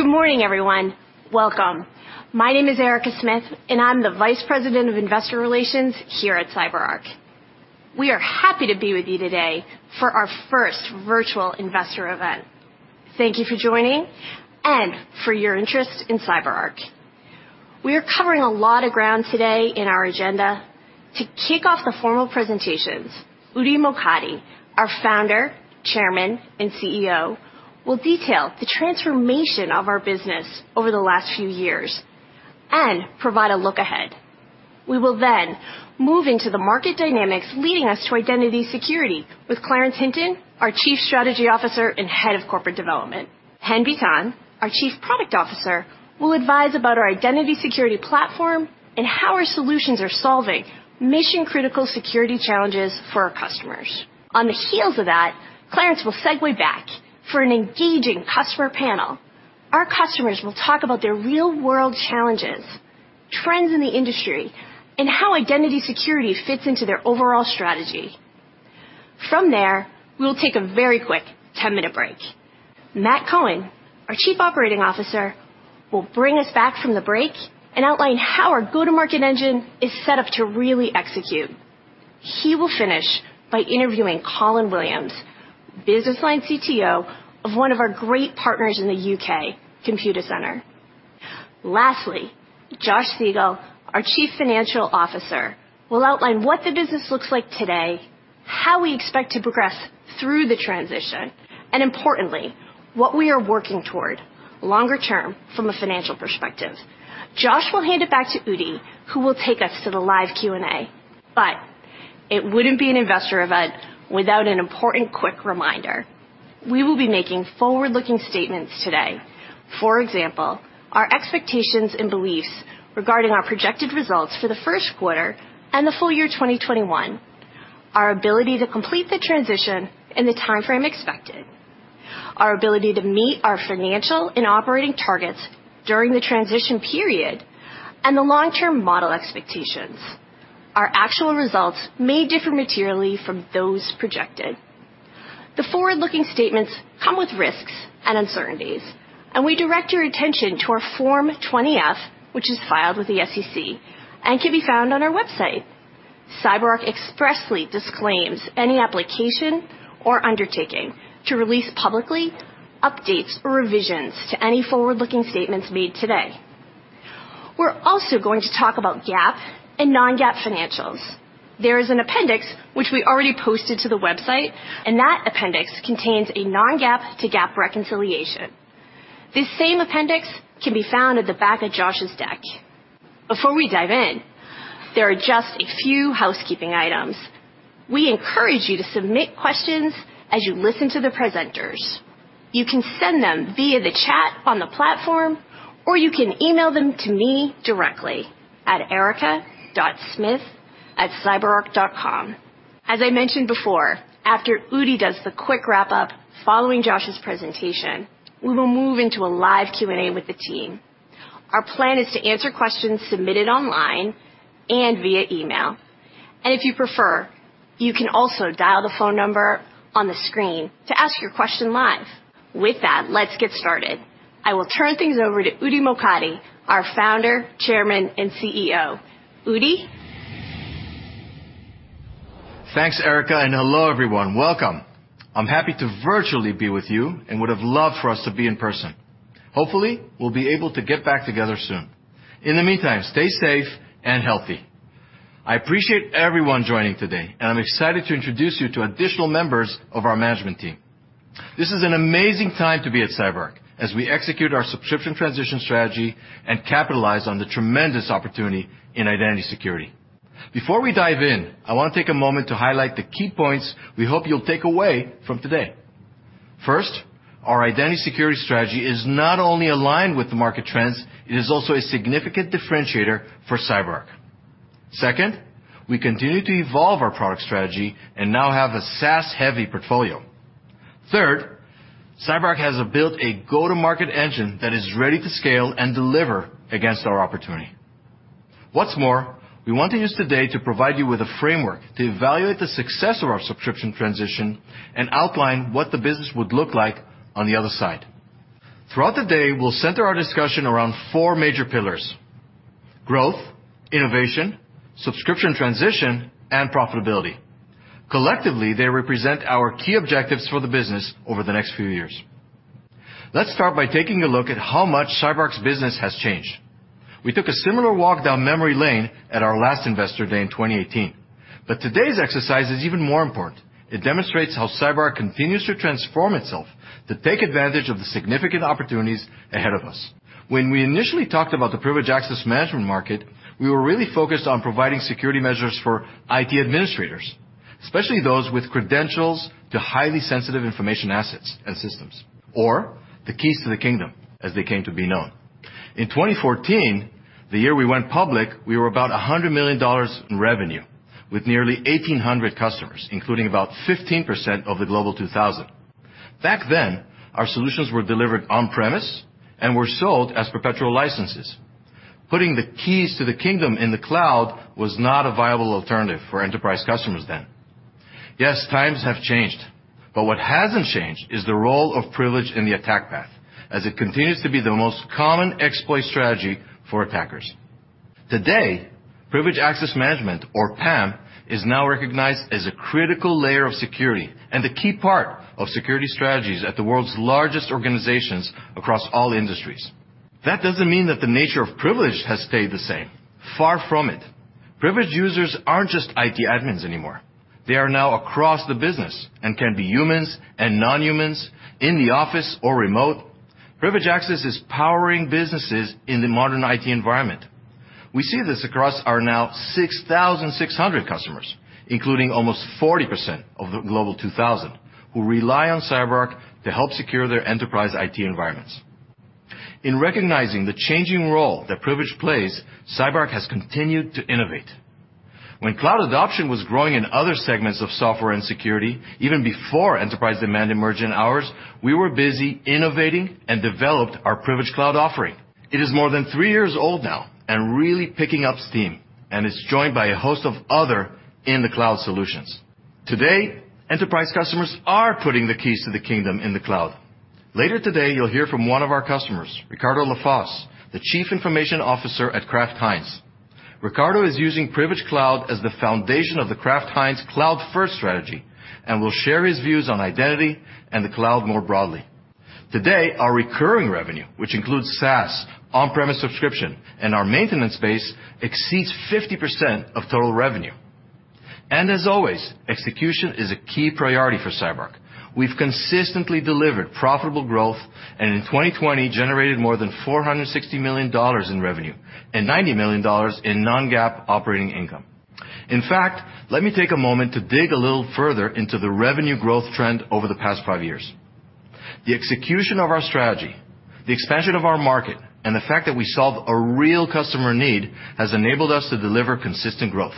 Good morning, everyone. Welcome. My name is Erica Smith, and I'm the Vice President of Investor Relations here at CyberArk. We are happy to be with you today for our first virtual investor event. Thank you for joining and for your interest in CyberArk. We are covering a lot of ground today in our agenda. To kick off the formal presentations, Udi Mokady, our founder, chairman, and CEO, will detail the transformation of our business over the last few years and provide a look ahead. We will then move into the market dynamics leading us to identity security with Clarence Hinton, our Chief Strategy Officer and Head of Corporate Development. Chen Bitan, our Chief Product Officer, will advise about our identity security platform and how our solutions are solving mission-critical security challenges for our customers. On the heels of that, Clarence will segue back for an engaging customer panel. Our customers will talk about their real-world challenges, trends in the industry, and how identity security fits into their overall strategy. From there, we will take a very quick 10-minute break. Matt Cohen, our Chief Operating Officer, will bring us back from the break and outline how our go-to-market engine is set up to really execute. He will finish by interviewing Colin Williams, Business Line CTO of one of our great partners in the U.K., Computacenter. Lastly, Josh Siegel, our Chief Financial Officer, will outline what the business looks like today, how we expect to progress through the transition, and importantly, what we are working toward longer term from a financial perspective. Josh will hand it back to Udi, who will take us to the live Q&A. It wouldn't be an investor event without an important quick reminder. We will be making forward-looking statements today. For example, our expectations and beliefs regarding our projected results for the first quarter and the full year 2021, our ability to complete the transition in the timeframe expected, our ability to meet our financial and operating targets during the transition period, and the long-term model expectations. Our actual results may differ materially from those projected. The forward-looking statements come with risks and uncertainties, we direct your attention to our Form 20-F, which is filed with the SEC and can be found on our website. CyberArk expressly disclaims any obligation or undertaking to release publicly updates or revisions to any forward-looking statements made today. We're also going to talk about GAAP and non-GAAP financials. There is an appendix, which we already posted to the website, and that appendix contains a non-GAAP to GAAP reconciliation. This same appendix can be found at the back of Josh's deck. Before we dive in, there are just a few housekeeping items. We encourage you to submit questions as you listen to the presenters. You can send them via the chat on the platform, or you can email them to me directly at erica.smith@cyberark.com. As I mentioned before, after Udi does the quick wrap-up following Josh's presentation, we will move into a live Q&A with the team. Our plan is to answer questions submitted online and via email. If you prefer, you can also dial the phone number on the screen to ask your question live. With that, let's get started. I will turn things over to Udi Mokady, our Founder, Chairman, and CEO. Udi? Thanks, Erica. Hello, everyone. Welcome. I'm happy to virtually be with you and would have loved for us to be in person. Hopefully, we'll be able to get back together soon. In the meantime, stay safe and healthy. I appreciate everyone joining today, and I'm excited to introduce you to additional members of our management team. This is an amazing time to be at CyberArk as we execute our subscription transition strategy and capitalize on the tremendous opportunity in identity security. Before we dive in, I want to take a moment to highlight the key points we hope you'll take away from today. First, our identity security strategy is not only aligned with the market trends, it is also a significant differentiator for CyberArk. Second, we continue to evolve our product strategy and now have a SaaS-heavy portfolio. CyberArk has built a go-to-market engine that is ready to scale and deliver against our opportunity. We want to use today to provide you with a framework to evaluate the success of our subscription transition and outline what the business would look like on the other side. Throughout the day, we'll center our discussion around four major pillars: growth, innovation, subscription transition, and profitability. Collectively, they represent our key objectives for the business over the next few years. Let's start by taking a look at how much CyberArk's business has changed. We took a similar walk down memory lane at our last Investor Day in 2018. Today's exercise is even more important. It demonstrates how CyberArk continues to transform itself to take advantage of the significant opportunities ahead of us. When we initially talked about the privileged access management market, we were really focused on providing security measures for IT administrators, especially those with credentials to highly sensitive information assets and systems, or the keys to the kingdom, as they came to be known. In 2014, the year we went public, we were about $100 million in revenue, with nearly 1,800 customers, including about 15% of the Global 2000. Back then, our solutions were delivered on-premise and were sold as perpetual licenses. Putting the keys to the kingdom in the cloud was not a viable alternative for enterprise customers then. Yes, times have changed, but what hasn't changed is the role of privilege in the attack path, as it continues to be the most common exploit strategy for attackers. Today, Privileged Access Management, or PAM, is now recognized as a critical layer of security and a key part of security strategies at the world's largest organizations across all industries. That doesn't mean that the nature of privilege has stayed the same. Far from it. Privileged users aren't just IT admins anymore. They are now across the business and can be humans and non-humans, in the office or remote. Privileged Access is powering businesses in the modern IT environment. We see this across our now 6,600 customers, including almost 40% of the Global 2000, who rely on CyberArk to help secure their enterprise IT environments. In recognizing the changing role that privilege plays, CyberArk has continued to innovate. When cloud adoption was growing in other segments of software and security, even before enterprise demand emerged in ours, we were busy innovating and developed our Privilege Cloud offering. It is more than three years old now and really picking up steam, it's joined by a host of other in the cloud solutions. Today, enterprise customers are putting the keys to the kingdom in the cloud. Later today, you'll hear from one of our customers, Ricardo Lafosse, the Chief Information Security Officer at Kraft Heinz. Ricardo is using Privilege Cloud as the foundation of the Kraft Heinz cloud-first strategy and will share his views on identity and the cloud more broadly. Today, our recurring revenue, which includes SaaS, on-premise subscription, and our maintenance base, exceeds 50% of total revenue. As always, execution is a key priority for CyberArk. We've consistently delivered profitable growth, and in 2020, generated more than $460 million in revenue and $90 million in non-GAAP operating income. In fact, let me take a moment to dig a little further into the revenue growth trend over the past five years. The execution of our strategy, the expansion of our market, and the fact that we solve a real customer need has enabled us to deliver consistent growth.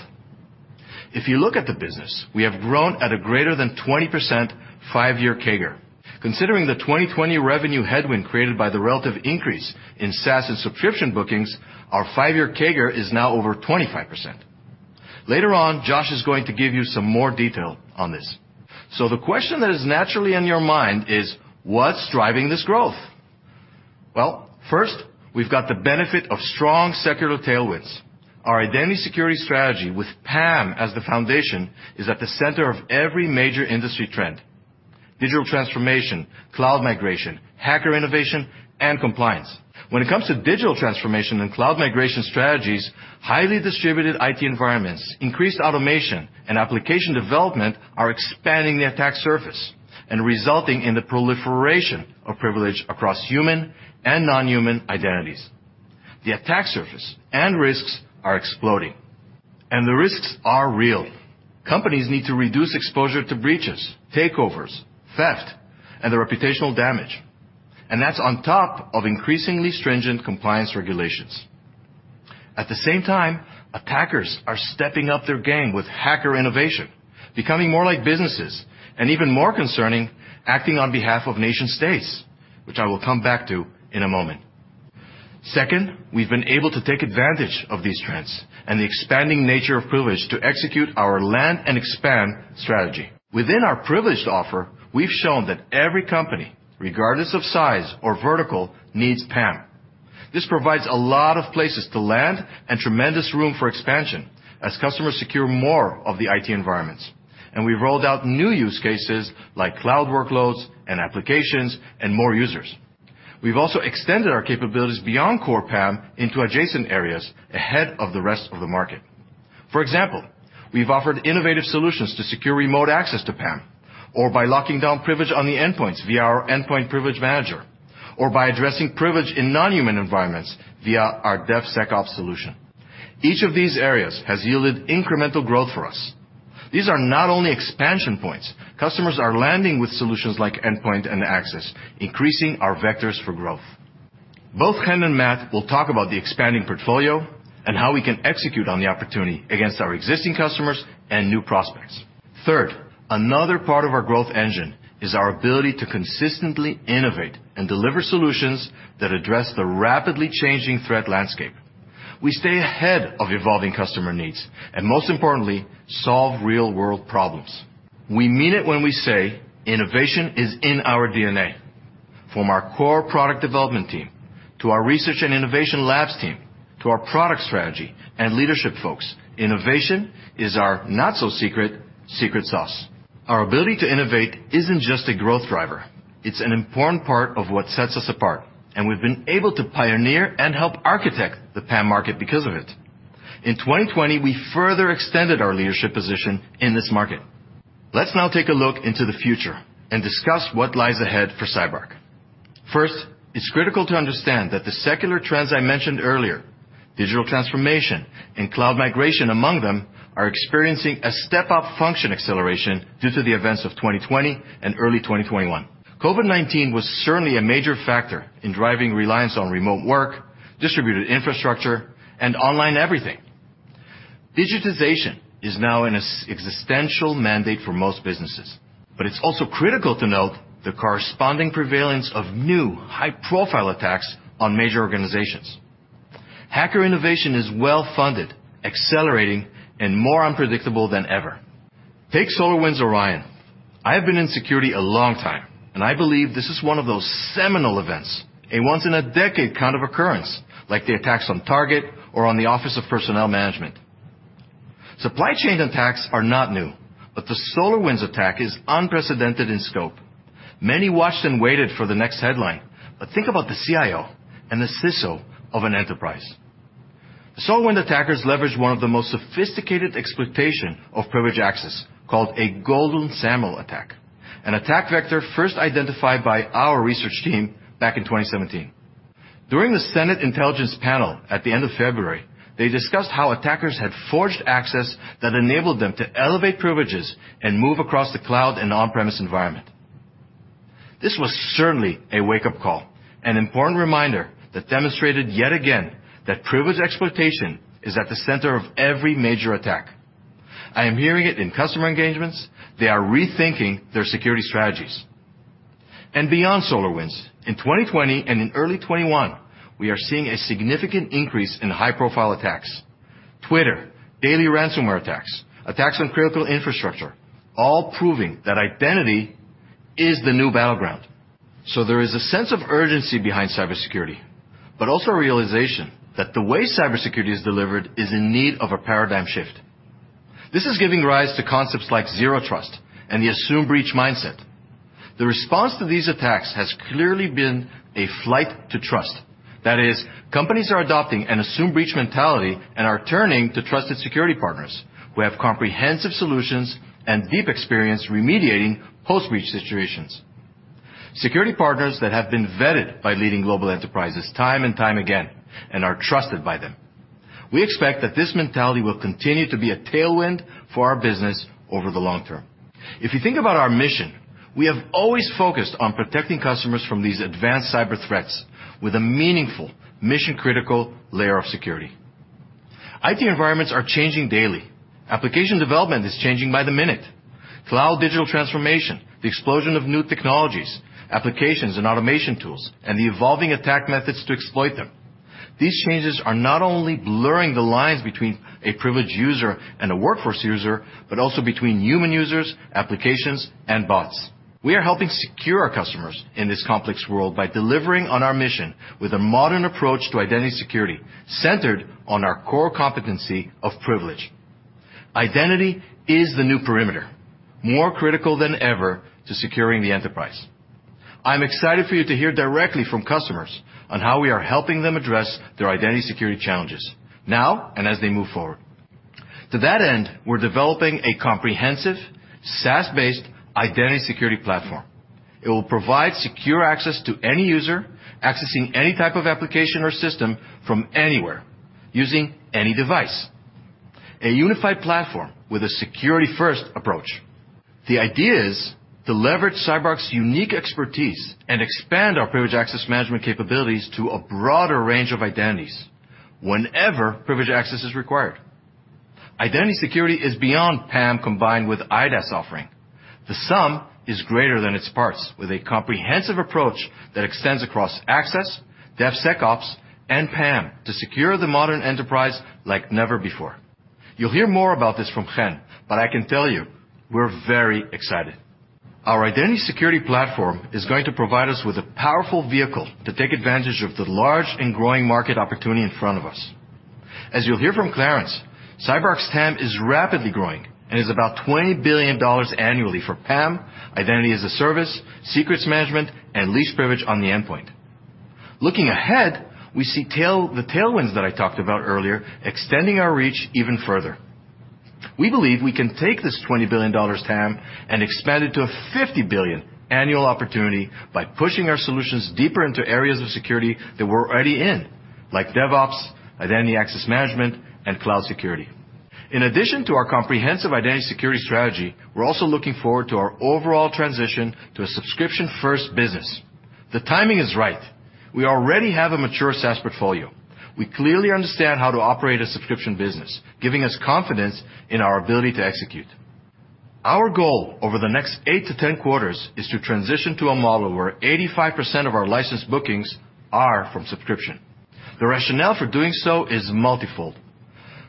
If you look at the business, we have grown at a greater than 20% five-year CAGR. Considering the 2020 revenue headwind created by the relative increase in SaaS and subscription bookings, our five-year CAGR is now over 25%. Later on, Josh is going to give you some more detail on this. The question that is naturally on your mind is: What's driving this growth? First, we've got the benefit of strong secular tailwinds. Our identity security strategy with PAM as the foundation is at the center of every major industry trend, digital transformation, cloud migration, hacker innovation, and compliance. When it comes to digital transformation and cloud migration strategies, highly distributed IT environments, increased automation, and application development are expanding the attack surface and resulting in the proliferation of privilege across human and non-human identities. The attack surface and risks are exploding, and the risks are real. Companies need to reduce exposure to breaches, takeovers, theft, and the reputational damage, and that's on top of increasingly stringent compliance regulations. At the same time, attackers are stepping up their game with hacker innovation, becoming more like businesses, and even more concerning, acting on behalf of nation-states, which I will come back to in a moment. Second, we've been able to take advantage of these trends and the expanding nature of privilege to execute our land and expand strategy. Within our privileged offer, we've shown that every company, regardless of size or vertical, needs PAM. This provides a lot of places to land and tremendous room for expansion as customers secure more of the IT environments. We've rolled out new use cases like cloud workloads and applications and more users. We've also extended our capabilities beyond core PAM into adjacent areas ahead of the rest of the market. For example, we've offered innovative solutions to secure remote access to PAM, or by locking down privilege on the endpoints via our Endpoint Privilege Manager, or by addressing privilege in non-human environments via our DevSecOps solution. Each of these areas has yielded incremental growth for us. These are not only expansion points. Customers are landing with solutions like endpoint and access, increasing our vectors for growth. Both Chen and Matt will talk about the expanding portfolio and how we can execute on the opportunity against our existing customers and new prospects. Third, another part of our growth engine is our ability to consistently innovate and deliver solutions that address the rapidly changing threat landscape. We stay ahead of evolving customer needs and, most importantly, solve real-world problems. We mean it when we say innovation is in our DNA. From our core product development team, to our research and innovation labs team, to our product strategy and leadership folks, innovation is our not-so-secret secret sauce. Our ability to innovate isn't just a growth driver. It's an important part of what sets us apart. We've been able to pioneer and help architect the PAM market because of it. In 2020, we further extended our leadership position in this market. Let's now take a look into the future and discuss what lies ahead for CyberArk. First, it's critical to understand that the secular trends I mentioned earlier, digital transformation and cloud migration among them, are experiencing a step-up function acceleration due to the events of 2020 and early 2021. COVID-19 was certainly a major factor in driving reliance on remote work, distributed infrastructure, and online everything. Digitization is now an existential mandate for most businesses, but it's also critical to note the corresponding prevalence of new high-profile attacks on major organizations. Hacker innovation is well-funded, accelerating, and more unpredictable than ever. Take SolarWinds Orion. I have been in security a long time, and I believe this is one of those seminal events, a once-in-a-decade kind of occurrence, like the attacks on Target or on the Office of Personnel Management. Supply chain attacks are not new, but the SolarWinds attack is unprecedented in scope. Many watched and waited for the next headline, but think about the CIO and the CISO of an enterprise. The SolarWinds attackers leveraged one of the most sophisticated exploitation of privilege access called a Golden SAML attack, an attack vector first identified by our research team back in 2017. During the Senate Intelligence Panel at the end of February, they discussed how attackers had forged access that enabled them to elevate privileges and move across the cloud and on-premise environment. This was certainly a wake-up call, an important reminder that demonstrated yet again that privilege exploitation is at the center of every major attack. I am hearing it in customer engagements. They are rethinking their security strategies. Beyond SolarWinds, in 2020 and in early 2021, we are seeing a significant increase in high-profile attacks. Twitter, daily ransomware attacks on critical infrastructure, all proving that identity is the new battleground. There is a sense of urgency behind cybersecurity, but also a realization that the way cybersecurity is delivered is in need of a paradigm shift. This is giving rise to concepts like zero trust and the assume breach mindset. The response to these attacks has clearly been a flight to trust. That is, companies are adopting an assume breach mentality and are turning to trusted security partners who have comprehensive solutions and deep experience remediating post-breach situations. Security partners that have been vetted by leading global enterprises time and time again and are trusted by them. We expect that this mentality will continue to be a tailwind for our business over the long term. If you think about our mission, we have always focused on protecting customers from these advanced cyber threats with a meaningful mission-critical layer of security. IT environments are changing daily. Application development is changing by the minute. Cloud digital transformation, the explosion of new technologies, applications and automation tools, and the evolving attack methods to exploit them. These changes are not only blurring the lines between a privileged user and a workforce user, but also between human users, applications, and bots. We are helping secure our customers in this complex world by delivering on our mission with a modern approach to identity security centered on our core competency of privilege. Identity is the new perimeter, more critical than ever to securing the enterprise. I'm excited for you to hear directly from customers on how we are helping them address their identity security challenges now and as they move forward. To that end, we're developing a comprehensive, SaaS-based identity security platform. It will provide secure access to any user accessing any type of application or system from anywhere using any device. A unified platform with a security-first approach. The idea is to leverage CyberArk's unique expertise and expand our privileged access management capabilities to a broader range of identities whenever privileged access is required. Identity security is beyond PAM combined with IDaaS offering. The sum is greater than its parts, with a comprehensive approach that extends across access, DevSecOps, and PAM to secure the modern enterprise like never before. You'll hear more about this from Chen, but I can tell you we're very excited. Our identity security platform is going to provide us with a powerful vehicle to take advantage of the large and growing market opportunity in front of us. As you'll hear from Clarence, CyberArk's TAM is rapidly growing and is about $20 billion annually for PAM, identity as a service, secrets management, and least privilege on the endpoint. Looking ahead, we see the tailwinds that I talked about earlier extending our reach even further. We believe we can take this $20 billion TAM and expand it to a $50 billion annual opportunity by pushing our solutions deeper into areas of security that we're already in, like DevOps, identity access management, and cloud security. In addition to our comprehensive identity security strategy, we're also looking forward to our overall transition to a subscription-first business. The timing is right. We already have a mature SaaS portfolio. We clearly understand how to operate a subscription business, giving us confidence in our ability to execute. Our goal over the next eight to 10 quarters is to transition to a model where 85% of our licensed bookings are from subscription. The rationale for doing so is multifold.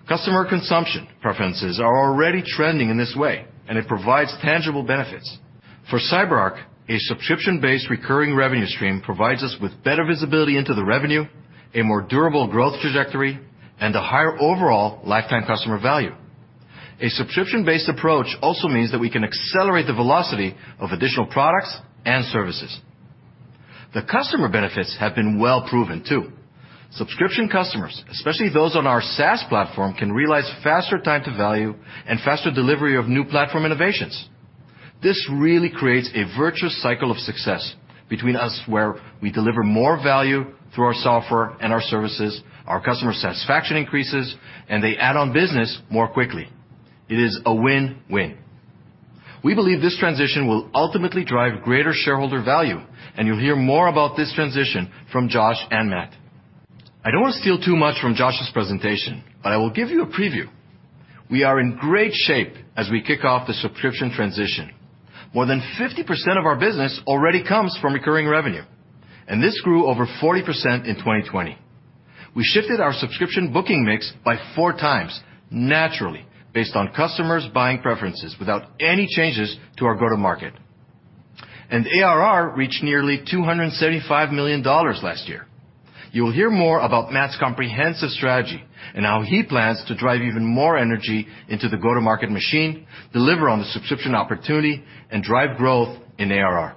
Customer consumption preferences are already trending in this way, and it provides tangible benefits. For CyberArk, a subscription-based recurring revenue stream provides us with better visibility into the revenue, a more durable growth trajectory, and a higher overall lifetime customer value. A subscription-based approach also means that we can accelerate the velocity of additional products and services. The customer benefits have been well proven, too. Subscription customers, especially those on our SaaS platform, can realize faster time to value and faster delivery of new platform innovations. This really creates a virtuous cycle of success between us where we deliver more value through our software and our services, our customer satisfaction increases, and they add on business more quickly. It is a win-win. We believe this transition will ultimately drive greater shareholder value, and you'll hear more about this transition from Josh and Matt. I don't want to steal too much from Josh's presentation, but I will give you a preview. We are in great shape as we kick off the subscription transition. More than 50% of our business already comes from recurring revenue, and this grew over 40% in 2020. We shifted our subscription booking mix by four times, naturally, based on customers' buying preferences without any changes to our go-to market. ARR reached nearly $275 million last year. You will hear more about Matt's comprehensive strategy and how he plans to drive even more energy into the go-to-market machine, deliver on the subscription opportunity, and drive growth in ARR.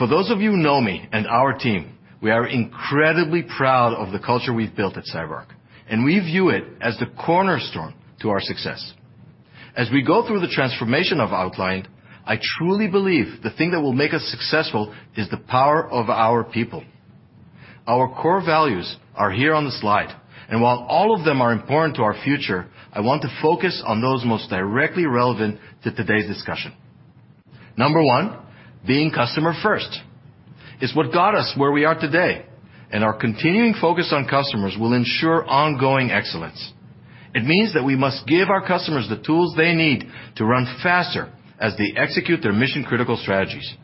For those of you who know me and our team, we are incredibly proud of the culture we've built at CyberArk, and we view it as the cornerstone to our success. As we go through the transformation I've outlined, I truly believe the thing that will make us successful is the power of our people. Our core values are here on the slide, and while all of them are important to our future, I want to focus on those most directly relevant to today's discussion. Number one, being customer first. It's what got us where we are today, and our continuing focus on customers will ensure ongoing excellence. It means that we must give our customers the tools they need to run faster as they execute their mission-critical strategies.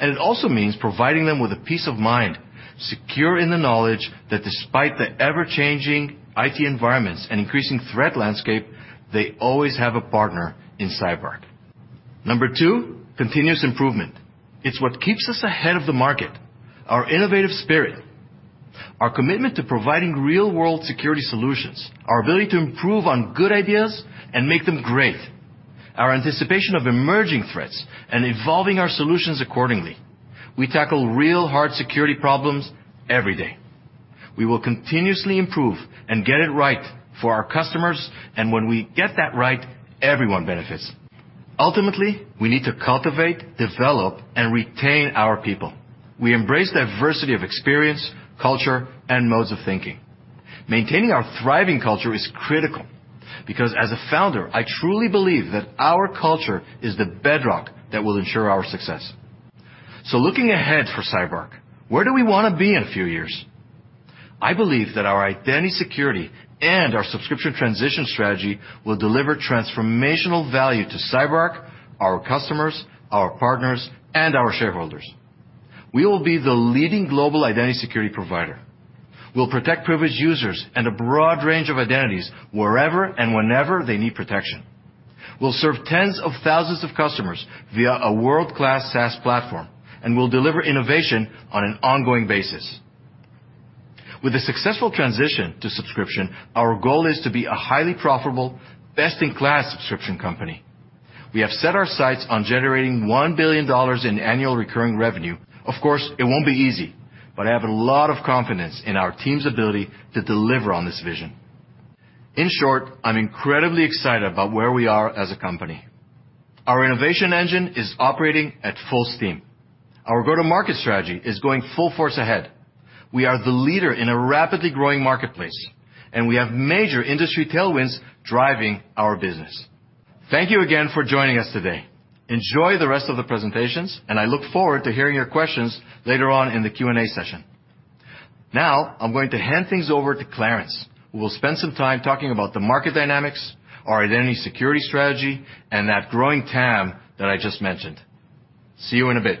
It also means providing them with a peace of mind, secure in the knowledge that despite the ever-changing IT environments and increasing threat landscape, they always have a partner in CyberArk. Number two, continuous improvement. It's what keeps us ahead of the market. Our innovative spirit, our commitment to providing real-world security solutions, our ability to improve on good ideas and make them great, our anticipation of emerging threats and evolving our solutions accordingly. We tackle real hard security problems every day. We will continuously improve and get it right for our customers, and when we get that right, everyone benefits. Ultimately, we need to cultivate, develop, and retain our people. We embrace diversity of experience, culture, and modes of thinking. Maintaining our thriving culture is critical, because as a founder, I truly believe that our culture is the bedrock that will ensure our success. Looking ahead for CyberArk, where do we want to be in a few years? I believe that our identity security and our subscription transition strategy will deliver transformational value to CyberArk, our customers, our partners, and our shareholders. We will be the leading global identity security provider. We'll protect privileged users and a broad range of identities wherever and whenever they need protection. We'll serve tens of thousands of customers via a world-class SaaS platform, and we'll deliver innovation on an ongoing basis. With a successful transition to subscription, our goal is to be a highly profitable, best-in-class subscription company. We have set our sights on generating $1 billion in annual recurring revenue. Of course, it won't be easy, but I have a lot of confidence in our team's ability to deliver on this vision. In short, I'm incredibly excited about where we are as a company. Our innovation engine is operating at full steam. Our go-to-market strategy is going full force ahead. We are the leader in a rapidly growing marketplace, and we have major industry tailwinds driving our business. Thank you again for joining us today. Enjoy the rest of the presentations, and I look forward to hearing your questions later on in the Q&A session. Now, I'm going to hand things over to Clarence, who will spend some time talking about the market dynamics, our identity security strategy, and that growing TAM that I just mentioned. See you in a bit.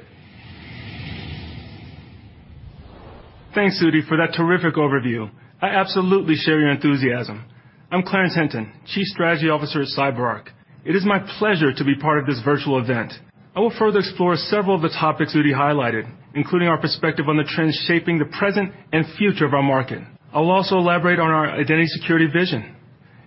Thanks, Udi, for that terrific overview. I absolutely share your enthusiasm. I'm Clarence Hinton, Chief Strategy Officer at CyberArk. It is my pleasure to be part of this virtual event. I will further explore several of the topics Udi highlighted, including our perspective on the trends shaping the present and future of our market. I will also elaborate on our identity security vision.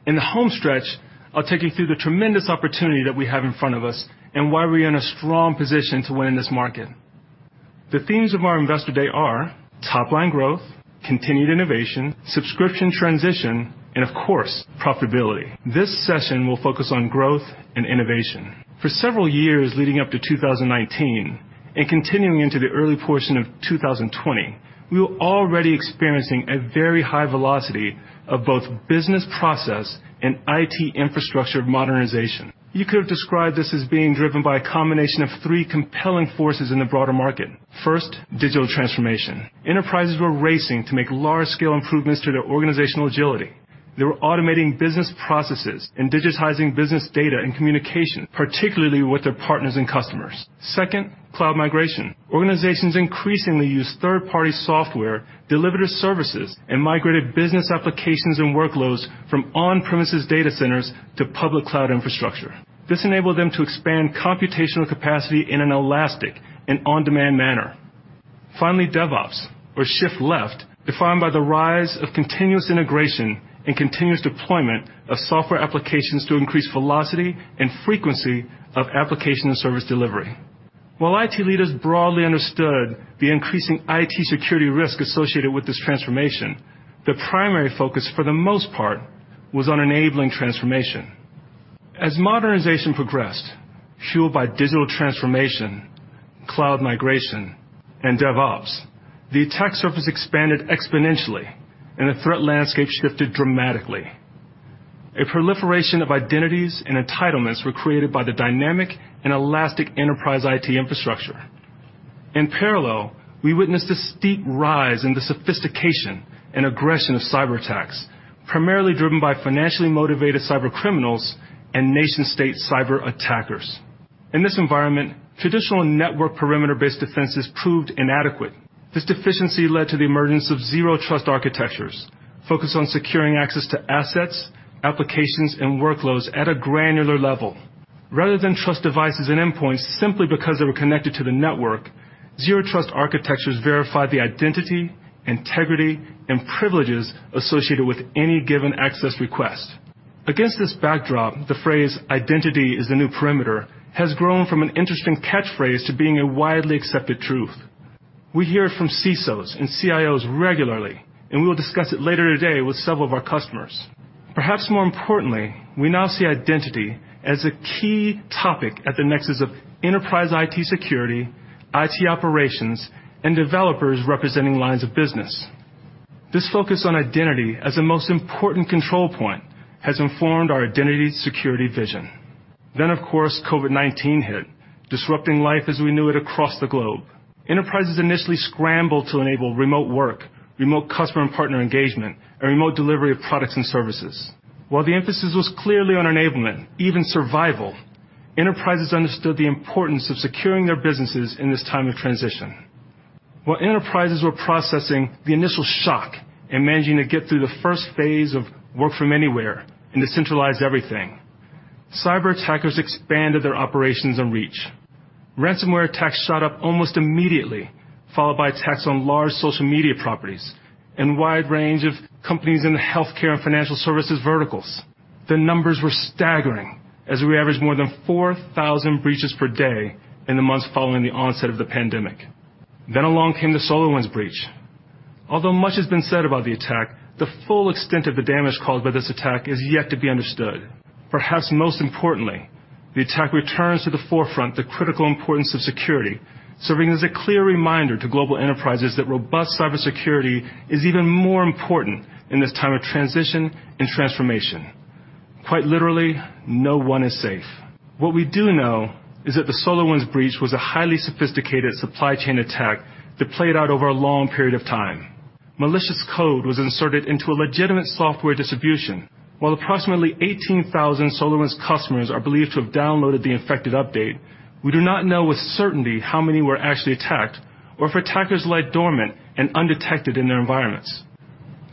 In the home stretch, I'll take you through the tremendous opportunity that we have in front of us and why we are in a strong position to win in this market. The themes of our Investor Day are top-line growth, continued innovation, subscription transition, and of course, profitability. This session will focus on growth and innovation. For several years leading up to 2019 and continuing into the early portion of 2020, we were already experiencing a very high velocity of both business process and IT infrastructure modernization. You could have described this as being driven by a combination of three compelling forces in the broader market. First, digital transformation. Enterprises were racing to make large-scale improvements to their organizational agility. They were automating business processes and digitizing business data and communication, particularly with their partners and customers. Second, cloud migration. Organizations increasingly used third-party software, delivered services, and migrated business applications and workloads from on-premises data centers to public cloud infrastructure. This enabled them to expand computational capacity in an elastic and on-demand manner. Finally, DevOps or shift left, defined by the rise of continuous integration and continuous deployment of software applications to increase velocity and frequency of application and service delivery. While IT leaders broadly understood the increasing IT security risk associated with this transformation, the primary focus, for the most part, was on enabling transformation. As modernization progressed, fueled by digital transformation, cloud migration, and DevOps, the attack surface expanded exponentially, and the threat landscape shifted dramatically. A proliferation of identities and entitlements were created by the dynamic and elastic enterprise IT infrastructure. In parallel, we witnessed a steep rise in the sophistication and aggression of cyberattacks, primarily driven by financially motivated cyber criminals and nation-state cyber attackers. In this environment, traditional network perimeter-based defenses proved inadequate. This deficiency led to the emergence of Zero Trust architectures focused on securing access to assets, applications, and workloads at a granular level. Rather than trust devices and endpoints simply because they were connected to the network, Zero Trust architectures verified the identity, integrity, and privileges associated with any given access request. Against this backdrop, the phrase, "Identity is the new perimeter", has grown from an interesting catchphrase to being a widely accepted truth. We hear it from CISOs and CIOs regularly, and we will discuss it later today with several of our customers. Perhaps more importantly, we now see identity as a key topic at the nexus of enterprise IT security, IT operations, and developers representing lines of business. This focus on identity as the most important control point has informed our identity security vision. Of course, COVID-19 hit, disrupting life as we knew it across the globe. Enterprises initially scrambled to enable remote work, remote customer and partner engagement, and remote delivery of products and services. While the emphasis was clearly on enablement, even survival, enterprises understood the importance of securing their businesses in this time of transition. While enterprises were processing the initial shock and managing to get through the first phase of work from anywhere and decentralize everything, cyber attackers expanded their operations and reach. Ransomware attacks shot up almost immediately, followed by attacks on large social media properties and a wide range of companies in the healthcare and financial services verticals. The numbers were staggering as we averaged more than 4,000 breaches per day in the months following the onset of the pandemic. Along came the SolarWinds breach. Although much has been said about the attack, the full extent of the damage caused by this attack is yet to be understood. Perhaps most importantly, the attack returns to the forefront the critical importance of security, serving as a clear reminder to global enterprises that robust cybersecurity is even more important in this time of transition and transformation. Quite literally, no one is safe. What we do know is that the SolarWinds breach was a highly sophisticated supply chain attack that played out over a long period of time. Malicious code was inserted into a legitimate software distribution. While approximately 18,000 SolarWinds customers are believed to have downloaded the infected update, we do not know with certainty how many were actually attacked or if attackers lie dormant and undetected in their environments.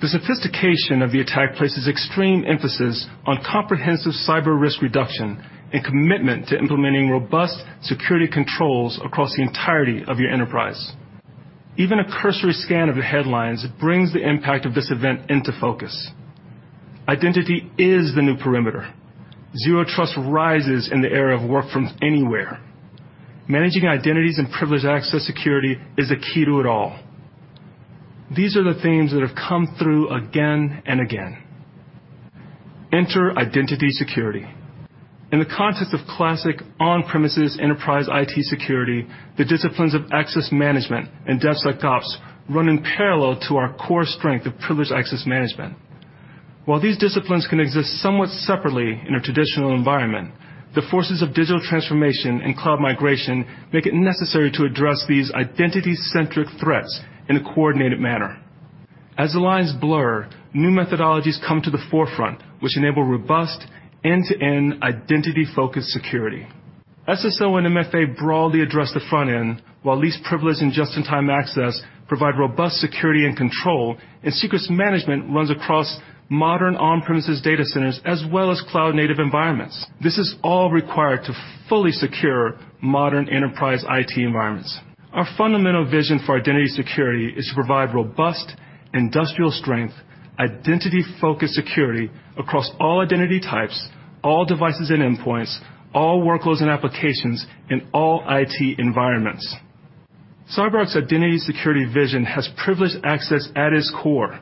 The sophistication of the attack places extreme emphasis on comprehensive cyber risk reduction and commitment to implementing robust security controls across the entirety of your enterprise. Even a cursory scan of the headlines brings the impact of this event into focus. Identity is the new perimeter. Zero Trust rises in the era of work from anywhere. Managing identities and privileged access security is the key to it all. These are the themes that have come through again and again. Enter identity security. In the context of classic on-premises enterprise IT security, the disciplines of access management and DevSecOps run in parallel to our core strength of privileged access management. While these disciplines can exist somewhat separately in a traditional environment, the forces of digital transformation and cloud migration make it necessary to address these identity-centric threats in a coordinated manner. As the lines blur, new methodologies come to the forefront, which enable robust end-to-end identity-focused security. SSO and MFA broadly address the front end, while least privilege and just-in-time access provide robust security and control, and secrets management runs across modern on-premises data centers as well as cloud-native environments. This is all required to fully secure modern enterprise IT environments. Our fundamental vision for identity security is to provide robust, industrial strength, identity-focused security across all identity types, all devices and endpoints, all workloads and applications, and all IT environments. CyberArk's identity security vision has privileged access at its core,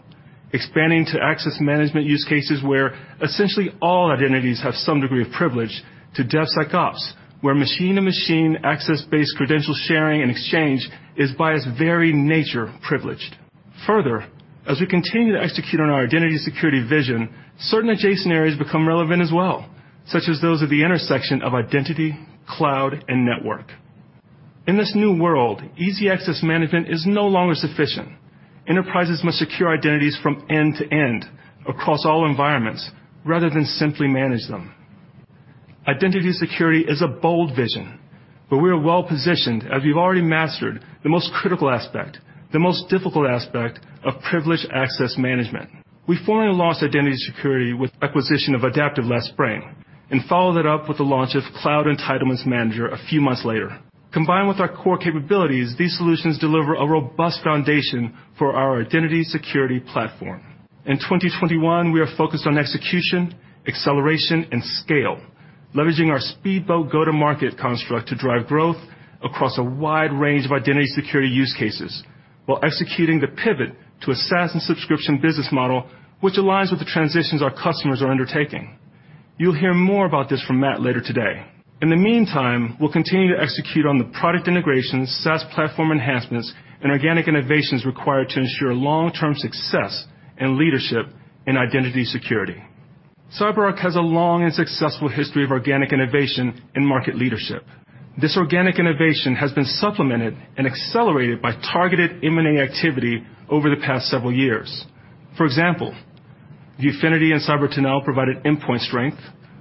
expanding to access management use cases where essentially all identities have some degree of privilege to DevSecOps, where machine and machine access-based credential sharing and exchange is, by its very nature, privileged. As we continue to execute on our identity security vision, certain adjacent areas become relevant as well, such as those at the intersection of identity, cloud, and network. In this new world, easy access management is no longer sufficient. Enterprises must secure identities from end to end across all environments rather than simply manage them. Identity security is a bold vision, but we are well-positioned as we've already mastered the most critical aspect, the most difficult aspect of privileged access management. We formally launched identity security with acquisition of Idaptive last spring, and followed it up with the launch of Cloud Entitlements Manager a few months later. Combined with our core capabilities, these solutions deliver a robust foundation for our identity security platform. In 2021, we are focused on execution, acceleration, and scale, leveraging our speedboat go-to-market construct to drive growth across a wide range of identity security use cases, while executing the pivot to a SaaS and subscription business model, which aligns with the transitions our customers are undertaking. You'll hear more about this from Matt later today. In the meantime, we'll continue to execute on the product integrations, SaaS platform enhancements, and organic innovations required to ensure long-term success and leadership in identity security. CyberArk has a long and successful history of organic innovation and market leadership. This organic innovation has been supplemented and accelerated by targeted M&A activity over the past several years. For example, Viewfinity and Cyber Tunnel provided endpoint strength,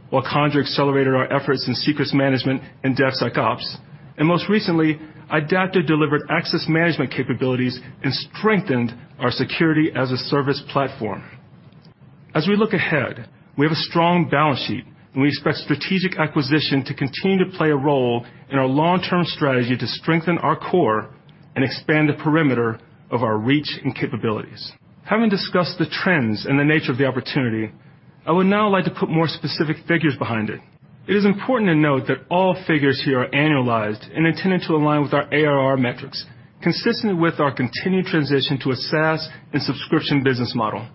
while Conjur accelerated our efforts in secrets management and DevSecOps. Most recently, Idaptive delivered access management capabilities and strengthened our security-as-a-service platform. We look ahead, we have a strong balance sheet, and we expect strategic acquisition to continue to play a role in our long-term strategy to strengthen our core and expand the perimeter of our reach and capabilities. Having discussed the trends and the nature of the opportunity, I would now like to put more specific figures behind it. It is important to note that all figures here are annualized and intended to align with our ARR metrics, consistent with our continued transition to a SaaS and subscription business model.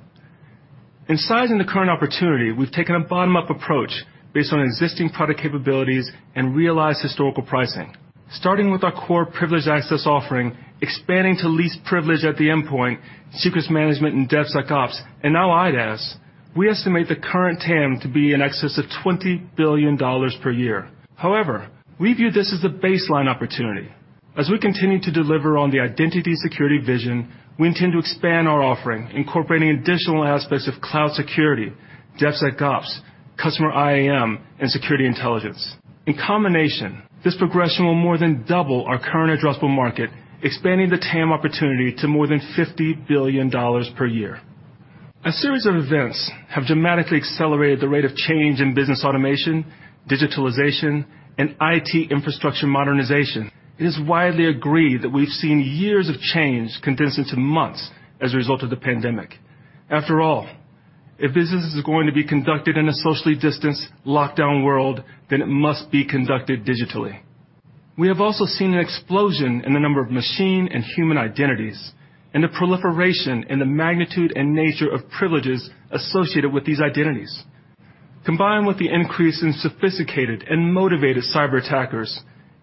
In sizing the current opportunity, we've taken a bottom-up approach based on existing product capabilities and realized historical pricing. Starting with our core privileged access offering, expanding to least privilege at the endpoint, secrets management, and DevSecOps, and now IDaaS, we estimate the current TAM to be in excess of $20 billion per year. However, we view this as the baseline opportunity. As we continue to deliver on the identity security vision, we intend to expand our offering, incorporating additional aspects of cloud security, DevSecOps, customer IAM, and security intelligence. In combination, this progression will more than double our current addressable market, expanding the TAM opportunity to more than $50 billion per year. A series of events have dramatically accelerated the rate of change in business automation, digitalization, and IT infrastructure modernization. It is widely agreed that we've seen years of change condensed into months as a result of the pandemic. After all, if business is going to be conducted in a socially distanced, lockdown world, then it must be conducted digitally. We have also seen an explosion in the number of machine and human identities, and the proliferation in the magnitude and nature of privileges associated with these identities. Combined with the increase in sophisticated and motivated cyber attackers,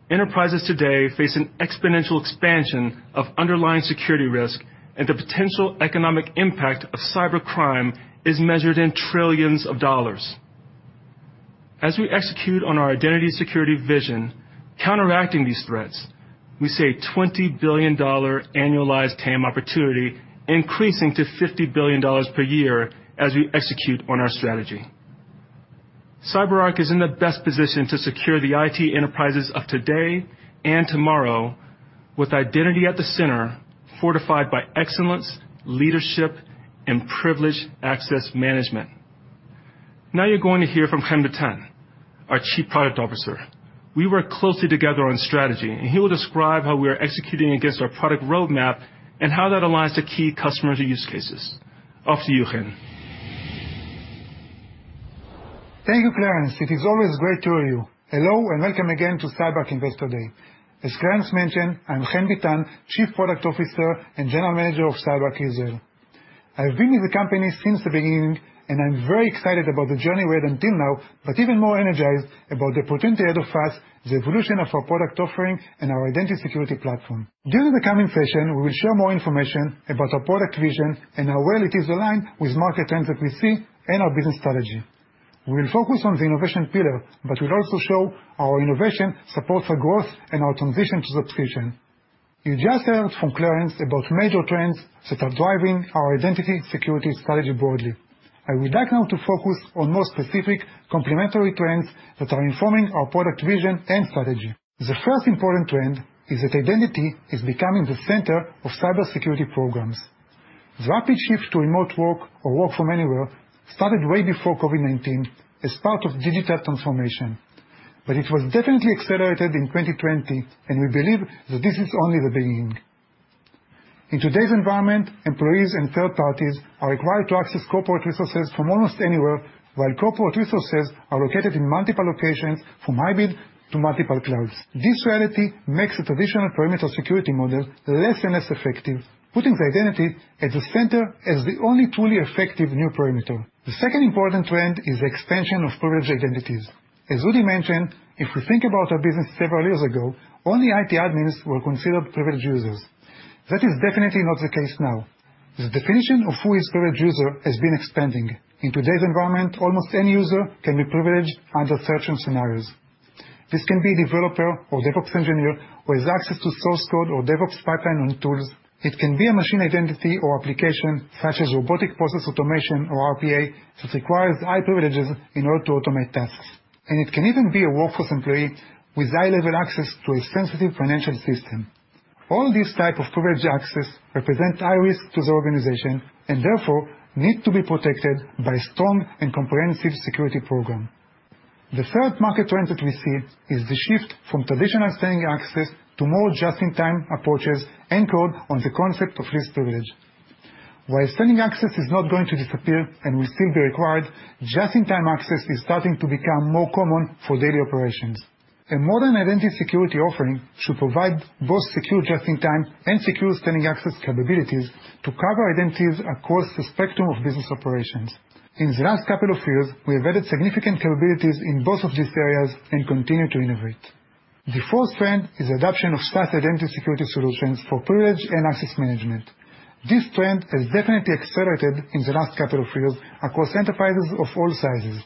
enterprises today face an exponential expansion of underlying security risk, and the potential economic impact of cybercrime is measured in $ trillions. As we execute on our identity security vision, counteracting these threats, we see a $20 billion annualized TAM opportunity, increasing to $50 billion per year as we execute on our strategy. CyberArk is in the best position to secure the IT enterprises of today and tomorrow with identity at the center, fortified by excellence, leadership, and Privileged Access Management. You're going to hear from Chen Bitan, our Chief Product Officer. We work closely together on strategy, he will describe how we are executing against our product roadmap and how that aligns to key customer use cases. Off to you, Chen. Thank you, Clarence. It is always great to hear you. Hello, welcome again to CyberArk Investor Day. As Clarence mentioned, I'm Chen Bitan, Chief Product Officer and General Manager of CyberArk Israel. I've been with the company since the beginning, I'm very excited about the journey we had until now, but even more energized about the potential ahead of us, the evolution of our product offering, and our Identity Security Platform. During the coming session, we will share more information about our product vision and how well it is aligned with market trends that we see and our business strategy. We will focus on the innovation pillar, we'll also show our innovation supports our growth and our transition to subscription. You just heard from Clarence about major trends that are driving our Identity Security Strategy broadly. I would like now to focus on more specific complementary trends that are informing our product vision and strategy. The first important trend is that identity is becoming the center of cybersecurity programs. The rapid shift to remote work or work from anywhere started way before COVID-19 as part of digital transformation, but it was definitely accelerated in 2020, and we believe that this is only the beginning. In today's environment, employees and third parties are required to access corporate resources from almost anywhere, while corporate resources are located in multiple locations from hybrid to multiple clouds. This reality makes the traditional perimeter security model less and less effective, putting the identity at the center as the only truly effective new perimeter. The second important trend is the expansion of privileged identities. As Udi mentioned, if we think about our business several years ago, only IT admins were considered privileged users. That is definitely not the case now. The definition of who is a privileged user has been expanding. In today's environment, almost any user can be privileged under certain scenarios. This can be a developer or DevOps engineer who has access to source code or DevOps pipeline and tools. It can be a machine identity or application, such as Robotic Process Automation or RPA, that requires high privileges in order to automate tasks. It can even be a workforce employee with high-level access to a sensitive financial system. All these type of privileged access represent high risk to the organization and therefore need to be protected by a strong and comprehensive security program. The third market trend that we see is the shift from traditional standing access to more just-in-time approaches anchored on the concept of least privilege. While standing access is not going to disappear and will still be required, just-in-time access is starting to become more common for daily operations. A modern identity security offering should provide both secure just-in-time and secure standing access capabilities to cover identities across the spectrum of business operations. In the last couple of years, we have added significant capabilities in both of these areas and continue to innovate. The fourth trend is adoption of SaaS identity security solutions for privileged and access management. This trend has definitely accelerated in the last couple of years across enterprises of all sizes.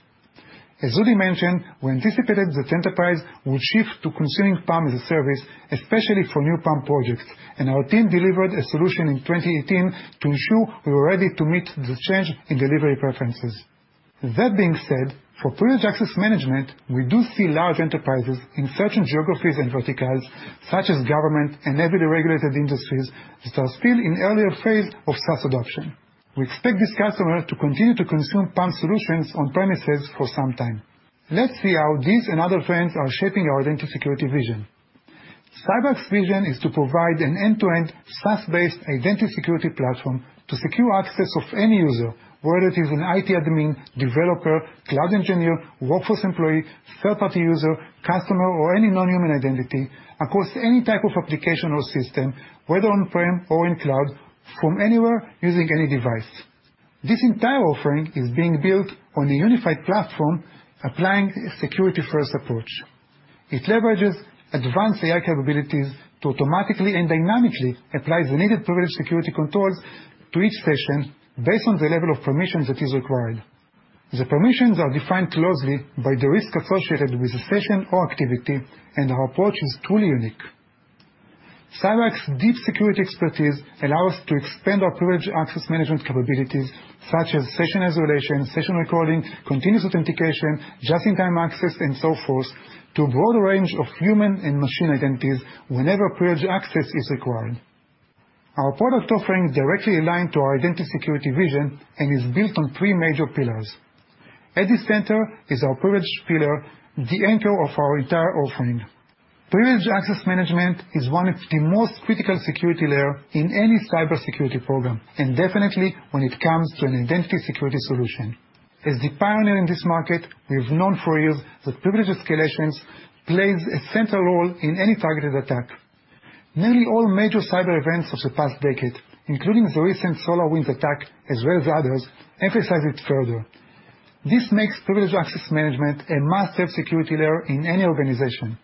As Udi mentioned, we anticipated that enterprise would shift to consuming PAM as a service, especially for new PAM projects, and our team delivered a solution in 2018 to ensure we were ready to meet this change in delivery preferences. That being said, for privileged access management, we do see large enterprises in certain geographies and verticals, such as government and heavily regulated industries, that are still in earlier phase of SaaS adoption. We expect this customer to continue to consume PAM solutions on-premises for some time. Let's see how these and other trends are shaping our identity security vision. CyberArk's vision is to provide an end-to-end, SaaS-based identity security platform to secure access of any user, whether it is an IT admin, developer, cloud engineer, workforce employee, third-party user, customer, or any non-human identity across any type of application or system, whether on-prem or in cloud, from anywhere using any device. This entire offering is being built on a unified platform applying a security first approach. It leverages advanced AI capabilities to automatically and dynamically apply the needed privileged security controls to each session based on the level of permission that is required. The permissions are defined closely by the risk associated with the session or activity, and our approach is truly unique. CyberArk's deep security expertise allow us to expand our Privileged Access Management capabilities, such as session isolation, session recording, continuous authentication, just-in-time access, and so forth, to a broader range of human and machine identities whenever privileged access is required. Our product offering is directly aligned to our Identity Security vision and is built on three major pillars. At the center is our privileged pillar, the anchor of our entire offering. Privileged Access Management is one of the most critical security layer in any cybersecurity program, and definitely when it comes to an Identity Security solution. As the pioneer in this market, we've known for years that privilege escalations plays a central role in any targeted attack. Nearly all major cyber events of the past decade, including the recent SolarWinds attack as well as others, emphasize it further. This makes Privileged Access Management a must-have security layer in any organization.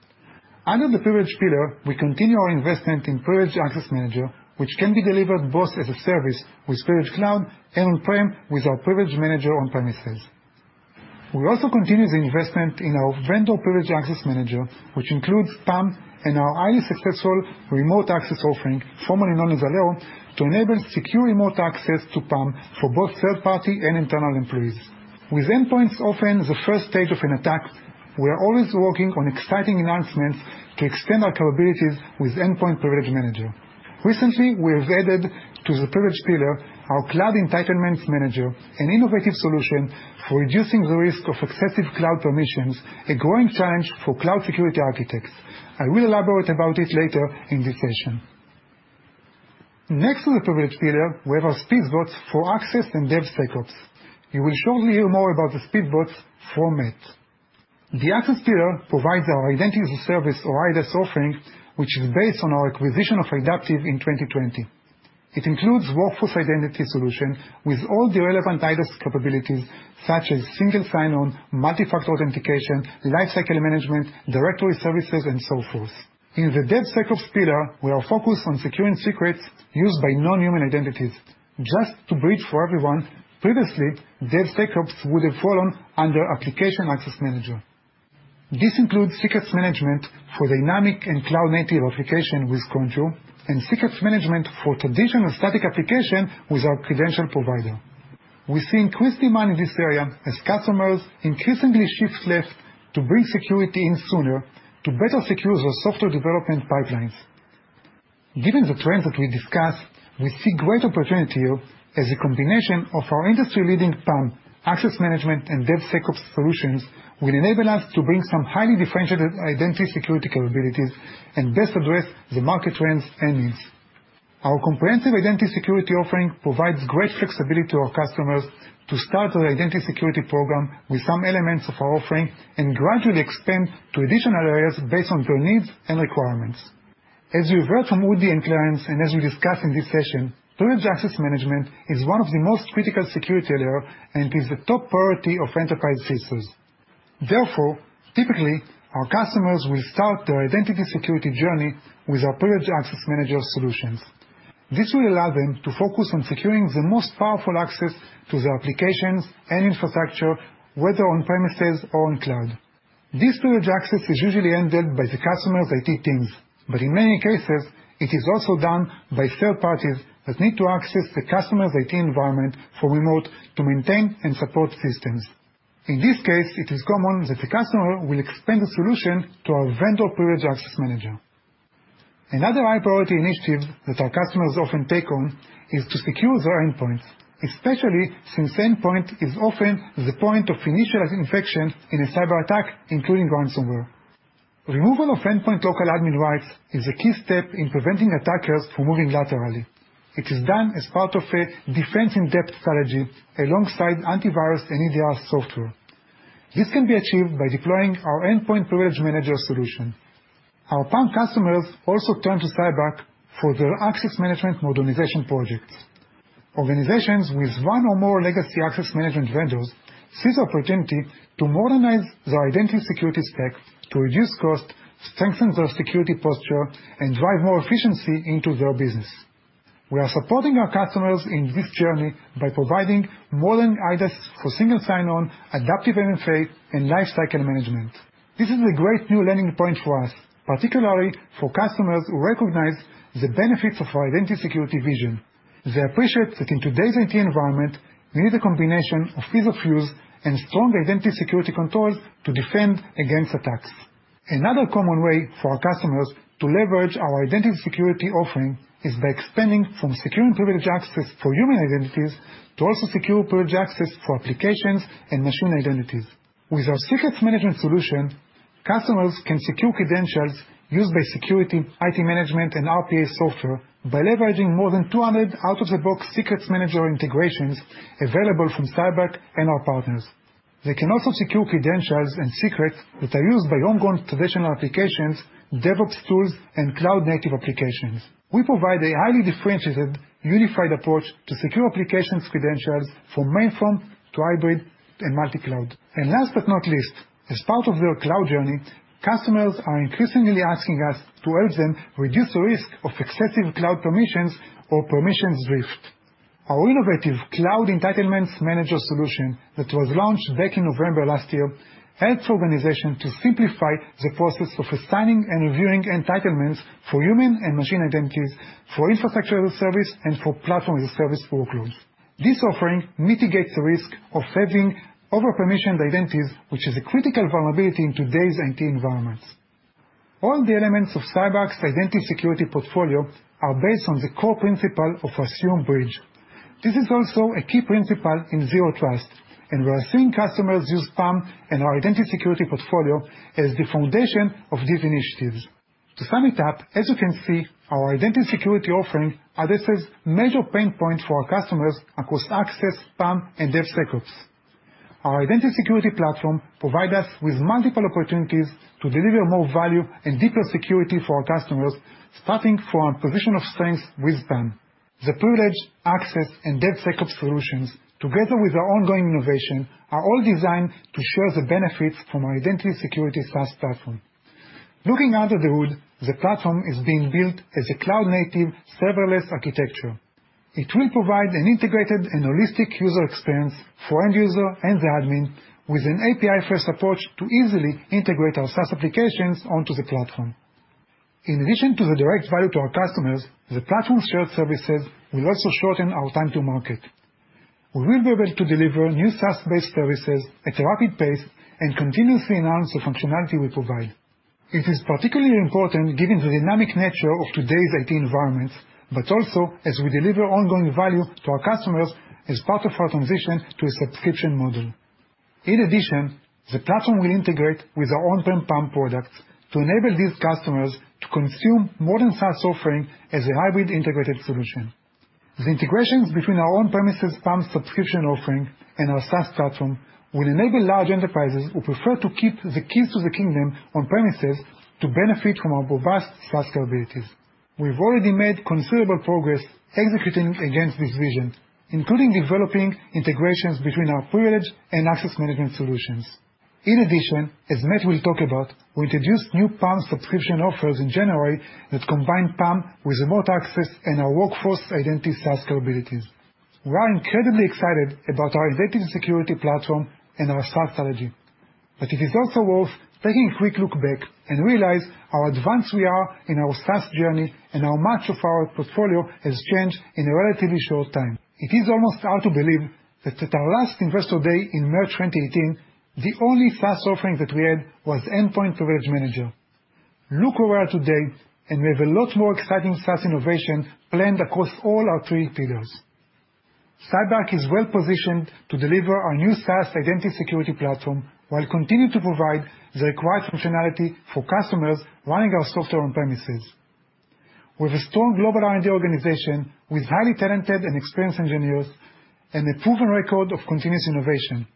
Under the Privileged Pillar, we continue our investment in Privileged Access Manager, which can be delivered both as a service with Privilege Cloud and on-prem with our Privileged Manager on-premises. We also continue the investment in our Vendor Privileged Access Manager, which includes PAM and our highly successful Remote Access offering, formerly known as Alero, to enable secure remote access to PAM for both third-party and internal employees. With endpoints often the first stage of an attack, we are always working on exciting announcements to extend our capabilities with Endpoint Privilege Manager. Recently, we have added to the Privilege Pillar our Cloud Entitlements Manager, an innovative solution for reducing the risk of excessive cloud permissions, a growing challenge for cloud security architects. I will elaborate about it later in this session. Next to the Privilege Pillar, we have our speed boats for access and DevSecOps. You will shortly hear more about the speed boats from Matt. The access pillar provides our identity service, or IDaaS offering, which is based on our acquisition of Idaptive in 2020. It includes Workforce Identity solution with all the relevant IDaaS capabilities such as single sign-on, multi-factor authentication, lifecycle management, directory services, and so forth. In the DevSecOps pillar, we are focused on securing secrets used by non-human identities. Just to bridge for everyone, previously, DevSecOps would have fallen under Application Access Manager. This includes secrets management for dynamic and cloud-native application with Conjur, and secrets management for traditional static application with our credential provider. We see increased demand in this area as customers increasingly shift left to bring security in sooner to better secure their software development pipelines. Given the trends that we discussed, we see great opportunity here as a combination of our industry-leading PAM access management and DevSecOps solutions will enable us to bring some highly differentiated identity security capabilities and best address the market trends and needs. Our comprehensive identity security offering provides great flexibility to our customers to start their identity security program with some elements of our offering and gradually expand to additional areas based on their needs and requirements. As you heard from Udi and Clarence, and as we discuss in this session, privileged access management is one of the most critical security layer and is the top priority of enterprise CISOs. Therefore, typically, our customers will start their identity security journey with our Privileged Access Manager solutions. This will allow them to focus on securing the most powerful access to their applications and infrastructure, whether on-premises or on cloud. This privileged access is usually handled by the customer's IT teams, in many cases, it is also done by third parties that need to access the customer's IT environment for remote to maintain and support systems. In this case, it is common that the customer will expand the solution to our Vendor Privileged Access Manager. Another high-priority initiative that our customers often take on is to secure their endpoints, especially since endpoint is often the point of initial infection in a cyber attack, including ransomware. Removal of endpoint local admin rights is a key step in preventing attackers from moving laterally. It is done as part of a defense-in-depth strategy alongside antivirus and EDR software. This can be achieved by deploying our Endpoint Privilege Manager solution. Our PAM customers also turn to CyberArk for their access management modernization projects. Organizations with one or more legacy access management vendors seize the opportunity to modernize their identity security stack to reduce cost, strengthen their security posture, and drive more efficiency into their business. We are supporting our customers in this journey by providing modern IDaaS for single sign-on, adaptive MFA, and lifecycle management. This is a great new learning point for us, particularly for customers who recognize the benefits of our identity security vision. They appreciate that in today's IT environment, we need a combination of ease of use and strong identity security controls to defend against attacks. Another common way for our customers to leverage our identity security offering is by expanding from securing privileged access for human identities to also secure privileged access for applications and machine identities. With our secrets management solution, customers can secure credentials used by security, IT management, and RPA software by leveraging more than 200 out-of-the-box Secrets Manager integrations available from CyberArk and our partners. They can also secure credentials and secrets that are used by ongoing traditional applications, DevOps tools, and cloud-native applications. We provide a highly differentiated, unified approach to secure applications credentials from mainframe to hybrid and multi-cloud. Last but not least, as part of their cloud journey, customers are increasingly asking us to help them reduce the risk of excessive cloud permissions or permissions drift. Our innovative Cloud Entitlements Manager solution that was launched back in November last year, helps organizations to simplify the process of assigning and reviewing entitlements for human and machine identities, for infrastructure as a service, and for platform as a service workloads. This offering mitigates the risk of having over-permissioned identities, which is a critical vulnerability in today's IT environments. All the elements of CyberArk's identity security portfolio are based on the core principle of assume breach. This is also a key principle in zero trust, and we are seeing customers use PAM and our identity security portfolio as the foundation of these initiatives. To sum it up, as you can see, our identity security offering addresses major pain points for our customers across access, PAM, and DevSecOps. Our identity security platform provide us with multiple opportunities to deliver more value and deeper security for our customers, starting from a position of strength with PAM. The privileged access and DevSecOps solutions, together with our ongoing innovation, are all designed to share the benefits from our identity security SaaS platform. Looking under the hood, the platform is being built as a cloud-native, serverless architecture. It will provide an integrated and holistic user experience for end-user and the admin with an API-first approach to easily integrate our SaaS applications onto the platform. In addition to the direct value to our customers, the platform shared services will also shorten our time to market. We will be able to deliver new SaaS-based services at a rapid pace and continuously enhance the functionality we provide. It is particularly important given the dynamic nature of today's IT environments, but also as we deliver ongoing value to our customers as part of our transition to a subscription model. In addition, the platform will integrate with our on-prem PAM products to enable these customers to consume modern SaaS offering as a hybrid integrated solution. The integrations between our on-premises PAM subscription offering and our SaaS platform will enable large enterprises who prefer to keep the keys to the kingdom on premises to benefit from our robust SaaS capabilities. We've already made considerable progress executing against this vision, including developing integrations between our privilege and access management solutions. In addition, as Matt will talk about, we introduced new PAM subscription offers in January that combine PAM with Remote Access and our Workforce Identity SaaS capabilities. We are incredibly excited about our identity security platform and our SaaS strategy. It is also worth taking a quick look back and realize how advanced we are in our SaaS journey and how much of our portfolio has changed in a relatively short time. It is almost hard to believe that at our last Investor Day in March 2018, the only SaaS offering that we had was Endpoint Privilege Manager. Look where we are today. We have a lot more exciting SaaS innovation planned across all our three pillars. CyberArk is well positioned to deliver our new SaaS identity security platform while continuing to provide the required functionality for customers running our software on-premises. We have a strong global R&D organization with highly talented and experienced engineers and a proven record of continuous innovation.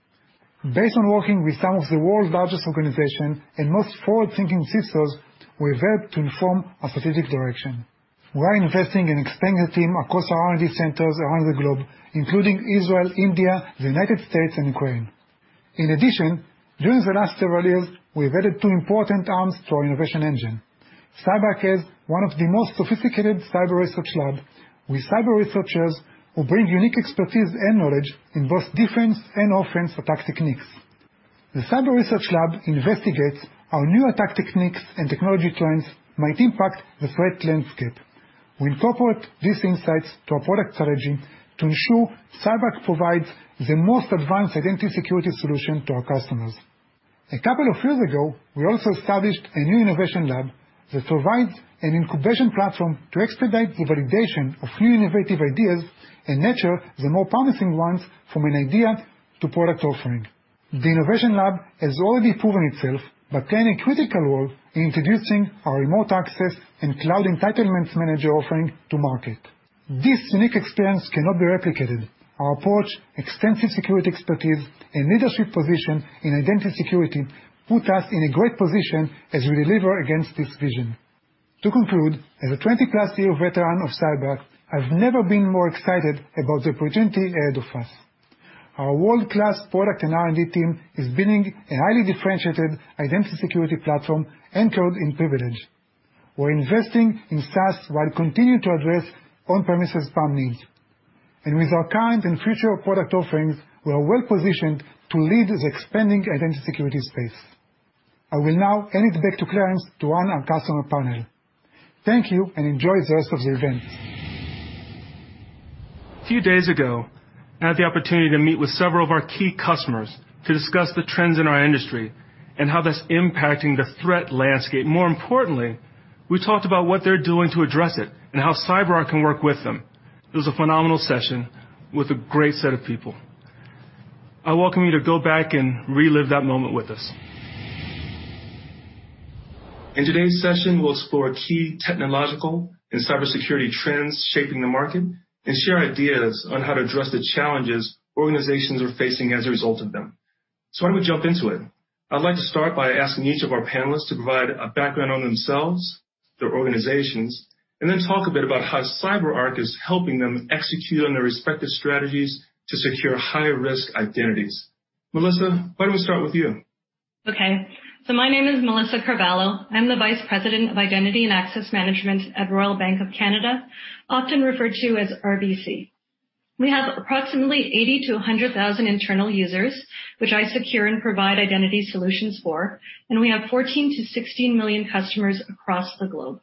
Based on working with some of the world's largest organizations and most forward-thinking CISOs, we've helped to inform our strategic direction. We are investing in expanding the team across our R&D centers around the globe, including Israel, India, the U.S., and Ukraine. In addition, during the last several years, we have added two important arms to our innovation engine. CyberArk has one of the most sophisticated cyber research lab with cyber researchers who bring unique expertise and knowledge in both defense and offense attack techniques. The cyber research lab investigates how new attack techniques and technology trends might impact the threat landscape. We incorporate these insights to our product strategy to ensure CyberArk provides the most advanced identity security solution to our customers. A couple of years ago, we also established a new innovation lab that provides an incubation platform to expedite the validation of new innovative ideas and nurture the more promising ones from an idea to product offering. The innovation lab has already proven itself by playing a critical role in introducing our Remote Access and Cloud Entitlements Manager offering to market. This unique experience cannot be replicated. Our approach, extensive security expertise, and leadership position in identity security put us in a great position as we deliver against this vision. To conclude, as a 20-plus year veteran of CyberArk, I've never been more excited about the opportunity ahead of us. Our world-class product and R&D team is building a highly differentiated identity security platform anchored in privilege. We're investing in SaaS while continuing to address on-premises PAM needs. With our current and future product offerings, we are well-positioned to lead the expanding identity security space. I will now hand it back to Clarence to run our customer panel. Thank you, and enjoy the rest of the event. A few days ago, I had the opportunity to meet with several of our key customers to discuss the trends in our industry and how that's impacting the threat landscape. More importantly, we talked about what they're doing to address it and how CyberArk can work with them. It was a phenomenal session with a great set of people. I welcome you to go back and relive that moment with us. In today's session, we'll explore key technological and cybersecurity trends shaping the market and share ideas on how to address the challenges organizations are facing as a result of them. Why don't we jump into it? I'd like to start by asking each of our panelists to provide a background on themselves, their organizations, and then talk a bit about how CyberArk is helping them execute on their respective strategies to secure high-risk identities. Melissa, why don't we start with you? Okay. My name is Melissa Carvalho. I'm the vice president of Identity and Access Management at Royal Bank of Canada, often referred to as RBC. We have approximately 80,000-100,000 internal users, which I secure and provide identity solutions for, and we have 14 million-16 million customers across the globe.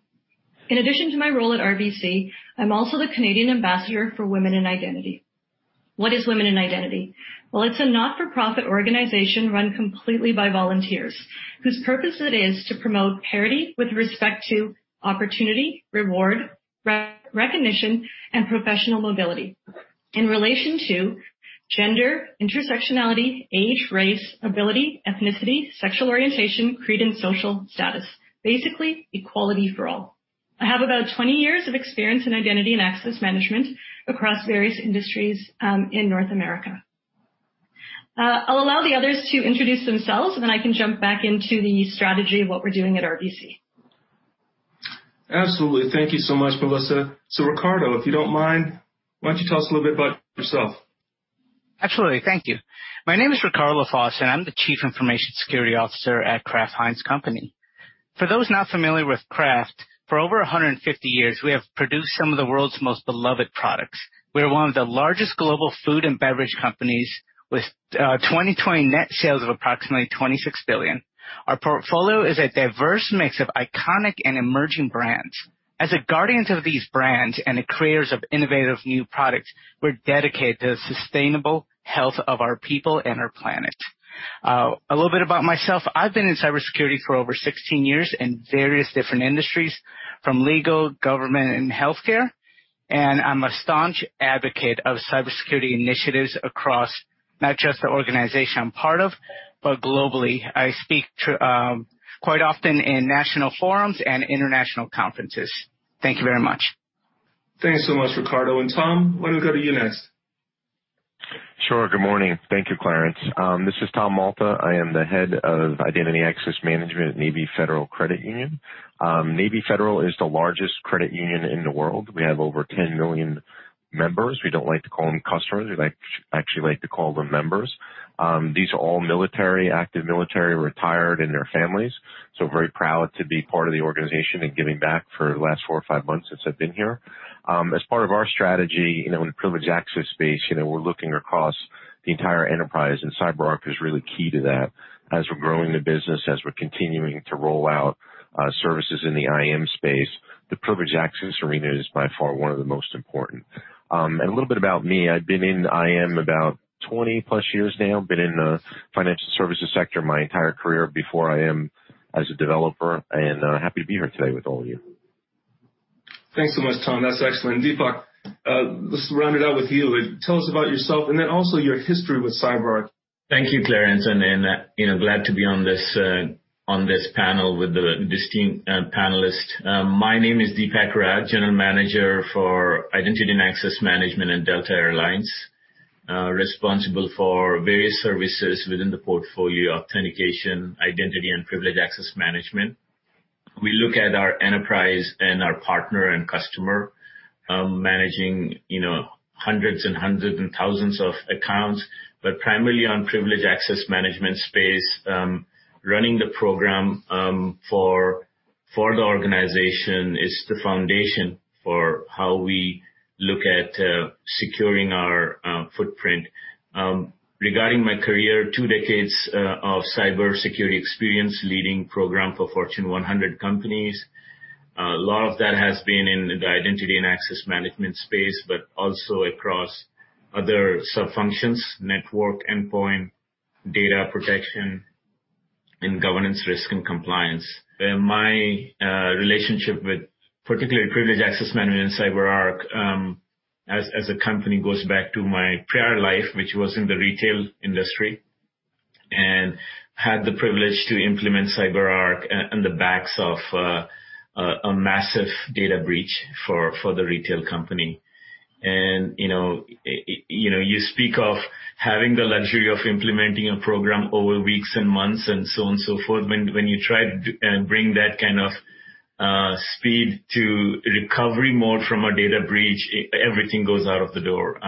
In addition to my role at RBC, I'm also the Canadian ambassador for Women in Identity. What is Women in Identity? Well, it's a not-for-profit organization run completely by volunteers, whose purpose it is to promote parity with respect to opportunity, reward, recognition, and professional mobility in relation to gender, intersectionality, age, race, ability, ethnicity, sexual orientation, creed, and social status. Basically, equality for all. I have about 20 years of experience in Identity and Access Management across various industries in North America. I'll allow the others to introduce themselves, and then I can jump back into the strategy of what we're doing at RBC. Absolutely. Thank you so much, Melissa. Ricardo, if you don't mind, why don't you tell us a little bit about yourself? Absolutely. Thank you. My name is Ricardo Lafosse, and I'm the Chief Information Security Officer at Kraft Heinz Company. For those not familiar with Kraft, for over 150 years, we have produced some of the world's most beloved products. We are one of the largest global food and beverage companies with 2020 net sales of approximately $26 billion. Our portfolio is a diverse mix of iconic and emerging brands. As the guardians of these brands and the creators of innovative new products, we're dedicated to the sustainable health of our people and our planet. A little bit about myself. I've been in cybersecurity for over 16 years in various different industries from legal, government, and healthcare, and I'm a staunch advocate of cybersecurity initiatives across not just the organization I'm part of, but globally. I speak quite often in national forums and international conferences. Thank you very much. Thanks so much, Ricardo. Tom, why don't we go to you next? Sure. Good morning. Thank you, Clarence. This is Tom Malta. I am the Head of Identity and Access Management at Navy Federal Credit Union. Navy Federal is the largest credit union in the world. We have over 10 million members. We don't like to call them customers. We actually like to call them members. These are all military, active military, retired, and their families. Very proud to be part of the organization and giving back for the last four or five months since I've been here. As part of our strategy in the privileged access space, we're looking across the entire enterprise, CyberArk is really key to that. As we're growing the business, as we're continuing to roll out services in the IAM space, the privileged access arena is by far one of the most important. A little bit about me. I've been in I AM about 20+ years now. Been in the financial services sector my entire career before I AM as a developer, and happy to be here today with all of you. Thanks so much, Tom. That's excellent. Dipak, let's round it out with you. Tell us about yourself and then also your history with CyberArk.u Thank you, Clarence, and glad to be on this panel with the esteemed panelists. My name is Dipak Rath, General Manager for Identity and Access Management at Delta Air Lines, responsible for various services within the portfolio, authentication, identity, and privileged access management. We look at our enterprise and our partner and customer, managing hundreds and hundreds and thousands of accounts, but primarily on privileged access management space. Running the program for the organization is the foundation for how we look at securing our footprint. Regarding my career, two decades of cybersecurity experience, leading program for Fortune 100 companies. A lot of that has been in the identity and access management space, but also across other sub-functions, network, endpoint, data protection, and governance risk and compliance. My relationship with particularly privileged access management and CyberArk as a company goes back to my prior life, which was in the retail industry, and had the privilege to implement CyberArk on the backs of a massive data breach for the retail company. You speak of having the luxury of implementing a program over weeks and months and so on, so forth. When you try and bring that kind of speed to recovery mode from a data breach, everything goes out of the door.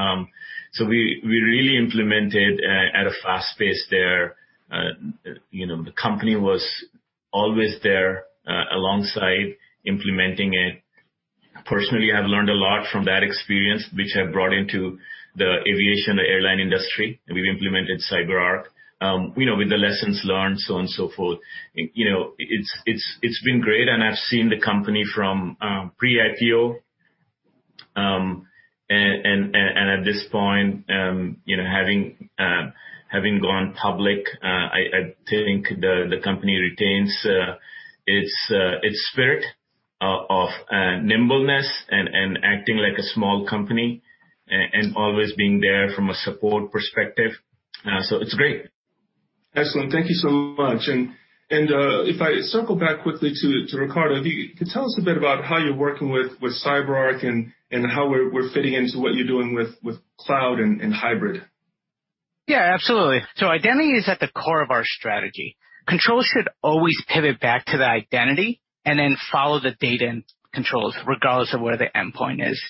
We really implemented at a fast pace there. The company was always there, alongside implementing it. Personally, I've learned a lot from that experience, which I've brought into the aviation, the airline industry, and we've implemented CyberArk, with the lessons learned, so on so forth. It's been great, and I've seen the company from pre-IPO, and at this point, having gone public, I think the company retains its spirit of nimbleness and acting like a small company and always being there from a support perspective. It's great. Excellent. Thank you so much. If I circle back quickly to Ricardo, if you could tell us a bit about how you're working with CyberArk and how we're fitting into what you're doing with cloud and hybrid. Yeah, absolutely. Identity is at the core of our strategy. Conjur should always pivot back to the identity and then follow the data and controls regardless of where the endpoint is.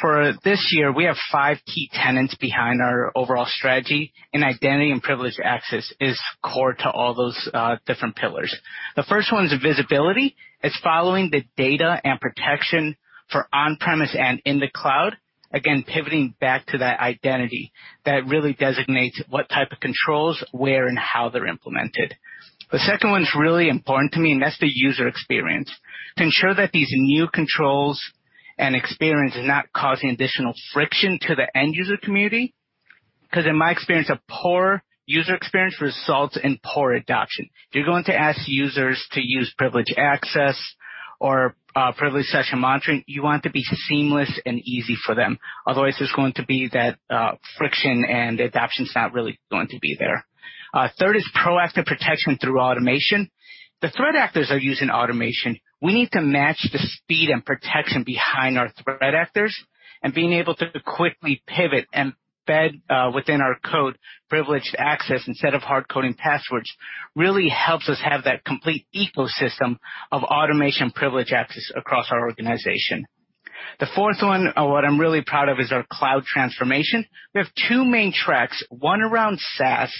For this year, we have five key tenets behind our overall strategy, and identity and privilege access is core to all those different pillars. The first one is visibility. It's following the data and protection for on-premise and in the cloud, again, pivoting back to that identity that really designates what type of controls, where, and how they're implemented. The second one's really important to me, and that's the user experience. To ensure that these new controls and experience is not causing additional friction to the end-user community, because in my experience, a poor user experience results in poor adoption. If you're going to ask users to use privileged access or privileged session monitoring, you want it to be seamless and easy for them. Otherwise, there's going to be that friction, and adoption's not really going to be there. Third is proactive protection through automation. The threat actors are using automation. We need to match the speed and protection behind our threat actors and being able to quickly pivot and embed within our code privileged access instead of hard-coding passwords really helps us have that complete ecosystem of automation privileged access across our organization. The fourth one, what I'm really proud of, is our cloud transformation. We have two main tracks, one around SaaS,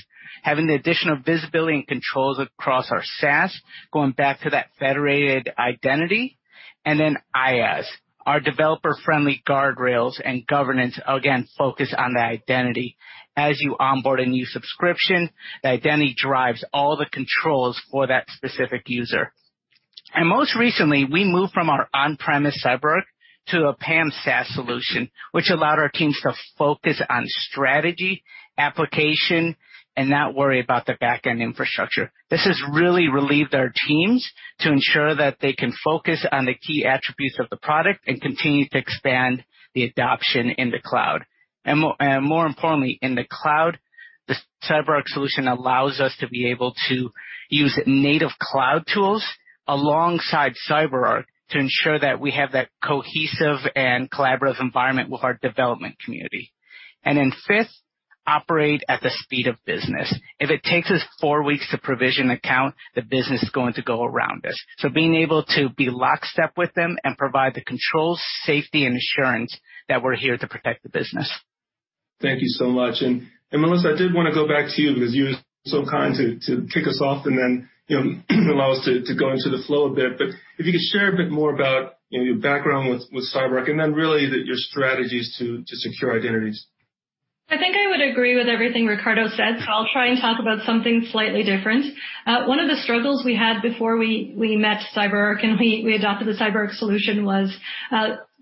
having the addition of visibility and controls across our SaaS, going back to that federated identity, and then IaaS, our developer-friendly guardrails and governance, again, focus on the identity. As you onboard a new subscription, the identity drives all the controls for that specific user. Most recently, we moved from our on-premise CyberArk to a PAM SaaS solution, which allowed our teams to focus on strategy, application, and not worry about the back-end infrastructure. This has really relieved our teams to ensure that they can focus on the key attributes of the product and continue to expand the adoption in the cloud. More importantly, in the cloud, the CyberArk solution allows us to be able to use native cloud tools alongside CyberArk to ensure that we have that cohesive and collaborative environment with our development community. Fifth, operate at the speed of business. If it takes us four weeks to provision account, the business is going to go around us. Being able to be lockstep with them and provide the control, safety, and assurance that we're here to protect the business. Thank you so much. Melissa, I did want to go back to you because you were so kind to kick us off and then allow us to go into the flow a bit. If you could share a bit more about your background with CyberArk and then really your strategies to secure identities. I think I would agree with everything Ricardo said. I'll try and talk about something slightly different. One of the struggles we had before we met CyberArk and we adopted the CyberArk solution was,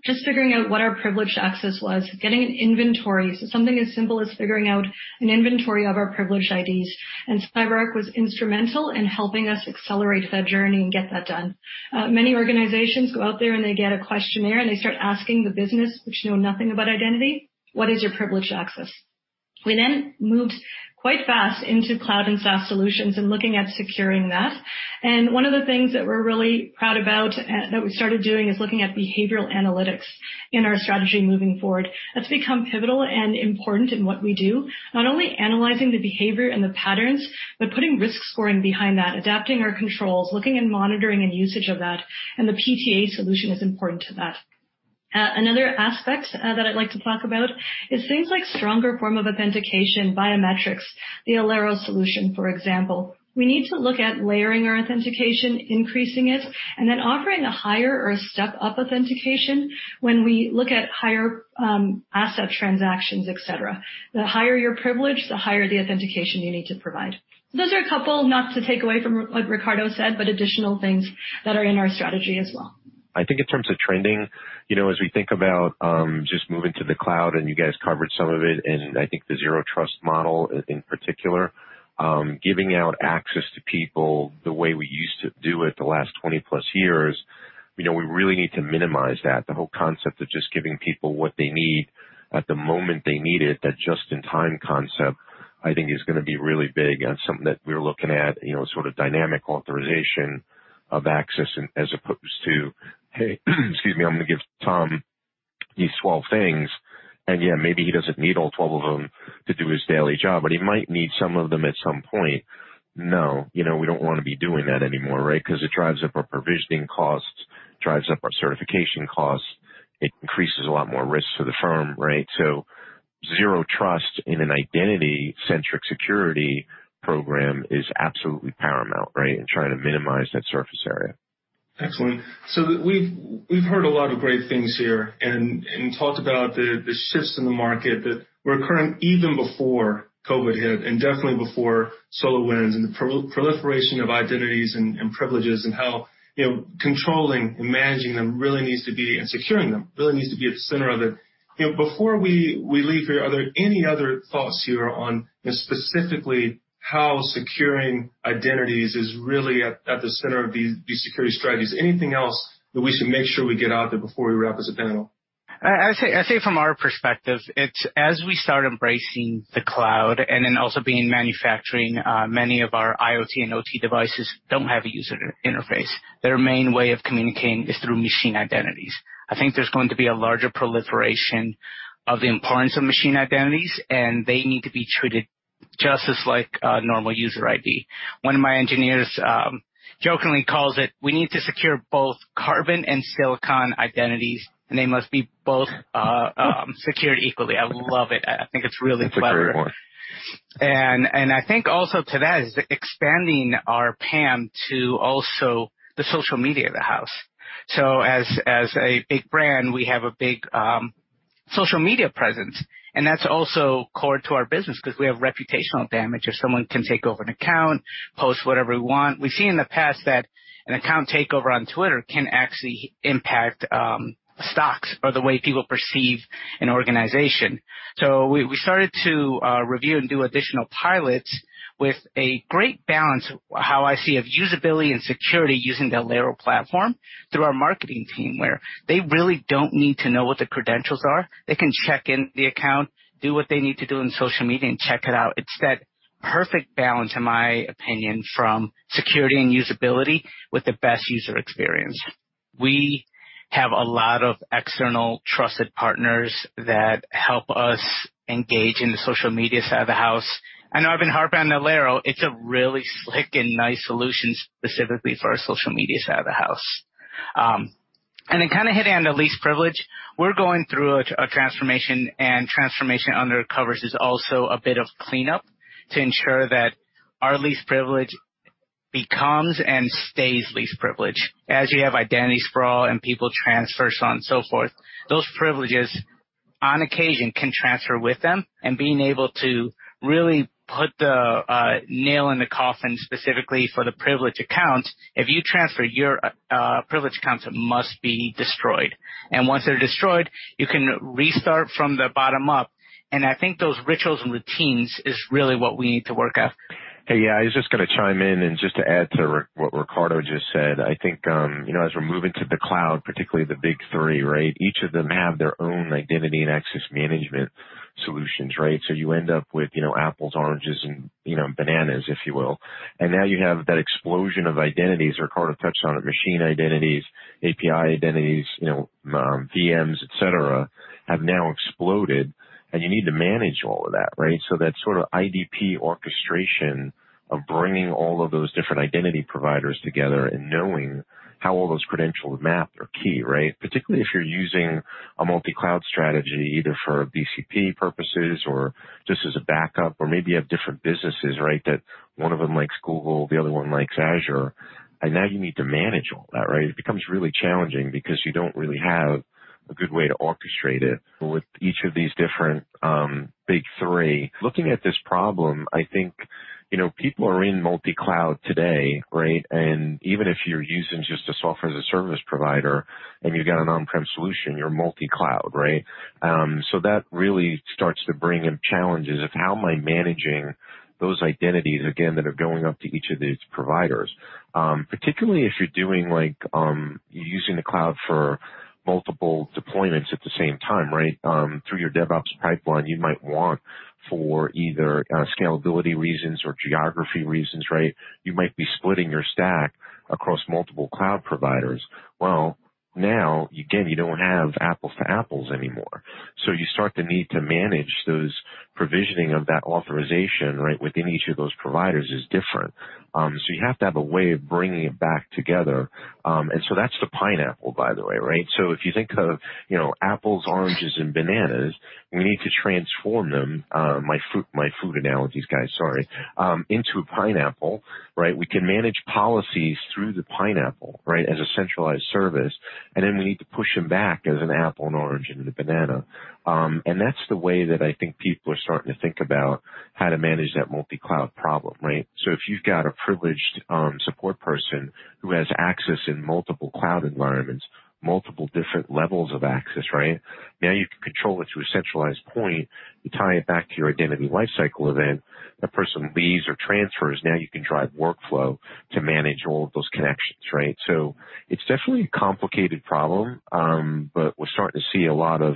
just figuring out what our privileged access was, getting an inventory. Something as simple as figuring out an inventory of our privileged IDs, and CyberArk was instrumental in helping us accelerate that journey and get that done. Many organizations go out there, and they get a questionnaire, and they start asking the business, which know nothing about identity, "What is your privileged access?" We moved quite fast into cloud and SaaS solutions and looking at securing that. One of the things that we're really proud about that we started doing is looking at behavioral analytics in our strategy moving forward. That's become pivotal and important in what we do, not only analyzing the behavior and the patterns, but putting risk scoring behind that, adapting our controls, looking and monitoring any usage of that, and the PTA solution is important to that. Another aspect that I'd like to talk about is things like stronger form of authentication, biometrics, the Alero solution, for example. We need to look at layering our authentication, increasing it, and then offering a higher or a step-up authentication when we look at higher asset transactions, et cetera. The higher your privilege, the higher the authentication you need to provide. Those are a couple, not to take away from what Ricardo said, Additional things that are in our strategy as well. I think in terms of trending, as we think about just moving to the cloud, you guys covered some of it, I think the Zero Trust model in particular, giving out access to people the way we used to do it the last 20-plus years, we really need to minimize that, the whole concept of just giving people what they need at the moment they need it, that just-in-time concept, I think, is going to be really big and something that we're looking at, sort of dynamic authorization of access as opposed to, hey, excuse me, I'm going to give Tom these 12 things. Yeah, maybe he doesn't need all 12 of them to do his daily job, but he might need some of them at some point. We don't want to be doing that anymore, right? Because it drives up our provisioning costs, drives up our certification costs, it increases a lot more risk for the firm, right? Zero trust in an identity-centric security program is absolutely paramount, right, in trying to minimize that surface area. Excellent. We've heard a lot of great things here, and talked about the shifts in the market that were occurring even before COVID hit, and definitely before SolarWinds and the proliferation of identities and privileges and how controlling and managing them, and securing them, really needs to be at the center of it. Before we leave here, are there any other thoughts here on specifically how securing identities is really at the center of these security strategies? Anything else that we should make sure we get out there before we wrap as a panel? I say from our perspective, it's as we start embracing the cloud and then also being manufacturing, many of our IoT and OT devices don't have a user interface. Their main way of communicating is through machine identities. I think there's going to be a larger proliferation of the importance of machine identities, and they need to be treated just as like a normal user ID. One of my engineers jokingly calls it, we need to secure both carbon and silicon identities, and they must be both secured equally. I love it. I think it's really clever. That's a great one. I think also to that is expanding our PAM to also the social media of the house. As a big brand, we have a big social media presence, and that's also core to our business because we have reputational damage if someone can take over an account, post whatever we want. We've seen in the past that an account takeover on Twitter can actually impact stocks or the way people perceive an organization. We started to review and do additional pilots with a great balance, how I see, of usability and security using the Alero platform through our marketing team, where they really don't need to know what the credentials are. They can check in the account, do what they need to do on social media, and check it out. It's that perfect balance, in my opinion, from security and usability with the best user experience. We have a lot of external trusted partners that help us engage in the social media side of the house. I've been harping on Alero, it's a really slick and nice solution specifically for our social media side of the house. Kind of hitting on the least privilege. We're going through a transformation, and transformation under covers is also a bit of cleanup to ensure that our least privilege becomes and stays least privilege. As you have identity sprawl and people transfers so on and so forth, those privileges, on occasion, can transfer with them. Being able to really put the nail in the coffin, specifically for the privilege accounts, if you transfer, your privilege accounts must be destroyed. Once they're destroyed, you can restart from the bottom up. I think those rituals and routines is really what we need to work at. Hey, yeah, I was just going to chime in and just to add to what Ricardo just said, I think, as we're moving to the cloud, particularly the big three, right? Each of them have their own Identity and Access Management solutions, right? You end up with apples, oranges, and bananas, if you will. Now you have that explosion of identities. Ricardo touched on it, machine identities, API identities, VMs, et cetera, have now exploded, and you need to manage all of that, right? That sort of IdP orchestration of bringing all of those different Identity Providers together and knowing how all those credentials map are key, right? Particularly if you're using a multi-cloud strategy, either for BCP purposes or just as a backup. Maybe you have different businesses, right? One of them likes Google, the other one likes Azure, now you need to manage all that, right? It becomes really challenging because you don't really have a good way to orchestrate it with each of these different big three. Looking at this problem, I think, people are in multi-cloud today, right? Even if you're using just a software-as-a-service provider and you've got an on-prem solution, you're multi-cloud, right? That really starts to bring in challenges of how am I managing those identities, again, that are going out to each of these providers. Particularly if you're using the cloud for multiple deployments at the same time, right? Through your DevOps pipeline, you might want, for either scalability reasons or geography reasons, right? You might be splitting your stack across multiple cloud providers. Well, now, again, you don't have apples to apples anymore. You start to need to manage those provisioning of that authorization, right. Within each of those providers is different. You have to have a way of bringing it back together. That's the pineapple, by the way, right. If you think of apples, oranges, and bananas, we need to transform them, my food analogies, guys, sorry, into a pineapple, right. We can manage policies through the pineapple, right, as a centralized service, and then we need to push them back as an apple, an orange, and a banana. That's the way that I think people are starting to think about how to manage that multi-cloud problem, right. If you've got a privileged support person who has access in multiple cloud environments, multiple different levels of access, right. Now you can control it to a centralized point. You tie it back to your identity lifecycle event. A person leaves or transfers, you can drive workflow to manage all of those connections, right? It's definitely a complicated problem, but we're starting to see a lot of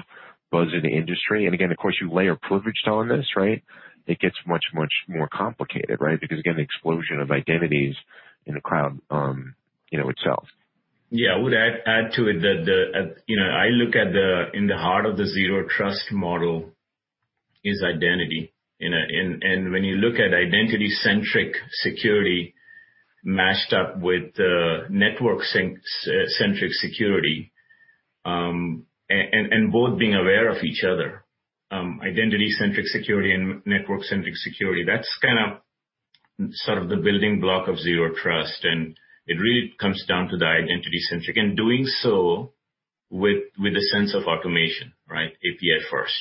buzz in the industry. Again, of course, you layer privileged on this, right? It gets much more complicated, right? Again, the explosion of identities in the cloud itself. Yeah. I would add to it that I look at, in the heart of the Zero Trust model is identity. When you look at identity-centric security mashed up with network-centric security, and both being aware of each other, identity-centric security and network-centric security, that's sort of the building block of Zero Trust, and it really comes down to the identity-centric. Doing so with a sense of automation, right? API first.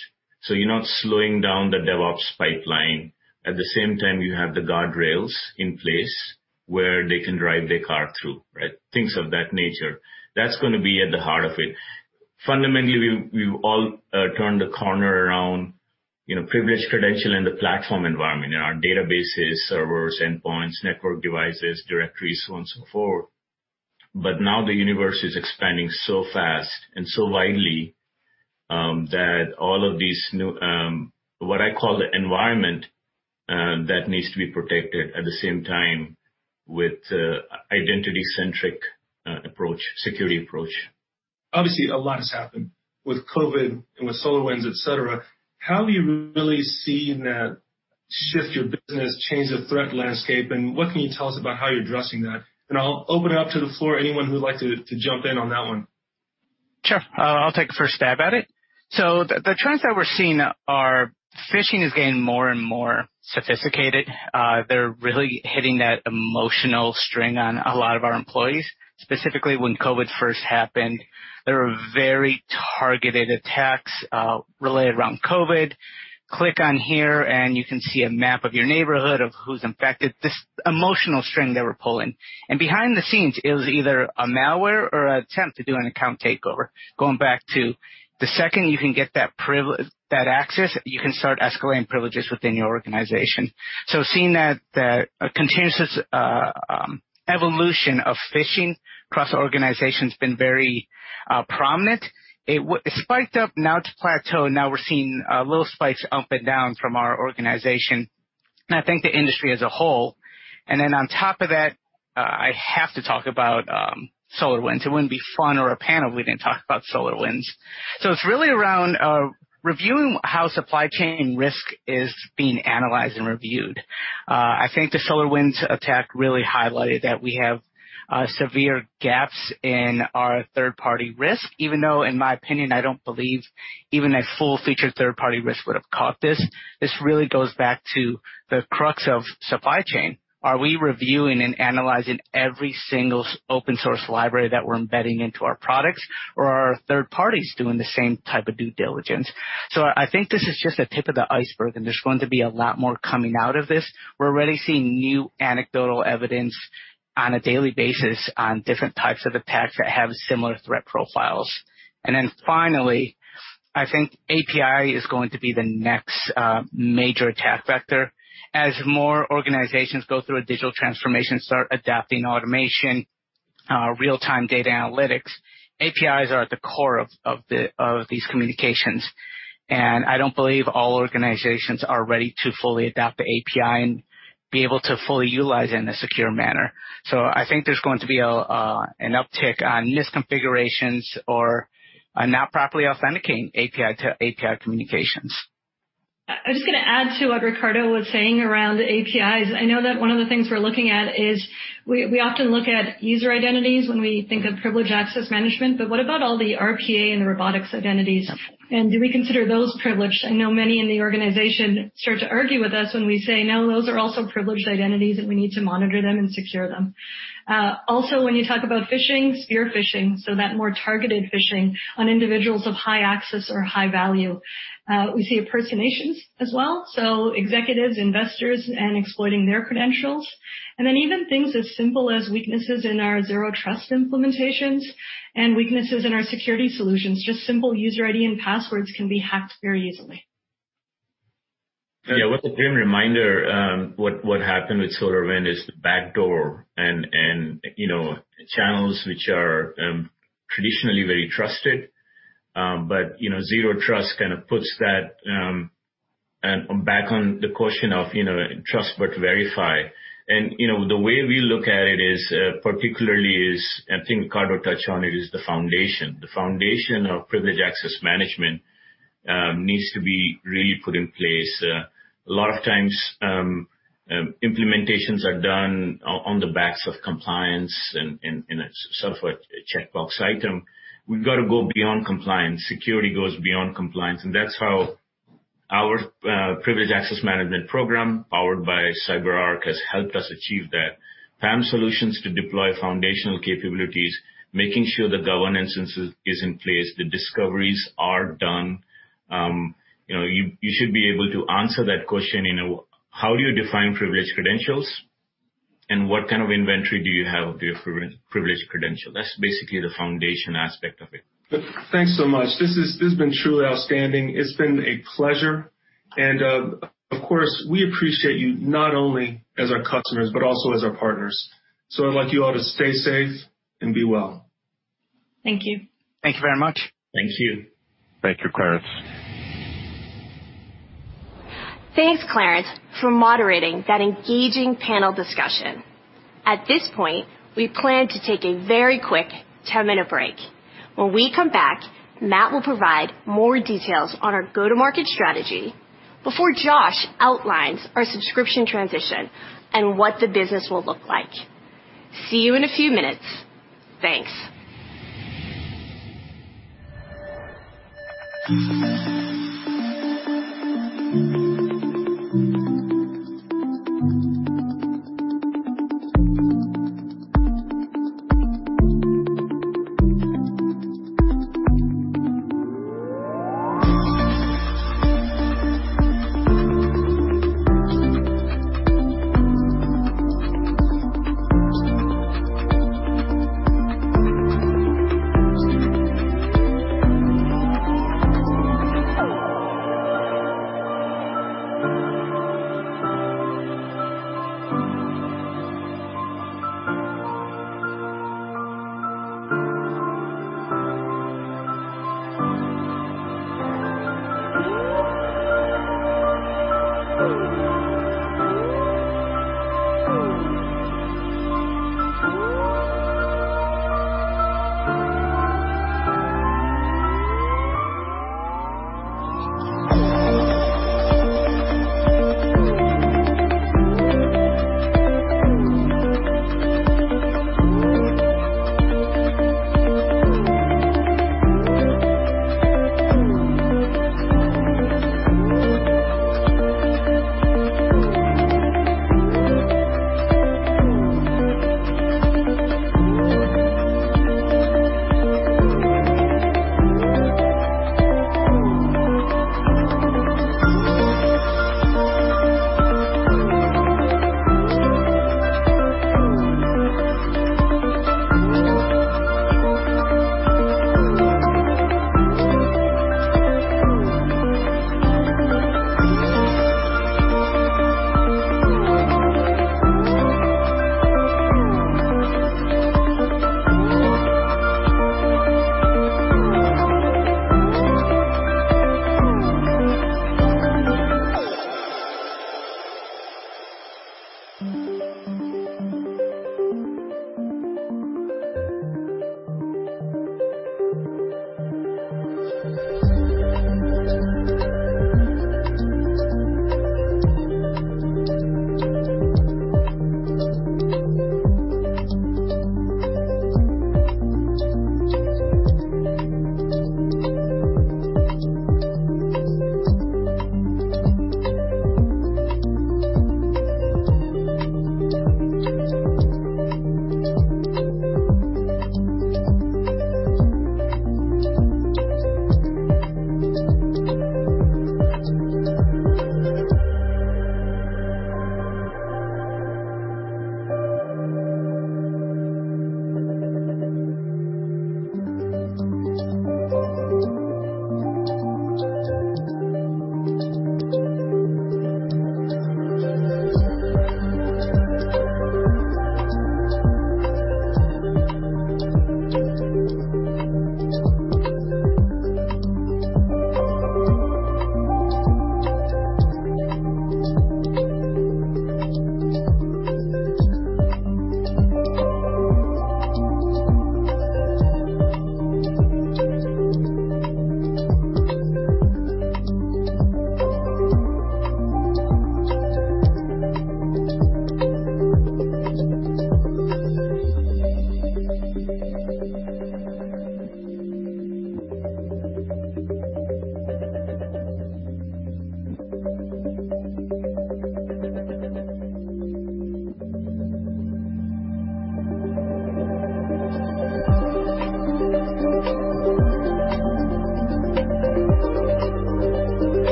You're not slowing down the DevOps pipeline. At the same time, you have the guardrails in place where they can drive their car through, right? Things of that nature. That's going to be at the heart of it. Fundamentally, we've all turned a corner around privileged credential in the platform environment, in our databases, servers, endpoints, network devices, directories, so on and so forth. Now the universe is expanding so fast and so widely, that all of these new, what I call the environment that needs to be protected at the same time with identity-centric approach, security approach. Obviously, a lot has happened with COVID and with SolarWinds, et cetera. How have you really seen that shift your business, change the threat landscape, and what can you tell us about how you're addressing that? I'll open it up to the floor, anyone who would like to jump in on that one. Sure. I'll take the first stab at it. The trends that we're seeing are, phishing is getting more and more sophisticated. They're really hitting that emotional string on a lot of our employees. Specifically when COVID first happened, there were very targeted attacks, related around COVID. Click on here and you can see a map of your neighborhood of who's infected. This emotional string they were pulling. Behind the scenes, it was either a malware or an attempt to do an account takeover. Going back to the second you can get that privilege, that access, you can start escalating privileges within your organization. Seeing that continuous evolution of phishing across organizations been very prominent. It spiked up. Now it's plateaued. Now we're seeing little spikes up and down from our organization, and I think the industry as a whole. On top of that, I have to talk about SolarWinds. It wouldn't be fun or a panel if we didn't talk about SolarWinds. It's really around reviewing how supply chain risk is being analyzed and reviewed. I think the SolarWinds attack really highlighted that we have severe gaps in our third-party risk, even though, in my opinion, I don't believe even a full-featured third-party risk would have caught this. This really goes back to the crux of supply chain. Are we reviewing and analyzing every single open-source library that we're embedding into our products, or are third parties doing the same type of due diligence? I think this is just the tip of the iceberg, and there's going to be a lot more coming out of this. We're already seeing new anecdotal evidence on a daily basis on different types of attacks that have similar threat profiles. Finally, I think API is going to be the next major attack vector. As more organizations go through a digital transformation, start adapting automation, real-time data analytics, APIs are at the core of these communications. I don't believe all organizations are ready to fully adapt the API and be able to fully utilize it in a secure manner. I think there's going to be an uptick on misconfigurations or not properly authenticating API-to-API communications. I'm just going to add to what Ricardo was saying around APIs. I know that one of the things we're looking at is we often look at user identities when we think of privileged access management, what about all the RPA and the robotics identities? Do we consider those privileged? I know many in the organization start to argue with us when we say, "No, those are also privileged identities, and we need to monitor them and secure them." When you talk about phishing, spear phishing, so that more targeted phishing on individuals of high access or high value. We see impersonations as well, executives, investors, and exploiting their credentials. Even things as simple as weaknesses in our Zero Trust implementations and weaknesses in our security solutions. Just simple user ID and passwords can be hacked very easily. Yeah. What a great reminder. What happened with SolarWinds is the backdoor and channels which are traditionally very trusted. Zero trust kind of puts that back on the question of trust but verify. The way we look at it is, particularly is, I think Ricardo touched on it, is the foundation. The foundation of Privileged Access Management needs to be really put in place. A lot of times, implementations are done on the backs of compliance and as sort of a checkbox item. We've got to go beyond compliance. Security goes beyond compliance, and that's how our Privileged Access Management program, powered by CyberArk, has helped us achieve that. PAM solutions to deploy foundational capabilities, making sure the governance is in place, the discoveries are done. You should be able to answer that question, how do you define privileged credentials, and what kind of inventory do you have of your privileged credentials? That is basically the foundation aspect of it. Thanks so much. This has been truly outstanding. It's been a pleasure. Of course, we appreciate you not only as our customers, but also as our partners. I'd like you all to stay safe and be well. Thank you. Thank you very much. Thank you. Thank you, Clarence. Thanks, Clarence, for moderating that engaging panel discussion. At this point, we plan to take a very quick 10-minute break. When we come back, Matt will provide more details on our go-to-market strategy before Josh outlines our subscription transition and what the business will look like. See you in a few minutes. Thanks.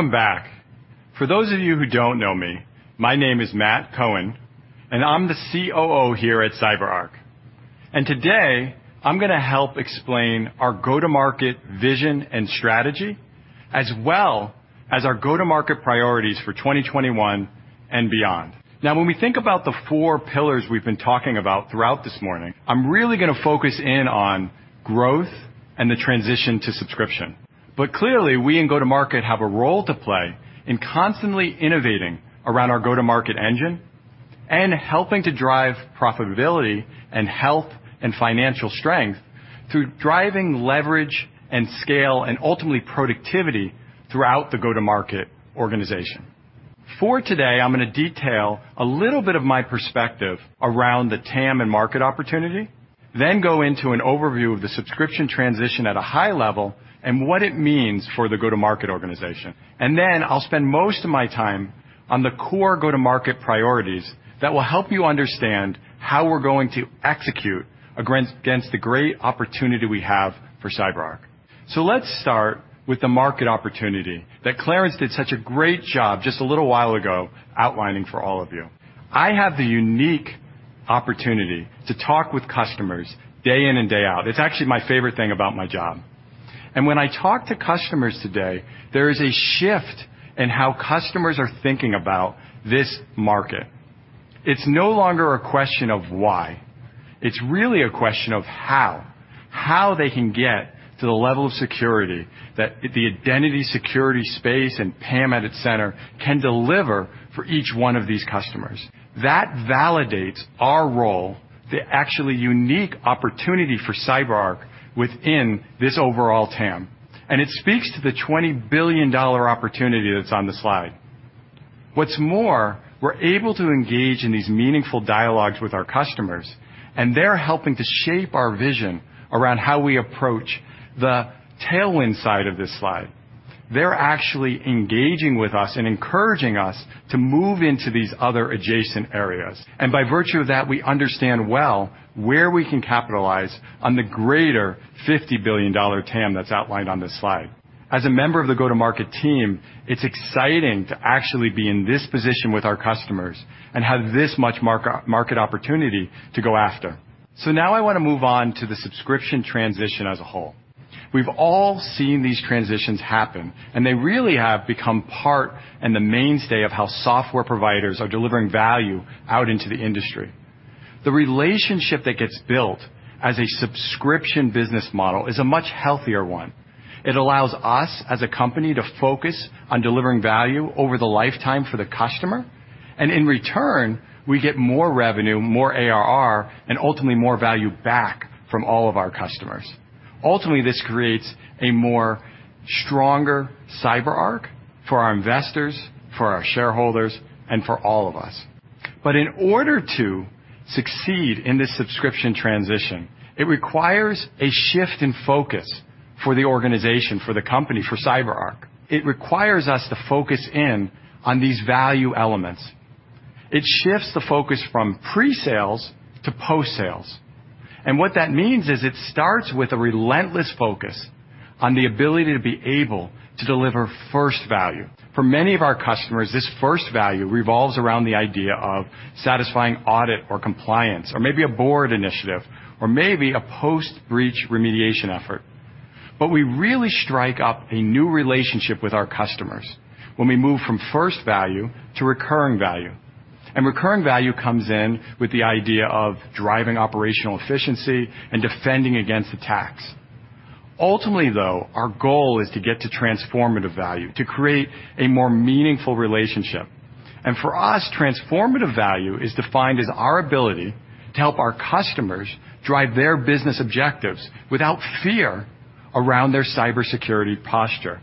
Welcome back. For those of you who don't know me, my name is Matt Cohen, and I'm the COO here at CyberArk. Today, I'm going to help explain our go-to-market vision and strategy, as well as our go-to-market priorities for 2021 and beyond. When we think about the four pillars we've been talking about throughout this morning, I'm really going to focus in on growth and the transition to subscription. Clearly, we in go-to-market have a role to play in constantly innovating around our go-to-market engine and helping to drive profitability and health and financial strength through driving leverage and scale and ultimately productivity throughout the go-to-market organization. For today, I'm going to detail a little bit of my perspective around the TAM and market opportunity, then go into an overview of the subscription transition at a high level and what it means for the go-to-market organization. I'll spend most of my time on the core go-to-market priorities that will help you understand how we're going to execute against the great opportunity we have for CyberArk. Let's start with the market opportunity that Clarence did such a great job just a little while ago outlining for all of you. I have the unique opportunity to talk with customers day in and day out. It's actually my favorite thing about my job. When I talk to customers today, there is a shift in how customers are thinking about this market. It's no longer a question of why. It's really a question of how. How they can get to the level of security that the identity security space and PAM at its center can deliver for each one of these customers. That validates our role, the actually unique opportunity for CyberArk within this overall TAM. It speaks to the $20 billion opportunity that's on the slide. What's more, we're able to engage in these meaningful dialogues with our customers, and they're helping to shape our vision around how we approach the tailwind side of this slide. They're actually engaging with us and encouraging us to move into these other adjacent areas. By virtue of that, we understand well where we can capitalize on the greater $50 billion TAM that's outlined on this slide. As a member of the go-to-market team, it's exciting to actually be in this position with our customers and have this much market opportunity to go after. Now I want to move on to the subscription transition as a whole. We've all seen these transitions happen, and they really have become part and the mainstay of how software providers are delivering value out into the industry. The relationship that gets built as a subscription business model is a much healthier one. It allows us as a company to focus on delivering value over the lifetime for the customer. In return, we get more revenue, more ARR, and ultimately more value back from all of our customers. Ultimately, this creates a more stronger CyberArk for our investors, for our shareholders, and for all of us. In order to succeed in this subscription transition, it requires a shift in focus for the organization, for the company, for CyberArk. It requires us to focus in on these value elements. It shifts the focus from pre-sales to post-sales. What that means is it starts with a relentless focus on the ability to be able to deliver first value. For many of our customers, this first value revolves around the idea of satisfying audit or compliance, or maybe a board initiative, or maybe a post-breach remediation effort. We really strike up a new relationship with our customers when we move from first value to recurring value. Recurring value comes in with the idea of driving operational efficiency and defending against attacks. Ultimately, though, our goal is to get to transformative value, to create a more meaningful relationship. For us, transformative value is defined as our ability to help our customers drive their business objectives without fear around their cybersecurity posture.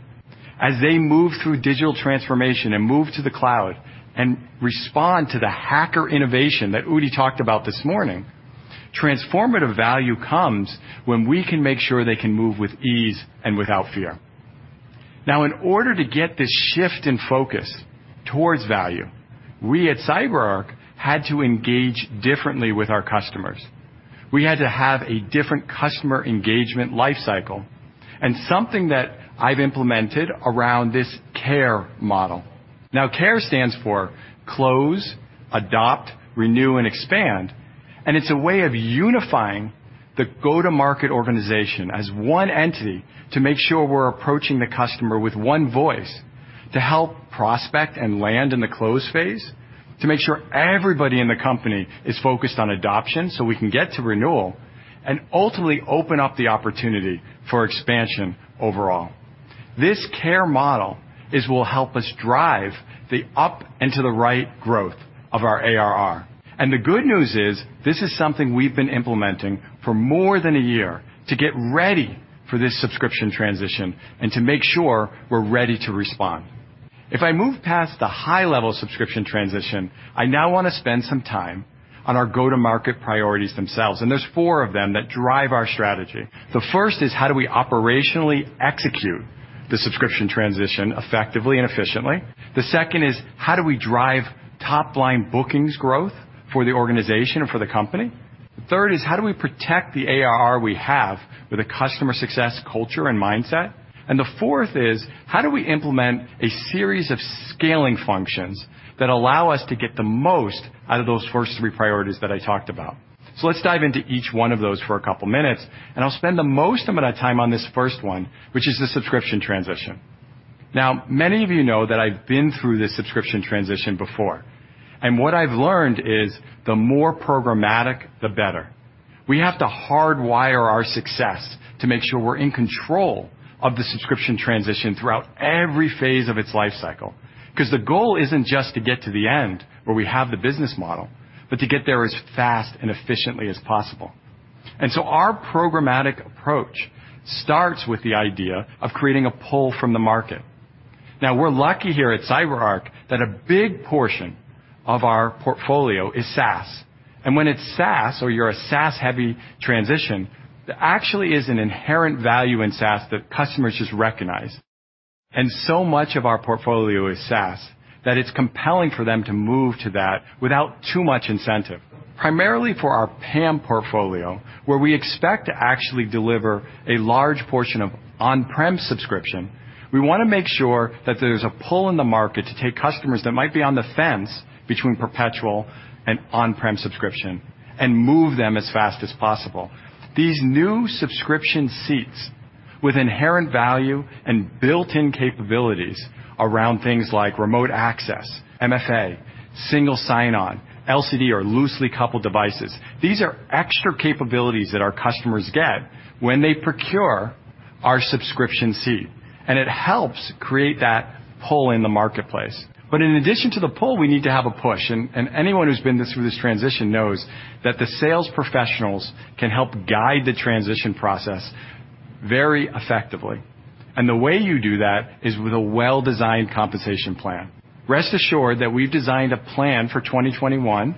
As they move through digital transformation and move to the cloud and respond to the hacker innovation that Udi talked about this morning, transformative value comes when we can make sure they can move with ease and without fear. In order to get this shift in focus towards value, we at CyberArk had to engage differently with our customers. We had to have a different customer engagement life cycle and something that I've implemented around this CARE model. CARE stands for close, adopt, renew, and expand, and it's a way of unifying the go-to-market organization as one entity to make sure we're approaching the customer with one voice to help prospect and land in the close phase, to make sure everybody in the company is focused on adoption so we can get to renewal and ultimately open up the opportunity for expansion overall. This CARE model will help us drive the up and to the right growth of our ARR. The good news is, this is something we've been implementing for more than a year to get ready for this subscription transition and to make sure we're ready to respond. If I move past the high-level subscription transition, I now want to spend some time on our go-to-market priorities themselves, and there's four of them that drive our strategy. The first is how do we operationally execute the subscription transition effectively and efficiently? The second is how do we drive top-line bookings growth for the organization and for the company? The third is how do we protect the ARR we have with a customer success culture and mindset? The fourth is how do we implement a series of scaling functions that allow us to get the most out of those first three priorities that I talked about? Let's dive into each one of those for a couple of minutes, and I'll spend the most amount of time on this first one, which is the subscription transition. Many of you know that I've been through this subscription transition before, and what I've learned is the more programmatic, the better. We have to hardwire our success to make sure we're in control of the subscription transition throughout every phase of its life cycle. The goal isn't just to get to the end where we have the business model, but to get there as fast and efficiently as possible. Our programmatic approach starts with the idea of creating a pull from the market. We're lucky here at CyberArk that a big portion of our portfolio is SaaS. When it's SaaS or you're a SaaS-heavy transition, there actually is an inherent value in SaaS that customers just recognize. So much of our portfolio is SaaS that it's compelling for them to move to that without too much incentive. Primarily for our PAM portfolio, where we expect to actually deliver a large portion of on-prem subscription, we want to make sure that there's a pull in the market to take customers that might be on the fence between perpetual and on-prem subscription and move them as fast as possible. These new subscription seats with inherent value and built-in capabilities around things like Remote Access, MFA, single sign-on, LCD, or loosely coupled devices. These are extra capabilities that our customers get when they procure our subscription seat, and it helps create that pull in the marketplace. In addition to the pull, we need to have a push, and anyone who's been through this transition knows that the sales professionals can help guide the transition process very effectively. The way you do that is with a well-designed compensation plan. Rest assured that we've designed a plan for 2021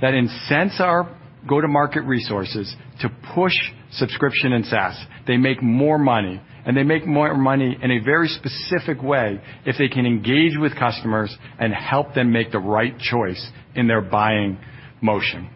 that incents our go-to-market resources to push subscription and SaaS. They make more money, and they make more money in a very specific way if they can engage with customers and help them make the right choice in their buying motion.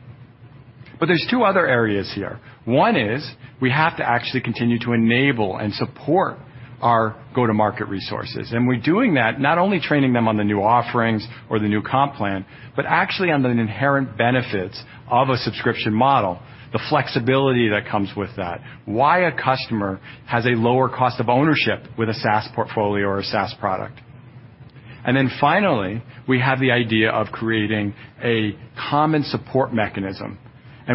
There's two other areas here. One is we have to actually continue to enable and support our go-to-market resources. We're doing that not only training them on the new offerings or the new comp plan, but actually on the inherent benefits of a subscription model, the flexibility that comes with that, why a customer has a lower cost of ownership with a SaaS portfolio or a SaaS product. Finally, we have the idea of creating a common support mechanism.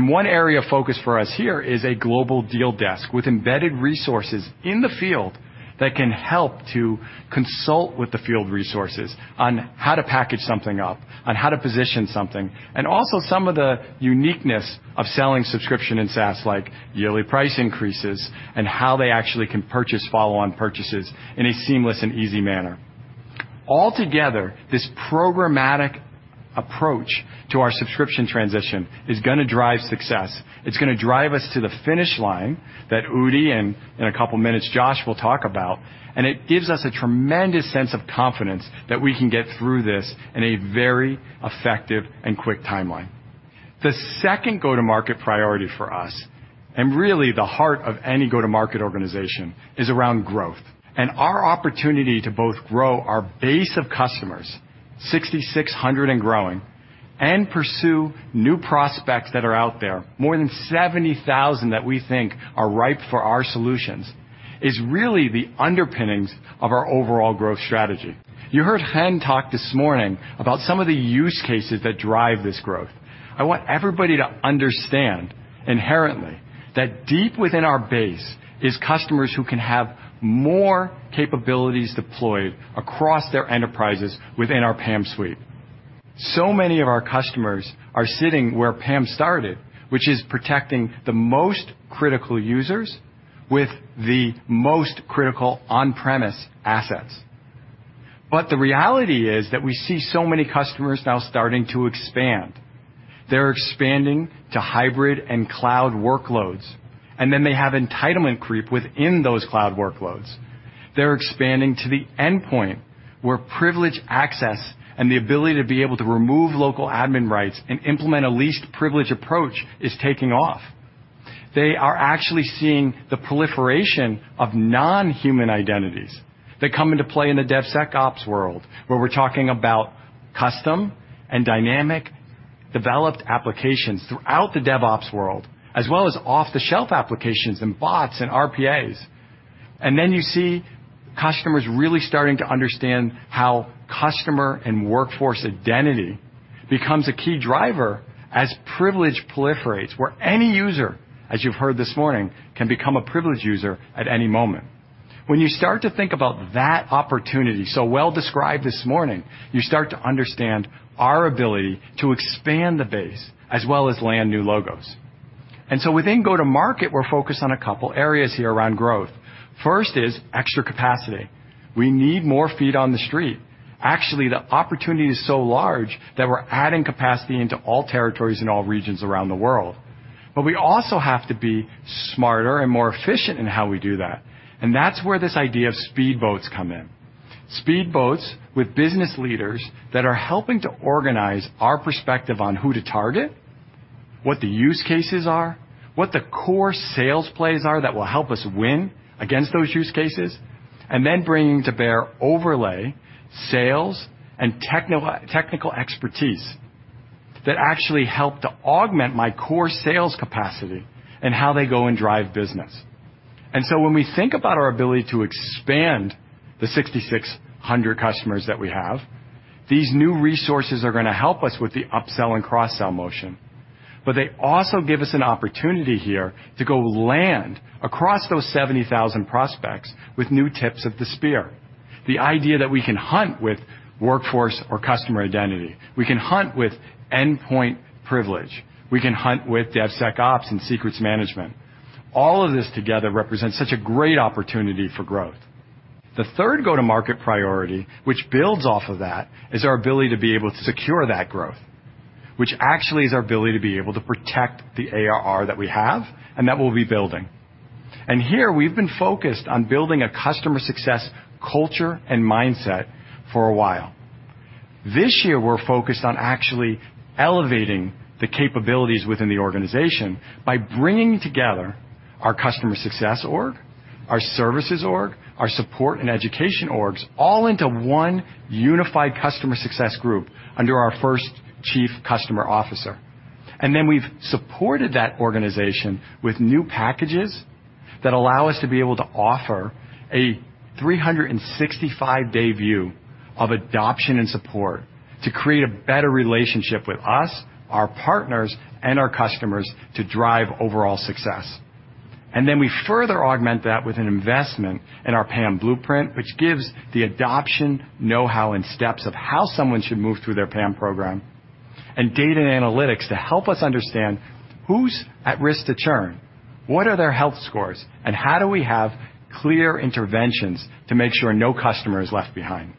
One area of focus for us here is a global deal desk with embedded resources in the field that can help to consult with the field resources on how to package something up, on how to position something, and also some of the uniqueness of selling subscription and SaaS, like yearly price increases and how they actually can purchase follow-on purchases in a seamless and easy manner. Altogether, this programmatic approach to our subscription transition is going to drive success. It's going to drive us to the finish line that Udi and, in a couple of minutes, Josh will talk about, and it gives us a tremendous sense of confidence that we can get through this in a very effective and quick timeline. The second go-to-market priority for us, really the heart of any go-to-market organization, is around growth. Our opportunity to both grow our base of customers, 6,600 and growing, and pursue new prospects that are out there, more than 70,000 that we think are ripe for our solutions, is really the underpinnings of our overall growth strategy. You heard Chen talk this morning about some of the use cases that drive this growth. I want everybody to understand inherently that deep within our base is customers who can have more capabilities deployed across their enterprises within our PAM suite. Many of our customers are sitting where PAM started, which is protecting the most critical users with the most critical on-premise assets. The reality is that we see so many customers now starting to expand. They're expanding to hybrid and cloud workloads, and then they have entitlement creep within those cloud workloads. They're expanding to the endpoint where privileged access and the ability to be able to remove local admin rights and implement a least privilege approach is taking off. They are actually seeing the proliferation of non-human identities that come into play in the DevSecOps world, where we're talking about custom and dynamic developed applications throughout the DevOps world, as well as off-the-shelf applications and bots and RPAs. You see customers really starting to understand how customer and Workforce Identity becomes a key driver as privilege proliferates, where any user, as you've heard this morning, can become a privileged user at any moment. When you start to think about that opportunity so well described this morning, you start to understand our ability to expand the base as well as land new logos. Within go-to-market, we're focused on a couple areas here around growth. First is extra capacity. We need more feet on the street. Actually, the opportunity is so large that we're adding capacity into all territories in all regions around the world. We also have to be smarter and more efficient in how we do that, and that's where this idea of speedboats come in. Speedboats with business leaders that are helping to organize our perspective on who to target, what the use cases are, what the core sales plays are that will help us win against those use cases, and then bringing to bear overlay sales and technical expertise that actually help to augment my core sales capacity and how they go and drive business. When we think about our ability to expand the 6,600 customers that we have, these new resources are going to help us with the upsell and cross-sell motion, but they also give us an opportunity here to go land across those 70,000 prospects with new tips of the spear. The idea that we can hunt with Workforce Identity or customer identity, we can hunt with Endpoint Privilege. We can hunt with DevSecOps and Secrets Management. All of this together represents such a great opportunity for growth. The third go-to-market priority, which builds off of that, is our ability to be able to secure that growth. Which actually is our ability to be able to protect the ARR that we have and that we'll be building. Here we've been focused on building a customer success culture and mindset for a while. This year, we're focused on actually elevating the capabilities within the organization by bringing together our customer success org, our services org, our support and education orgs, all into one unified customer success group under our first Chief Customer Officer. Then we've supported that organization with new packages that allow us to be able to offer a 365-day view of adoption and support to create a better relationship with us, our partners, and our customers to drive overall success. We further augment that with an investment in our PAM blueprint, which gives the adoption know-how and steps of how someone should move through their PAM program, and data and analytics to help us understand who's at risk to churn, what are their health scores, and how do we have clear interventions to make sure no customer is left behind.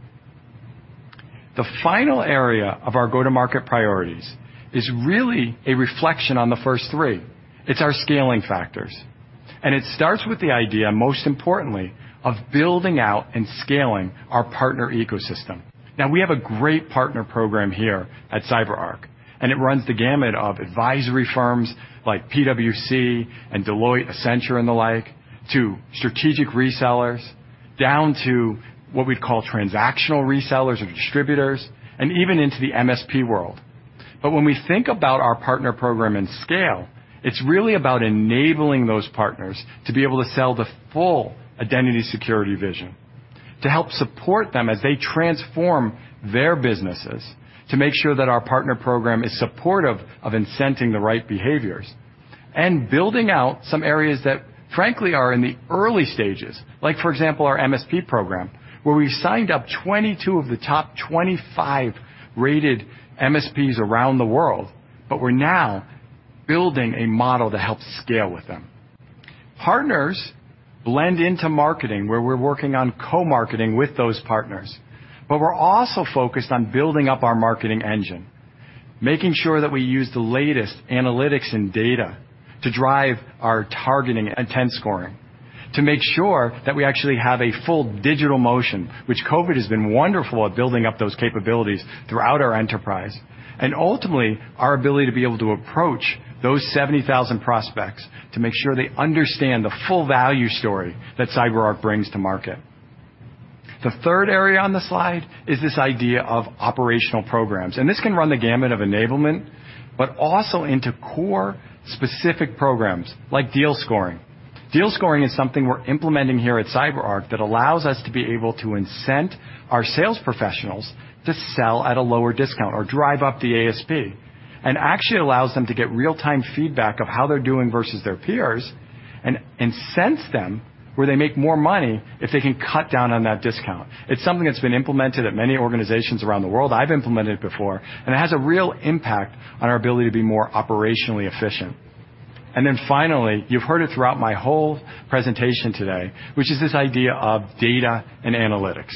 The final area of our go-to-market priorities is really a reflection on the first three. It's our scaling factors. It starts with the idea, most importantly, of building out and scaling our partner ecosystem. Now, we have a great partner program here at CyberArk, and it runs the gamut of advisory firms like PwC and Deloitte, Accenture and the like, to strategic resellers, down to what we'd call transactional resellers or distributors, and even into the MSP world. When we think about our partner program and scale, it's really about enabling those partners to be able to sell the full identity security vision, to help support them as they transform their businesses, to make sure that our partner program is supportive of incenting the right behaviors. Building out some areas that frankly are in the early stages, like for example, our MSP program, where we signed up 22 of the top 25 rated MSPs around the world, but we're now building a model to help scale with them. Partners blend into marketing, where we're working on co-marketing with those partners. We're also focused on building up our marketing engine, making sure that we use the latest analytics and data to drive our targeting and tent scoring, to make sure that we actually have a full digital motion, which COVID has been wonderful at building up those capabilities throughout our enterprise. Ultimately, our ability to be able to approach those 70,000 prospects to make sure they understand the full value story that CyberArk brings to market. The third area on the slide is this idea of operational programs, and this can run the gamut of enablement, but also into core specific programs like deal scoring. Deal scoring is something we're implementing here at CyberArk that allows us to be able to incent our sales professionals to sell at a lower discount or drive up the ASP, and actually allows them to get real-time feedback of how they're doing versus their peers, and incent them where they make more money if they can cut down on that discount. It's something that's been implemented at many organizations around the world. I've implemented it before, and it has a real impact on our ability to be more operationally efficient. Then finally, you've heard it throughout my whole presentation today, which is this idea of data and analytics.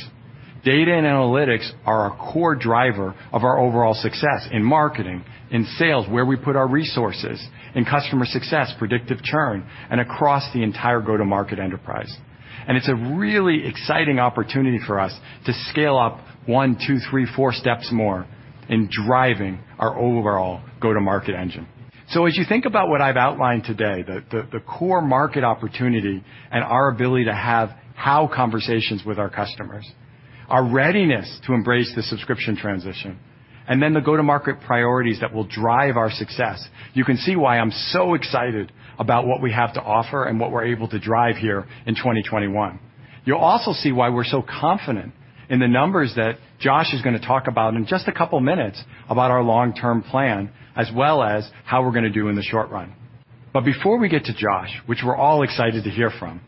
Data and analytics are a core driver of our overall success in marketing, in sales, where we put our resources, in customer success, predictive churn, and across the entire go-to-market enterprise. It's a really exciting opportunity for us to scale up one, two, three, four steps more in driving our overall go-to-market engine. As you think about what I've outlined today, the core market opportunity and our ability to have how conversations with our customers, our readiness to embrace the subscription transition, and then the go-to-market priorities that will drive our success, you can see why I'm so excited about what we have to offer and what we're able to drive here in 2021. You'll also see why we're so confident in the numbers that Josh is going to talk about in just a couple of minutes about our long-term plan, as well as how we're going to do in the short run. Before we get to Josh, which we're all excited to hear from,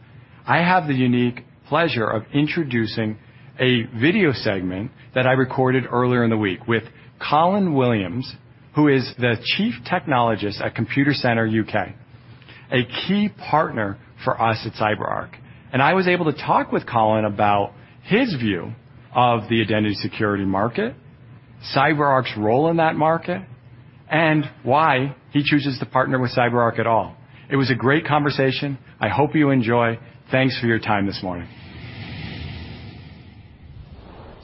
I have the unique pleasure of introducing a video segment that I recorded earlier in the week with Colin Williams, who is the Chief Technologist at Computacenter UK, a key partner for us at CyberArk. I was able to talk with Colin about his view of the identity security market, CyberArk's role in that market, and why he chooses to partner with CyberArk at all. It was a great conversation. I hope you enjoy. Thanks for your time this morning.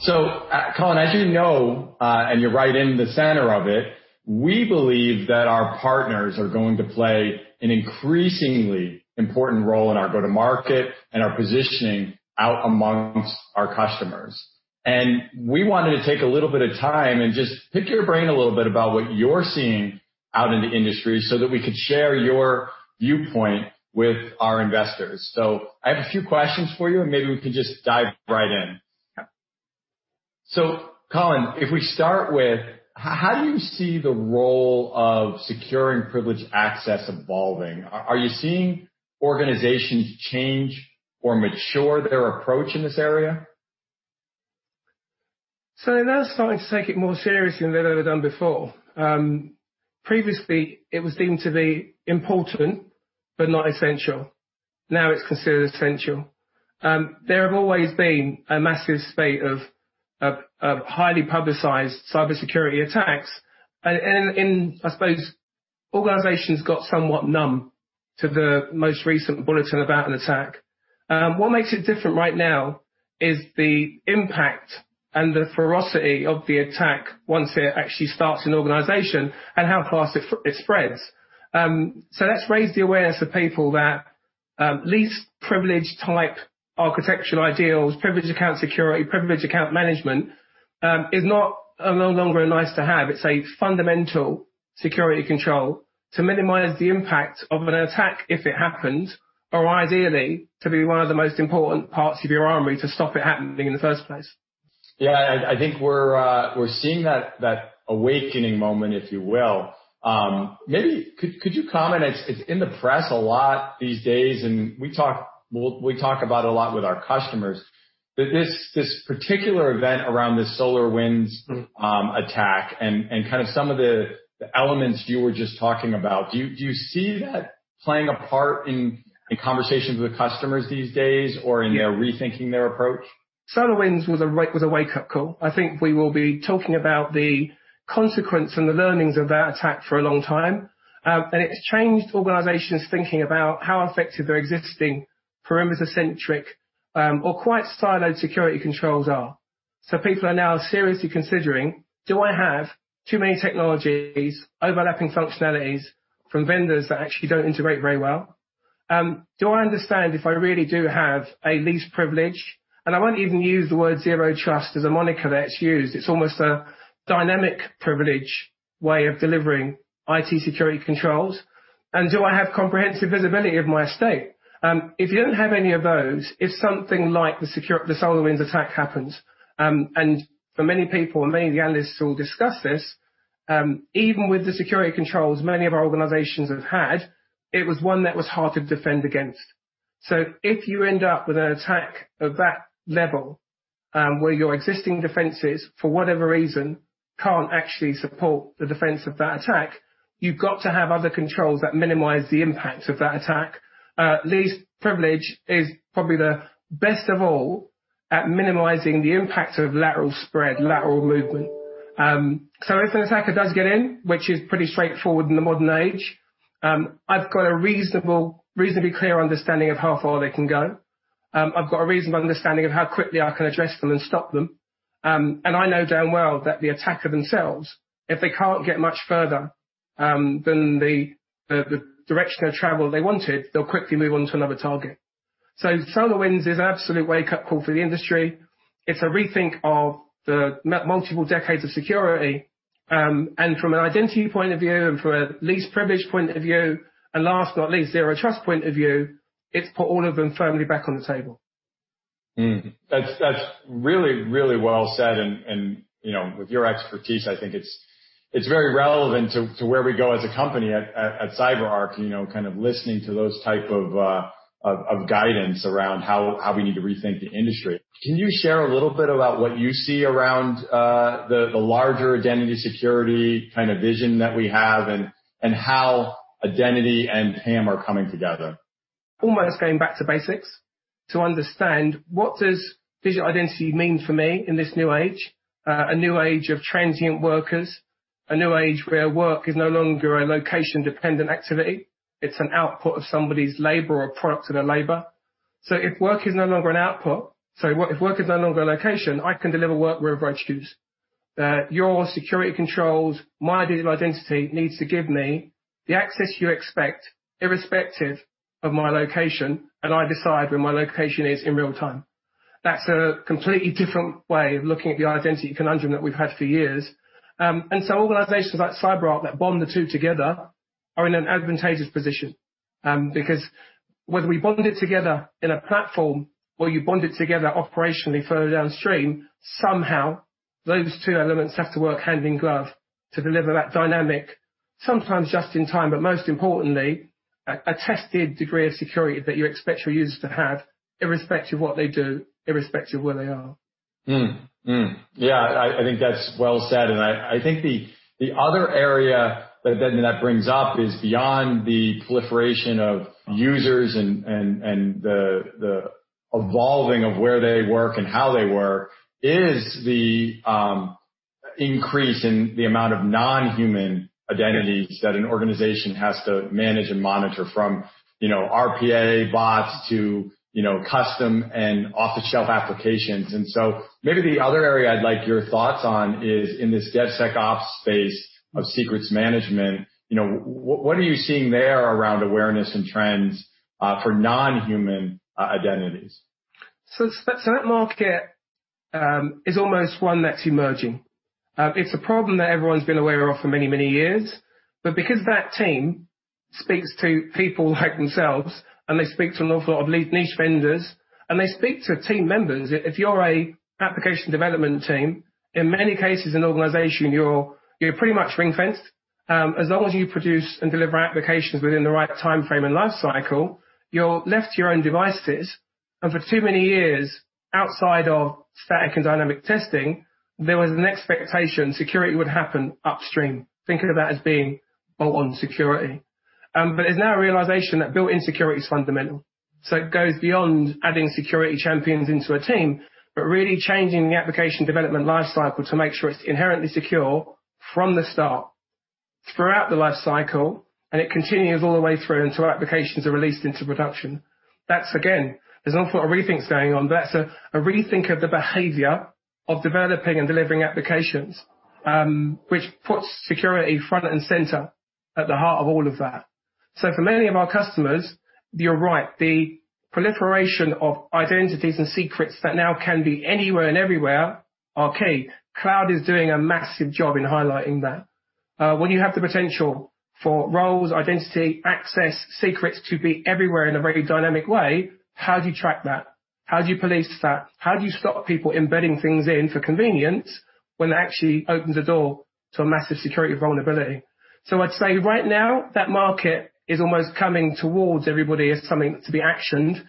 Colin, as you know, and you're right in the center of it, we believe that our partners are going to play an increasingly important role in our go-to-market and our positioning out amongst our customers. We wanted to take a little bit of time and just pick your brain a little bit about what you're seeing out in the industry so that we could share your viewpoint with our investors. I have a few questions for you, and maybe we can just dive right in. Colin, if we start with how do you see the role of securing privileged access evolving? Are you seeing organizations change or mature their approach in this area? They're now starting to take it more seriously than they've ever done before. Previously, it was deemed to be important but not essential. Now it's considered essential. There have always been a massive spate of highly publicized cybersecurity attacks, and I suppose organizations got somewhat numb to the most recent bulletin about an attack. What makes it different right now is the impact and the ferocity of the attack once it actually starts in an organization and how fast it spreads. Let's raise the awareness of people that least privilege type architectural ideals, privileged account security, privileged account management, is no longer a nice-to-have. It's a fundamental security control to minimize the impact of an attack if it happened, or ideally, to be one of the most important parts of your armory to stop it happening in the first place. Yeah, I think we're seeing that awakening moment, if you will. Maybe could you comment, it's in the press a lot these days, and we talk about it a lot with our customers, that this particular event around the SolarWinds attack and some of the elements you were just talking about, do you see that playing a part in conversations with customers these days, or in their rethinking their approach? SolarWinds was a wake-up call. I think we will be talking about the consequence and the learnings of that attack for a long time. It has changed organizations thinking about how effective their existing perimeter-centric, or quite siloed security controls are. People are now seriously considering, do I have too many technologies, overlapping functionalities from vendors that actually don't integrate very well? Do I understand if I really do have a least privilege? I won't even use the word Zero Trust as a moniker that's used. It's almost a dynamic privilege way of delivering IT security controls. Do I have comprehensive visibility of my estate? If you don't have any of those, if something like the SolarWinds attack happens, and for many people, and many of the analysts all discuss this, even with the security controls many of our organizations have had, it was one that was hard to defend against. If you end up with an attack of that level, where your existing defenses, for whatever reason, can't actually support the defense of that attack, you've got to have other controls that minimize the impact of that attack. Least privilege is probably the best of all at minimizing the impact of lateral spread, lateral movement. If an attacker does get in, which is pretty straightforward in the modern age, I've got a reasonably clear understanding of how far they can go. I've got a reasonable understanding of how quickly I can address them and stop them. I know damn well that the attacker themselves, if they can't get much further, than the direction of travel they wanted, they'll quickly move on to another target. SolarWinds is an absolute wake-up call for the industry. It's a rethink of the multiple decades of security, and from an identity point of view and from a least privilege point of view, and last but not least, zero trust point of view, it's put all of them firmly back on the table. That's really well said and, with your expertise, I think it's very relevant to where we go as a company at CyberArk, listening to those type of guidance around how we need to rethink the industry. Can you share a little bit about what you see around the larger identity security vision that we have and how identity and PAM are coming together? Almost going back to basics to understand what does digital identity mean for me in this new age? A new age of transient workers, a new age where work is no longer a location-dependent activity. It's an output of somebody's labor or a product of their labor. If work is no longer a location, I can deliver work wherever I choose. Your security controls, my digital identity needs to give me the access you expect irrespective of my location, and I decide where my location is in real time. That's a completely different way of looking at the identity conundrum that we've had for years. Organizations like CyberArk that bond the two together are in an advantageous position. Whether we bond it together in a platform or you bond it together operationally further downstream, somehow those two elements have to work hand in glove to deliver that dynamic, sometimes just in time, but most importantly, a tested degree of security that you expect your users to have irrespective of what they do, irrespective of where they are. Yeah, I think that's well said. I think the other area that brings up is beyond the proliferation of users and the evolving of where they work and how they work is the increase in the amount of non-human identities that an organization has to manage and monitor from RPA bots to custom and off-the-shelf applications. Maybe the other area I'd like your thoughts on is in this DevSecOps space of secrets management. What are you seeing there around awareness and trends for non-human identities? That market is almost one that's emerging. It's a problem that everyone's been aware of for many, many years. Because that team speaks to people like themselves, and they speak to an awful lot of niche vendors, and they speak to team members, if you're an application development team, in many cases in an organization, you're pretty much ring-fenced. As long as you produce and deliver applications within the right timeframe and life cycle, you're left to your own devices. For too many years, outside of static and dynamic testing, there was an expectation security would happen upstream, thinking about it as being built-on security. There's now a realization that built-in security is fundamental. It goes beyond adding security champions into a team, but really changing the application development life cycle to make sure it's inherently secure from the start, throughout the life cycle, and it continues all the way through until applications are released into production. That's again, there's an awful lot of rethinks going on. That's a rethink of the behavior of developing and delivering applications, which puts security front and center at the heart of all of that. For many of our customers, you're right. The proliferation of identities and secrets that now can be anywhere and everywhere are key. Cloud is doing a massive job in highlighting that. When you have the potential for roles, identity, access, secrets to be everywhere in a very dynamic way, how do you track that? How do you police that? How do you stop people embedding things in for convenience when that actually opens the door to a massive security vulnerability? I'd say right now, that market is almost coming towards everybody as something to be actioned,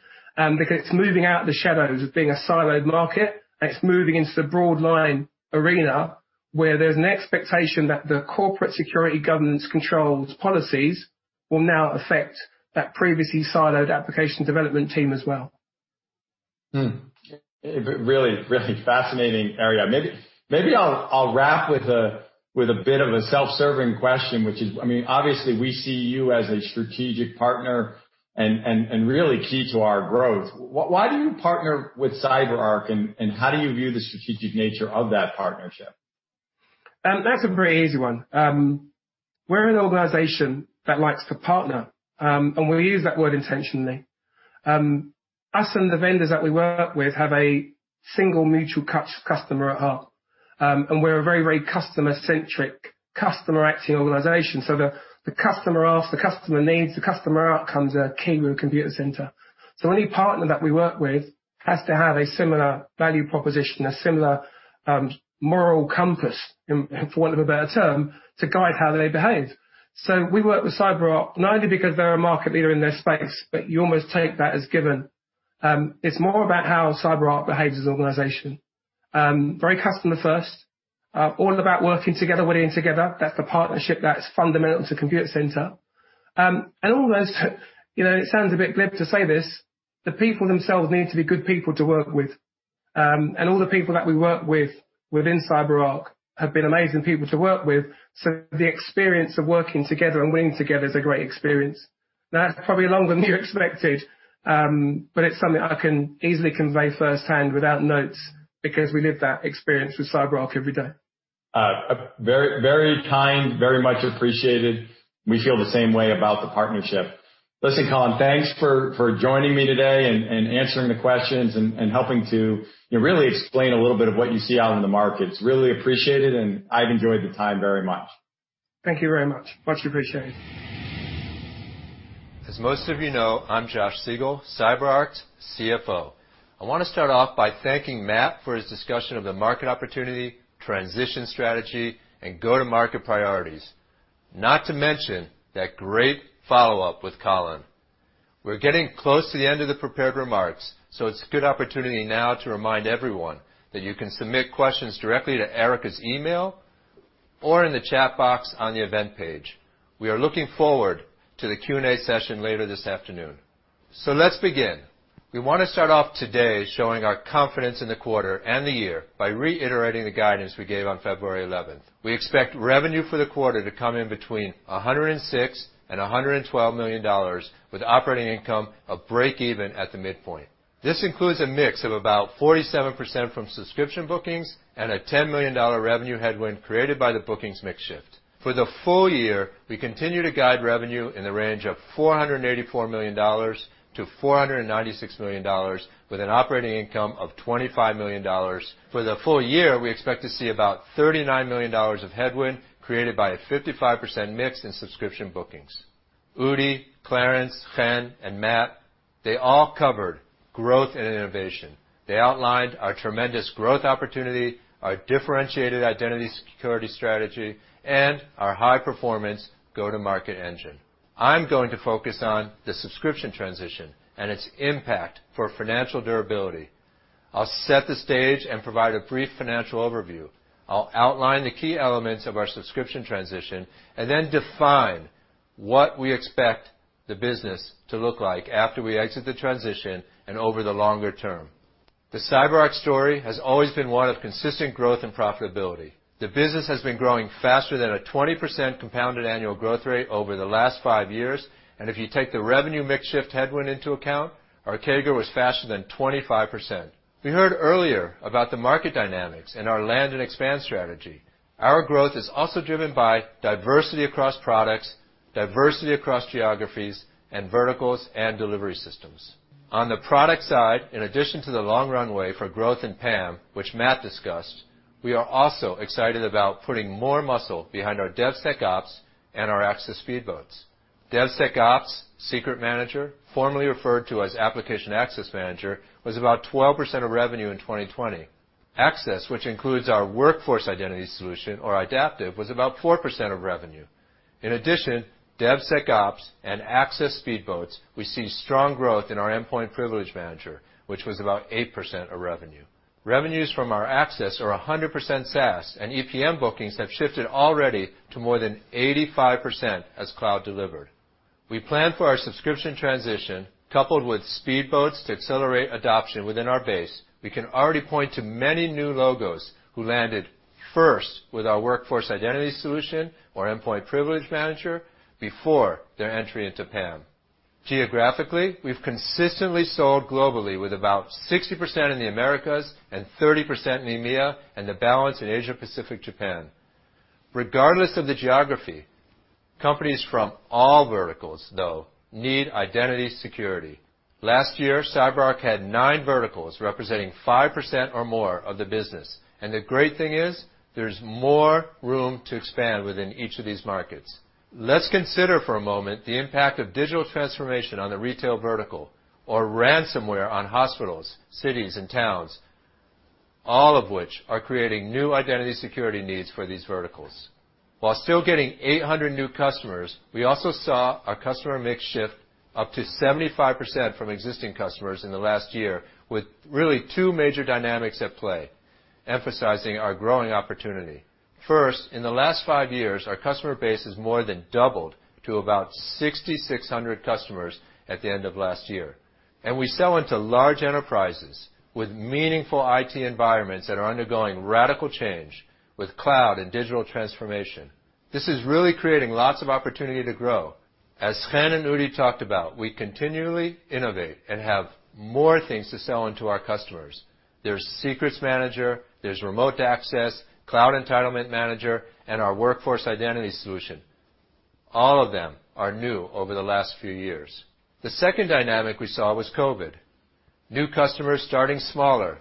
because it's moving out of the shadows of being a siloed market, and it's moving into the broad line arena, where there's an expectation that the corporate security governance controls policies will now affect that previously siloed application development team as well. Really fascinating area. Maybe I'll wrap with a bit of a self-serving question, which is, obviously, we see you as a strategic partner and really key to our growth. Why do you partner with CyberArk, and how do you view the strategic nature of that partnership? That's a very easy one. We're an organization that likes to partner, and we use that word intentionally. Us and the vendors that we work with have a single mutual customer at heart. We're a very customer-centric, customer-acting organization. The customer asks, the customer needs, the customer outcomes are key to Computacenter. Any partner that we work with has to have a similar value proposition, a similar moral compass, for want of a better term, to guide how they behave. We work with CyberArk not only because they're a market leader in their space, but you almost take that as given. It's more about how CyberArk behaves as an organization. Very customer first, all about working together, winning together. That's the partnership that's fundamental to Computacenter. All those, it sounds a bit glib to say this, the people themselves need to be good people to work with. All the people that we work with within CyberArk have been amazing people to work with. The experience of working together and winning together is a great experience. That's probably longer than you expected, but it's something I can easily convey firsthand without notes because we live that experience with CyberArk every day. Very kind. Very much appreciated. We feel the same way about the partnership. Listen, Colin, thanks for joining me today and answering the questions and helping to really explain a little bit of what you see out in the markets. Really appreciate it, and I've enjoyed the time very much. Thank you very much. Much appreciated. As most of you know, I'm Josh Siegel, CyberArk's CFO. I want to start off by thanking Matt for his discussion of the market opportunity, transition strategy, and go-to-market priorities. Not to mention that great follow-up with Colin. We're getting close to the end of the prepared remarks, so it's a good opportunity now to remind everyone that you can submit questions directly to Erica's email or in the chat box on the event page. We are looking forward to the Q&A session later this afternoon. Let's begin. We want to start off today showing our confidence in the quarter and the year by reiterating the guidance we gave on February 11th. We expect revenue for the quarter to come in between $106 and $112 million, with operating income of break even at the midpoint. This includes a mix of about 47% from subscription bookings and a $10 million revenue headwind created by the bookings mix shift. For the full year, we continue to guide revenue in the range of $484 million-$496 million, with an operating income of $25 million. For the full year, we expect to see about $39 million of headwind, created by a 55% mix in subscription bookings. Udi, Clarence, Chen, and Matt, they all covered growth and innovation. They outlined our tremendous growth opportunity, our differentiated identity security strategy, and our high-performance go-to-market engine. I'm going to focus on the subscription transition and its impact for financial durability. I'll set the stage and provide a brief financial overview. I'll outline the key elements of our subscription transition and then define what we expect the business to look like after we exit the transition and over the longer term. The CyberArk story has always been one of consistent growth and profitability. The business has been growing faster than a 20% compounded annual growth rate over the last five years. If you take the revenue mix shift headwind into account, our CAGR was faster than 25%. We heard earlier about the market dynamics and our land and expand strategy. Our growth is also driven by diversity across products, diversity across geographies, and verticals and delivery systems. On the product side, in addition to the long runway for growth in PAM, which Matt discussed, we are also excited about putting more muscle behind our DevSecOps and our access speedboats. DevSecOps Secrets Manager, formerly referred to as Application Access Manager, was about 12% of revenue in 2020. Access, which includes our Workforce Identity solution or Idaptive, was about 4% of revenue. In addition, DevSecOps and Access speedboats, we see strong growth in our Endpoint Privilege Manager, which was about 8% of revenue. Revenues from our Access are 100% SaaS, and EPM bookings have shifted already to more than 85% as cloud delivered. We plan for our subscription transition, coupled with speedboats to accelerate adoption within our base. We can already point to many new logos who landed first with our Workforce Identity solution or Endpoint Privilege Manager before their entry into PAM. Geographically, we've consistently sold globally with about 60% in the Americas and 30% in EMEA, and the balance in Asia Pacific, Japan. Regardless of the geography, companies from all verticals, though, need identity security. Last year, CyberArk had nine verticals representing 5% or more of the business. The great thing is, there's more room to expand within each of these markets. Let's consider for a moment the impact of digital transformation on the retail vertical or ransomware on hospitals, cities, and towns, all of which are creating new identity security needs for these verticals. While still getting 800 new customers, we also saw our customer mix shift up to 75% from existing customers in the last year with really two major dynamics at play, emphasizing our growing opportunity. In the last five years, our customer base has more than doubled to about 6,600 customers at the end of last year. We sell into large enterprises with meaningful IT environments that are undergoing radical change with cloud and digital transformation. This is really creating lots of opportunity to grow. As Chen and Udi talked about, we continually innovate and have more things to sell into our customers. There's Secrets Manager, there's Remote Access, Cloud Entitlements Manager, and our Workforce Identity solution. All of them are new over the last few years. The second dynamic we saw was COVID. New customers starting smaller,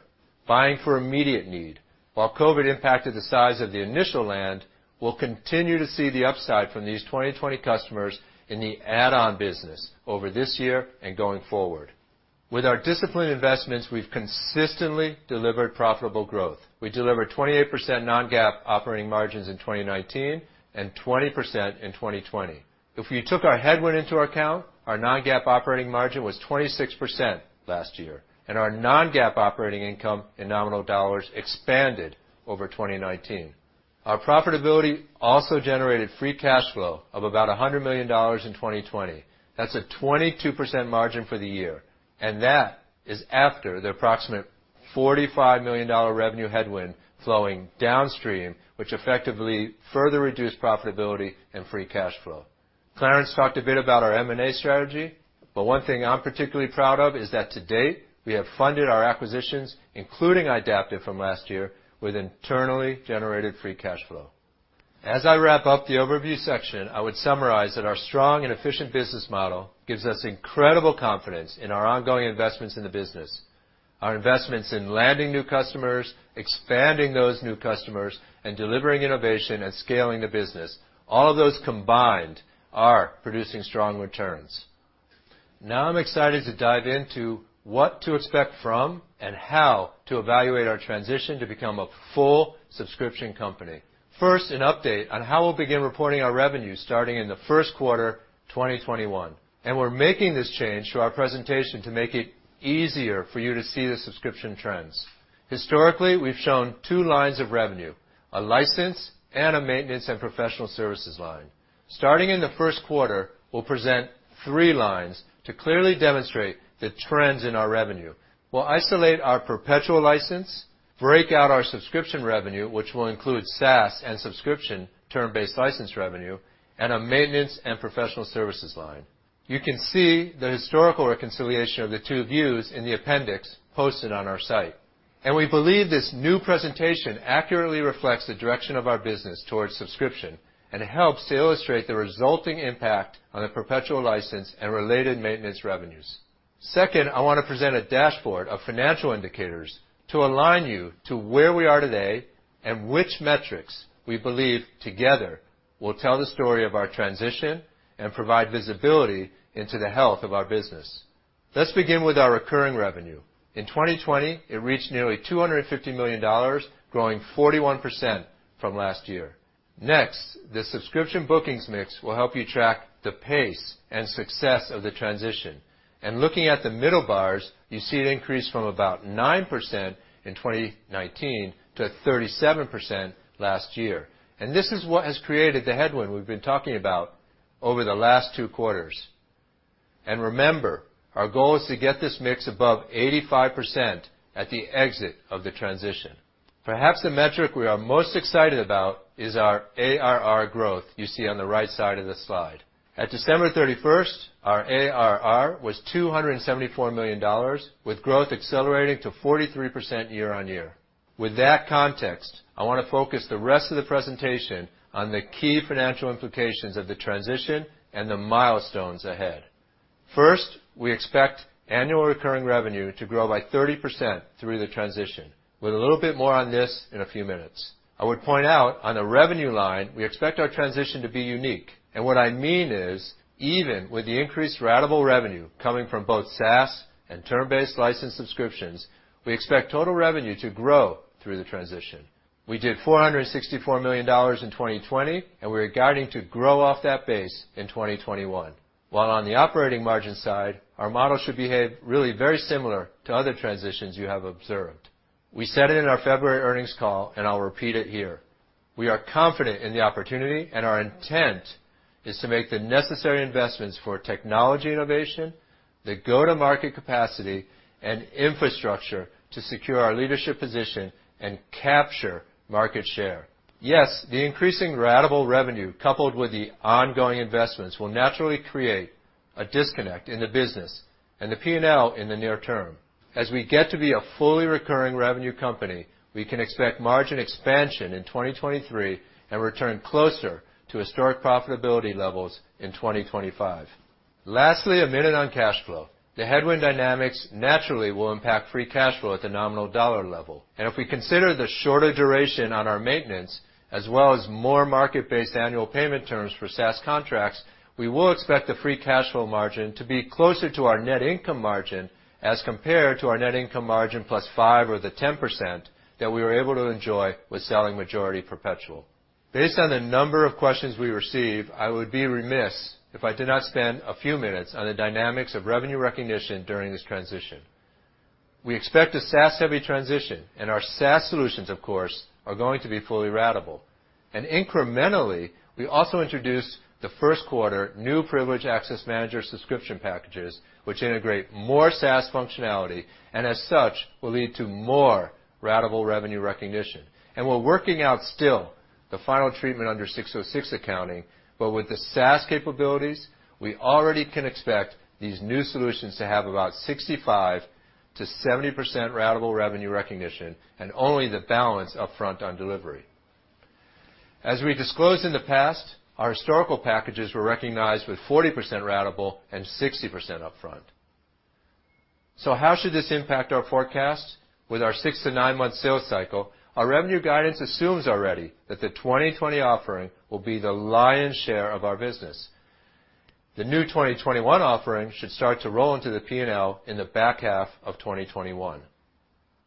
buying for immediate need. While COVID impacted the size of the initial land, we'll continue to see the upside from these 2020 customers in the add-on business over this year and going forward. With our disciplined investments, we've consistently delivered profitable growth. We delivered 28% non-GAAP operating margins in 2019 and 20% in 2020. If you took our headwind into account, our non-GAAP operating margin was 26% last year, and our non-GAAP operating income in nominal dollars expanded over 2019. Our profitability also generated free cash flow of about $100 million in 2020. That's a 22% margin for the year. That is after the approximate $45 million revenue headwind flowing downstream, which effectively further reduced profitability and free cash flow. Clarence talked a bit about our M&A strategy. One thing I'm particularly proud of is that to date, we have funded our acquisitions, including Idaptive from last year, with internally generated free cash flow. As I wrap up the overview section, I would summarize that our strong and efficient business model gives us incredible confidence in our ongoing investments in the business. Our investments in landing new customers, expanding those new customers, and delivering innovation and scaling the business, all of those combined are producing strong returns. I'm excited to dive into what to expect from and how to evaluate our transition to become a full subscription company. An update on how we'll begin reporting our revenues starting in the first quarter 2021. We're making this change to our presentation to make it easier for you to see the subscription trends. Historically, we've shown two lines of revenue, a license and a maintenance and professional services line. Starting in the first quarter, we'll present three lines to clearly demonstrate the trends in our revenue. We'll isolate our perpetual license, break out our subscription revenue, which will include SaaS and subscription term-based license revenue, and a maintenance and professional services line. You can see the historical reconciliation of the two views in the appendix posted on our site. We believe this new presentation accurately reflects the direction of our business towards subscription and helps to illustrate the resulting impact on the perpetual license and related maintenance revenues. Second, I want to present a dashboard of financial indicators to align you to where we are today and which metrics we believe together will tell the story of our transition and provide visibility into the health of our business. Let's begin with our recurring revenue. In 2020, it reached nearly $250 million, growing 41% from last year. Next, the subscription bookings mix will help you track the pace and success of the transition. Looking at the middle bars, you see it increased from about 9% in 2019 to 37% last year. This is what has created the headwind we've been talking about over the last two quarters. Remember, our goal is to get this mix above 85% at the exit of the transition. Perhaps the metric we are most excited about is our ARR growth you see on the right side of the slide. At December 31st, our ARR was $274 million, with growth accelerating to 43% year-on-year. With that context, I want to focus the rest of the presentation on the key financial implications of the transition and the milestones ahead. First, we expect annual recurring revenue to grow by 30% through the transition. With a little bit more on this in a few minutes. I would point out on the revenue line, we expect our transition to be unique. What I mean is even with the increased ratable revenue coming from both SaaS and term-based license subscriptions, we expect total revenue to grow through the transition. We did $464 million in 2020, and we're guiding to grow off that base in 2021. While on the operating margin side, our model should behave really very similar to other transitions you have observed. We said it in our February earnings call, and I'll repeat it here. We are confident in the opportunity, and our intent is to make the necessary investments for technology innovation, the go-to-market capacity and infrastructure to secure our leadership position and capture market share. Yes, the increasing ratable revenue coupled with the ongoing investments will naturally create a disconnect in the business and the P&L in the near term. As we get to be a fully recurring revenue company, we can expect margin expansion in 2023 and return closer to historic profitability levels in 2025. Lastly, a minute on cash flow. The headwind dynamics naturally will impact free cash flow at the nominal dollar level. If we consider the shorter duration on our maintenance, as well as more market-based annual payment terms for SaaS contracts, we will expect the free cash flow margin to be closer to our net income margin as compared to our net income margin plus 5% or the 10% that we were able to enjoy with selling majority perpetual. Based on the number of questions we receive, I would be remiss if I did not spend a few minutes on the dynamics of revenue recognition during this transition. We expect a SaaS-heavy transition, and our SaaS solutions, of course, are going to be fully ratable. Incrementally, we also introduced the first quarter new Privileged Access Manager subscription packages, which integrate more SaaS functionality, and as such, will lead to more ratable revenue recognition. We're working out still the final treatment under 606 accounting, with the SaaS capabilities, we already can expect these new solutions to have about 65%-70% ratable revenue recognition, and only the balance upfront on delivery. As we disclosed in the past, our historical packages were recognized with 40% ratable and 60% upfront. How should this impact our forecast? With our six- to nine-month sales cycle, our revenue guidance assumes already that the 2020 offering will be the lion's share of our business. The new 2021 offering should start to roll into the P&L in the back half of 2021.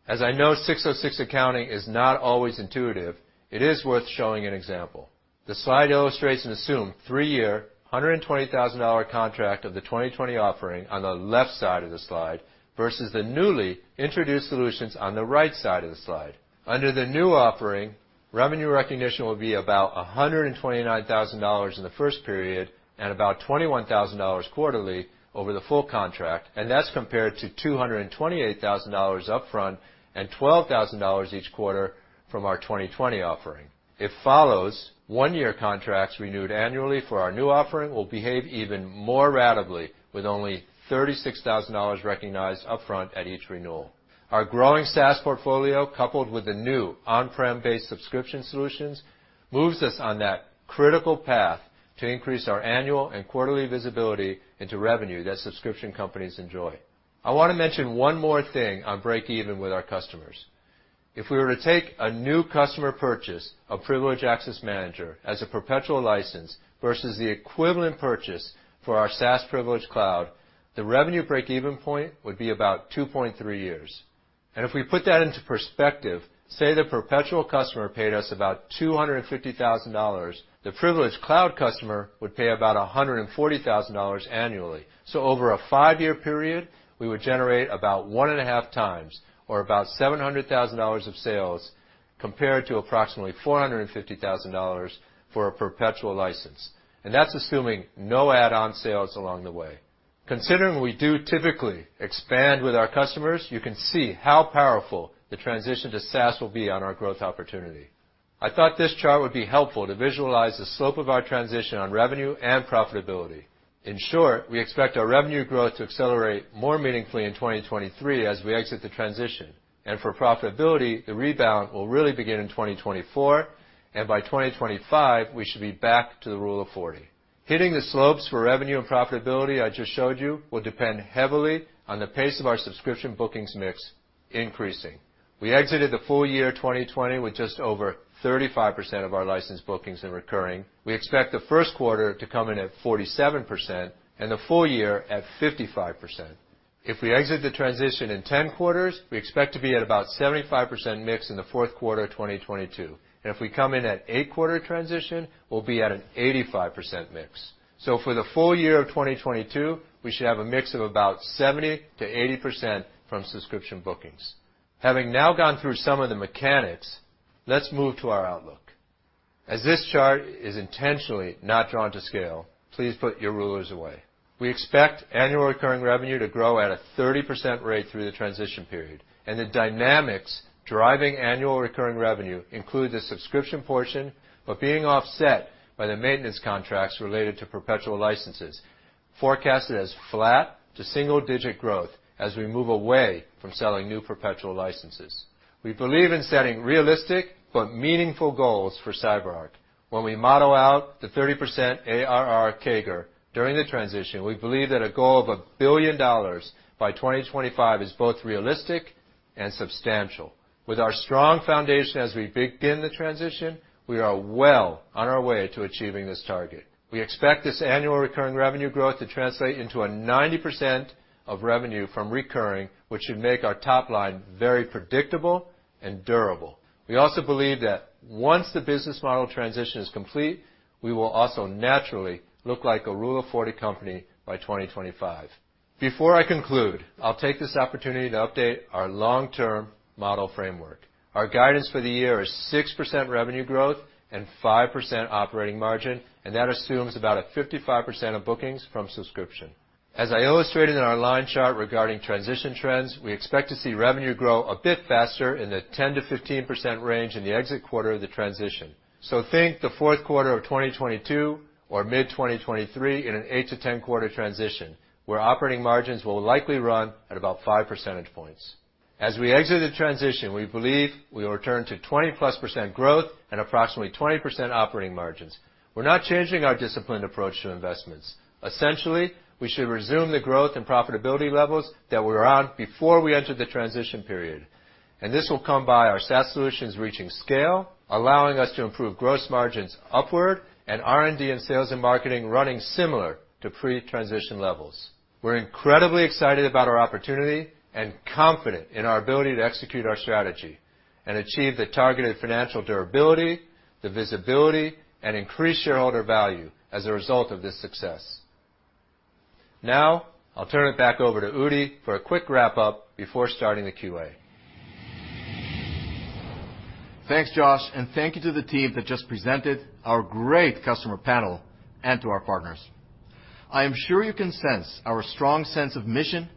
As I know 606 accounting is not always intuitive, it is worth showing an example. The slide illustrates an assumed three-year, $120,000 contract of the 2020 offering on the left side of the slide, versus the newly introduced solutions on the right side of the slide. Under the new offering, revenue recognition will be about $129,000 in the first period and about $21,000 quarterly over the full contract. That's compared to $228,000 upfront and $12,000 each quarter from our 2020 offering. It follows one-year contracts renewed annually for our new offering will behave even more ratably with only $36,000 recognized upfront at each renewal. Our growing SaaS portfolio, coupled with the new on-prem-based subscription solutions, moves us on that critical path to increase our annual and quarterly visibility into revenue that subscription companies enjoy. I want to mention one more thing on break even with our customers. If we were to take a new customer purchase of Privileged Access Manager as a perpetual license versus the equivalent purchase for our SaaS Privilege Cloud, the revenue break-even point would be about 2.3 years. If we put that into perspective, say, the perpetual customer paid us about $250,000, the Privileged Cloud customer would pay about $140,000 annually. Over a five-year period, we would generate about one and a half times or about $700,000 of sales compared to approximately $450,000 for a perpetual license. That's assuming no add-on sales along the way. Considering we do typically expand with our customers, you can see how powerful the transition to SaaS will be on our growth opportunity. I thought this chart would be helpful to visualize the slope of our transition on revenue and profitability. In short, we expect our revenue growth to accelerate more meaningfully in 2023 as we exit the transition. For profitability, the rebound will really begin in 2024, and by 2025, we should be back to the Rule of 40. Hitting the slopes for revenue and profitability I just showed you will depend heavily on the pace of our subscription bookings mix increasing. We exited the full year 2020 with just over 35% of our licensed bookings in recurring. We expect the first quarter to come in at 47% and the full year at 55%. If we exit the transition in 10 quarters, we expect to be at about 75% mix in the fourth quarter of 2022. If we come in at eight-quarter transition, we'll be at an 85% mix. For the full year of 2022, we should have a mix of about 70%-80% from subscription bookings. Having now gone through some of the mechanics, let's move to our outlook. As this chart is intentionally not drawn to scale, please put your rulers away. We expect annual recurring revenue to grow at a 30% rate through the transition period, and the dynamics driving annual recurring revenue include the subscription portion, but being offset by the maintenance contracts related to perpetual licenses, forecasted as flat to single-digit growth as we move away from selling new perpetual licenses. We believe in setting realistic but meaningful goals for CyberArk. When we model out the 30% ARR CAGR during the transition, we believe that a goal of $1 billion by 2025 is both realistic and substantial. With our strong foundation as we begin the transition, we are well on our way to achieving this target. We expect this annual recurring revenue growth to translate into a 90% of revenue from recurring, which should make our top line very predictable and durable. We also believe that once the business model transition is complete, we will also naturally look like a Rule of 40 company by 2025. Before I conclude, I will take this opportunity to update our long-term model framework. Our guidance for the year is 6% revenue growth and 5% operating margin, and that assumes about a 55% of bookings from subscription. As I illustrated in our line chart regarding transition trends, we expect to see revenue grow a bit faster in the 10%-15% range in the exit quarter of the transition. Think the fourth quarter of 2022 or mid-2023 in an eight to 10-quarter transition, where operating margins will likely run at about five percentage points. As we exit the transition, we believe we will return to 20-plus percent growth and approximately 20% operating margins. We are not changing our disciplined approach to investments. Essentially, we should resume the growth and profitability levels that we were on before we entered the transition period. This will come by our SaaS solutions reaching scale, allowing us to improve gross margins upward, R&D and sales and marketing running similar to pre-transition levels. We're incredibly excited about our opportunity and confident in our ability to execute our strategy and achieve the targeted financial durability, the visibility, and increase shareholder value as a result of this success. Now, I'll turn it back over to Udi for a quick wrap-up before starting the QA. Thanks, Josh, and thank you to the team that just presented, our great customer panel, and to our partners. I am sure you can sense our strong sense of mission,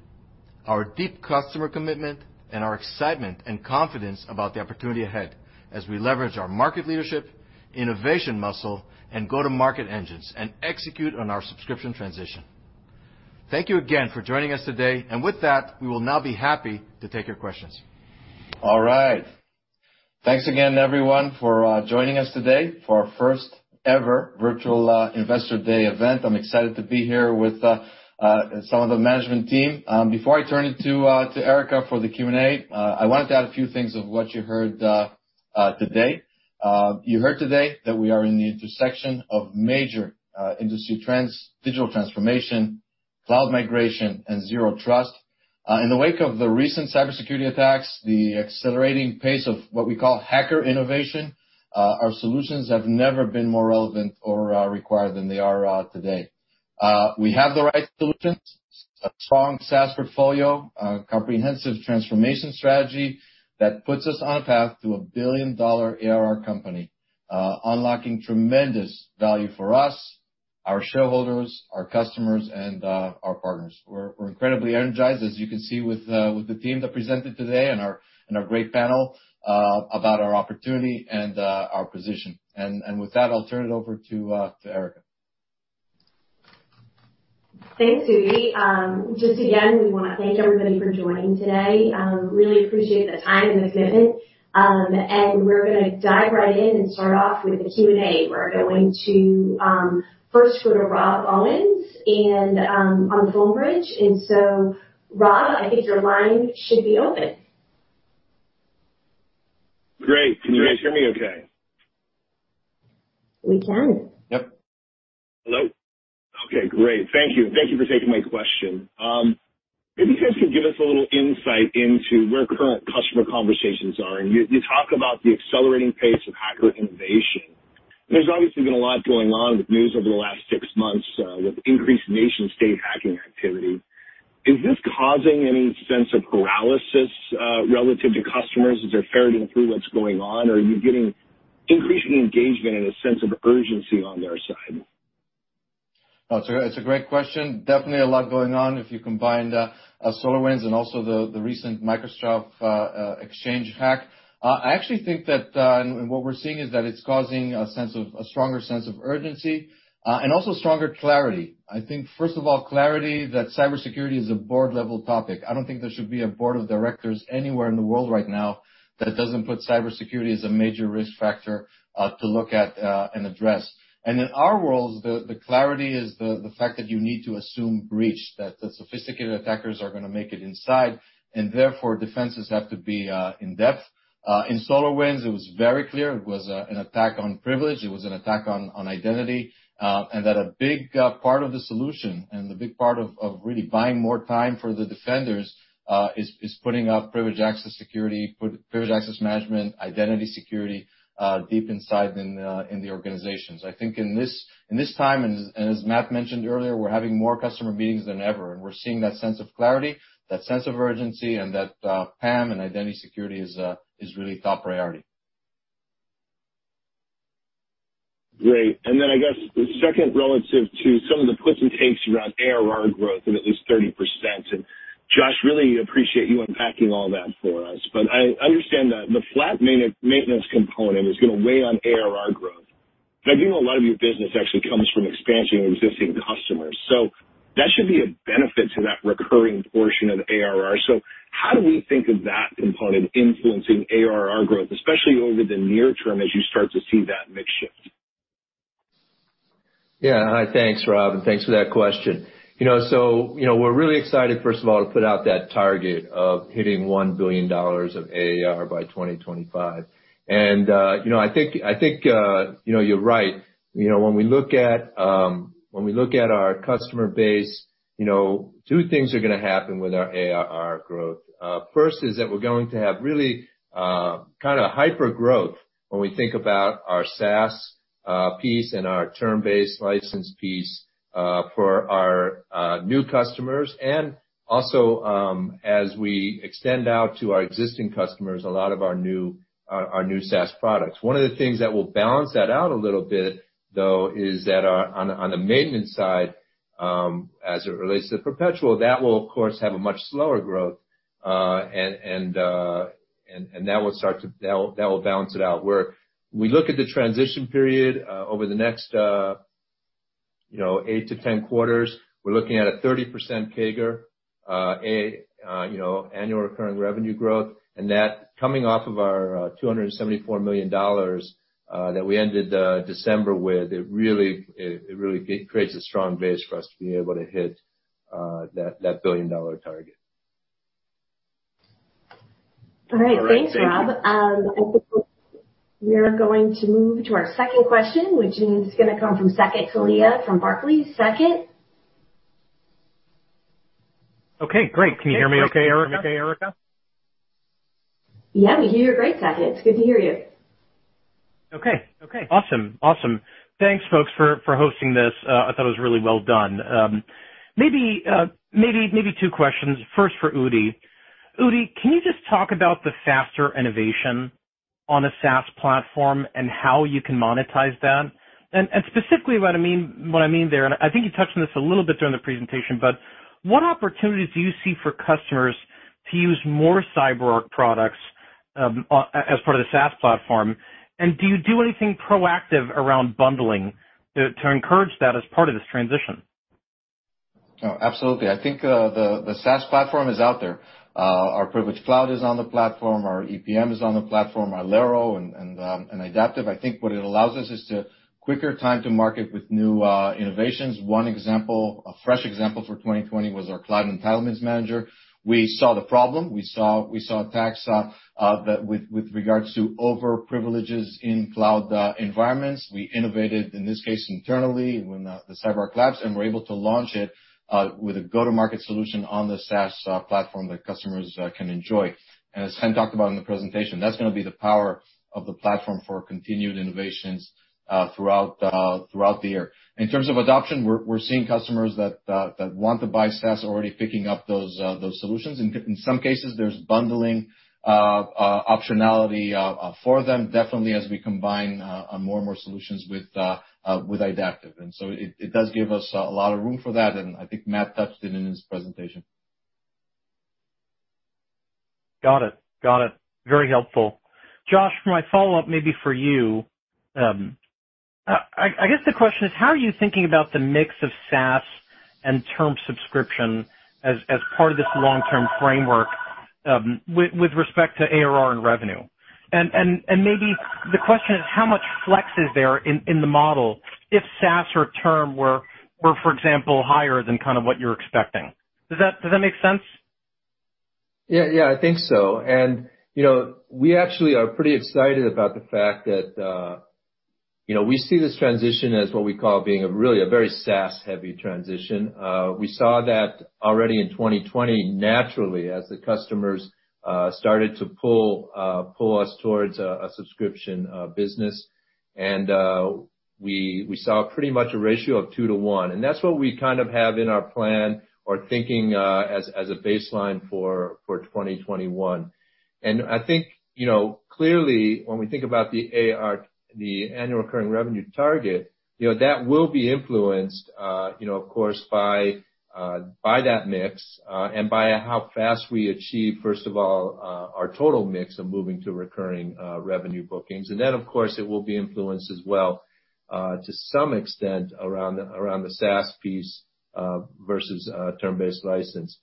our deep customer commitment, and our excitement and confidence about the opportunity ahead as we leverage our market leadership, innovation muscle, and go-to-market engines, and execute on our subscription transition. Thank you again for joining us today. With that, we will now be happy to take your questions. All right. Thanks again, everyone, for joining us today for our first ever virtual Investor Day event. I'm excited to be here with some of the management team. Before I turn it to Erica for the Q&A, I wanted to add a few things of what you heard today. You heard today that we are in the intersection of major industry trends, digital transformation, cloud migration, and zero trust. In the wake of the recent cybersecurity attacks, the accelerating pace of what we call hacker innovation, our solutions have never been more relevant or required than they are today. We have the right solutions, a strong SaaS portfolio, a comprehensive transformation strategy that puts us on a path to a billion-dollar ARR company, unlocking tremendous value for us, our shareholders, our customers, and our partners. We're incredibly energized, as you can see with the team that presented today and our great panel, about our opportunity and our position. With that, I'll turn it over to Erica. Thanks, Udi. Just again, we want to thank everybody for joining today. Really appreciate the time and the commitment. We're going to dive right in and start off with the Q&A. We're going to first go to Rob Owens on the Piper Sandler. Rob, I think your line should be open. Great. Can you guys hear me okay? We can. Yep. Hello. Okay, great. Thank you. Thank you for taking my question. Maybe you guys could give us a little insight into where current customer conversations are. You talk about the accelerating pace of hacker innovation. There's obviously been a lot going on with news over the last six months with increased nation state hacking activity. Is this causing any sense of paralysis relative to customers as they're ferreting through what's going on, or are you getting increasing engagement and a sense of urgency on their side? It's a great question. Definitely a lot going on if you combined SolarWinds and also the recent Microsoft Exchange hack. I actually think that what we're seeing is that it's causing a stronger sense of urgency and also stronger clarity. I think, first of all, clarity that cybersecurity is a board-level topic. I don't think there should be a board of directors anywhere in the world right now that doesn't put cybersecurity as a major risk factor to look at and address. In our world, the clarity is the fact that you need to assume breach, that the sophisticated attackers are going to make it inside, and therefore, defenses have to be in-depth. In SolarWinds, it was very clear it was an attack on privilege, it was an attack on identity, and that a big part of the solution and a big part of really buying more time for the defenders, is putting up privilege access security, privilege access management, identity security, deep inside in the organizations. I think in this time, and as Matt mentioned earlier, we're having more customer meetings than ever, and we're seeing that sense of clarity, that sense of urgency, and that PAM and identity security is really top priority. Great. I guess the second relative to some of the puts and takes around ARR growth and at least 30%. Josh, really appreciate you unpacking all that for us. I understand that the flat maintenance component is going to weigh on ARR growth. I do know a lot of your business actually comes from expansion of existing customers. That should be a benefit to that recurring portion of ARR. How do we think of that component influencing ARR growth, especially over the near term as you start to see that mix shift? Yeah. Thanks, Rob, thanks for that question. We're really excited, first of all, to put out that target of hitting $1 billion of ARR by 2025. I think you're right. When we look at our customer base, two things are going to happen with our ARR growth. First is that we're going to have really hyper-growth when we think about our SaaS piece and our term-based license piece for our new customers and also as we extend out to our existing customers, a lot of our new SaaS products. One of the things that will balance that out a little bit, though, is that on the maintenance side, as it relates to perpetual, that will, of course, have a much slower growth and that will balance it out, where we look at the transition period, over the next eight to 10 quarters, we're looking at a 30% CAGR, annual recurring revenue growth, and that coming off of our $274 million that we ended December with. It really creates a strong base for us to be able to hit that billion-dollar target. All right. Thanks, Rob. I think we're going to move to our second question, which is going to come from Saket Kalia from Barclays. Saket? Okay, great. Can you hear me okay, Erica? Yeah, we hear you great, Saket. It's good to hear you. Okay. Awesome. Thanks, folks, for hosting this. I thought it was really well done. Maybe two questions. First, for Udi. Udi, can you just talk about the faster innovation on a SaaS platform and how you can monetize that? Specifically, what I mean there, and I think you touched on this a little bit during the presentation, but what opportunities do you see for customers to use more CyberArk products as part of the SaaS platform? Do you do anything proactive around bundling to encourage that as part of this transition? Absolutely. I think the SaaS platform is out there. Our Privilege Cloud is on the platform, our EPM is on the platform, our Alero and Idaptive. I think what it allows us is quicker time to market with new innovations. One example, a fresh example for 2020, was our Cloud Entitlements Manager. We saw the problem. We saw attacks with regards to over-privileges in cloud environments. We innovated, in this case, internally within the CyberArk labs, and we're able to launch it with a go-to-market solution on the SaaS platform that customers can enjoy. As Chen talked about in the presentation, that's gonna be the power of the platform for continued innovations throughout the year. In terms of adoption, we're seeing customers that want to buy SaaS already picking up those solutions. In some cases, there's bundling optionality for them, definitely as we combine more and more solutions with Idaptive. It does give us a lot of room for that, and I think Matt touched it in his presentation. Got it. Very helpful. Josh, my follow-up maybe for you. I guess the question is, how are you thinking about the mix of SaaS and term subscription as part of this long-term framework with respect to ARR and revenue? Maybe the question is, how much flex is there in the model if SaaS or term were, for example, higher than what you're expecting? Does that make sense? Yeah, I think so. We actually are pretty excited about the fact that we see this transition as what we call being really a very SaaS-heavy transition. We saw that already in 2020 naturally, as the customers started to pull us towards a subscription business. We saw pretty much a ratio of two to one. That's what we have in our plan or thinking as a baseline for 2021. I think, clearly, when we think about the annual recurring revenue target, that will be influenced, of course, by that mix, and by how fast we achieve, first of all, our total mix of moving to recurring revenue bookings. Then, of course, it will be influenced as well, to some extent, around the SaaS piece versus term-based license.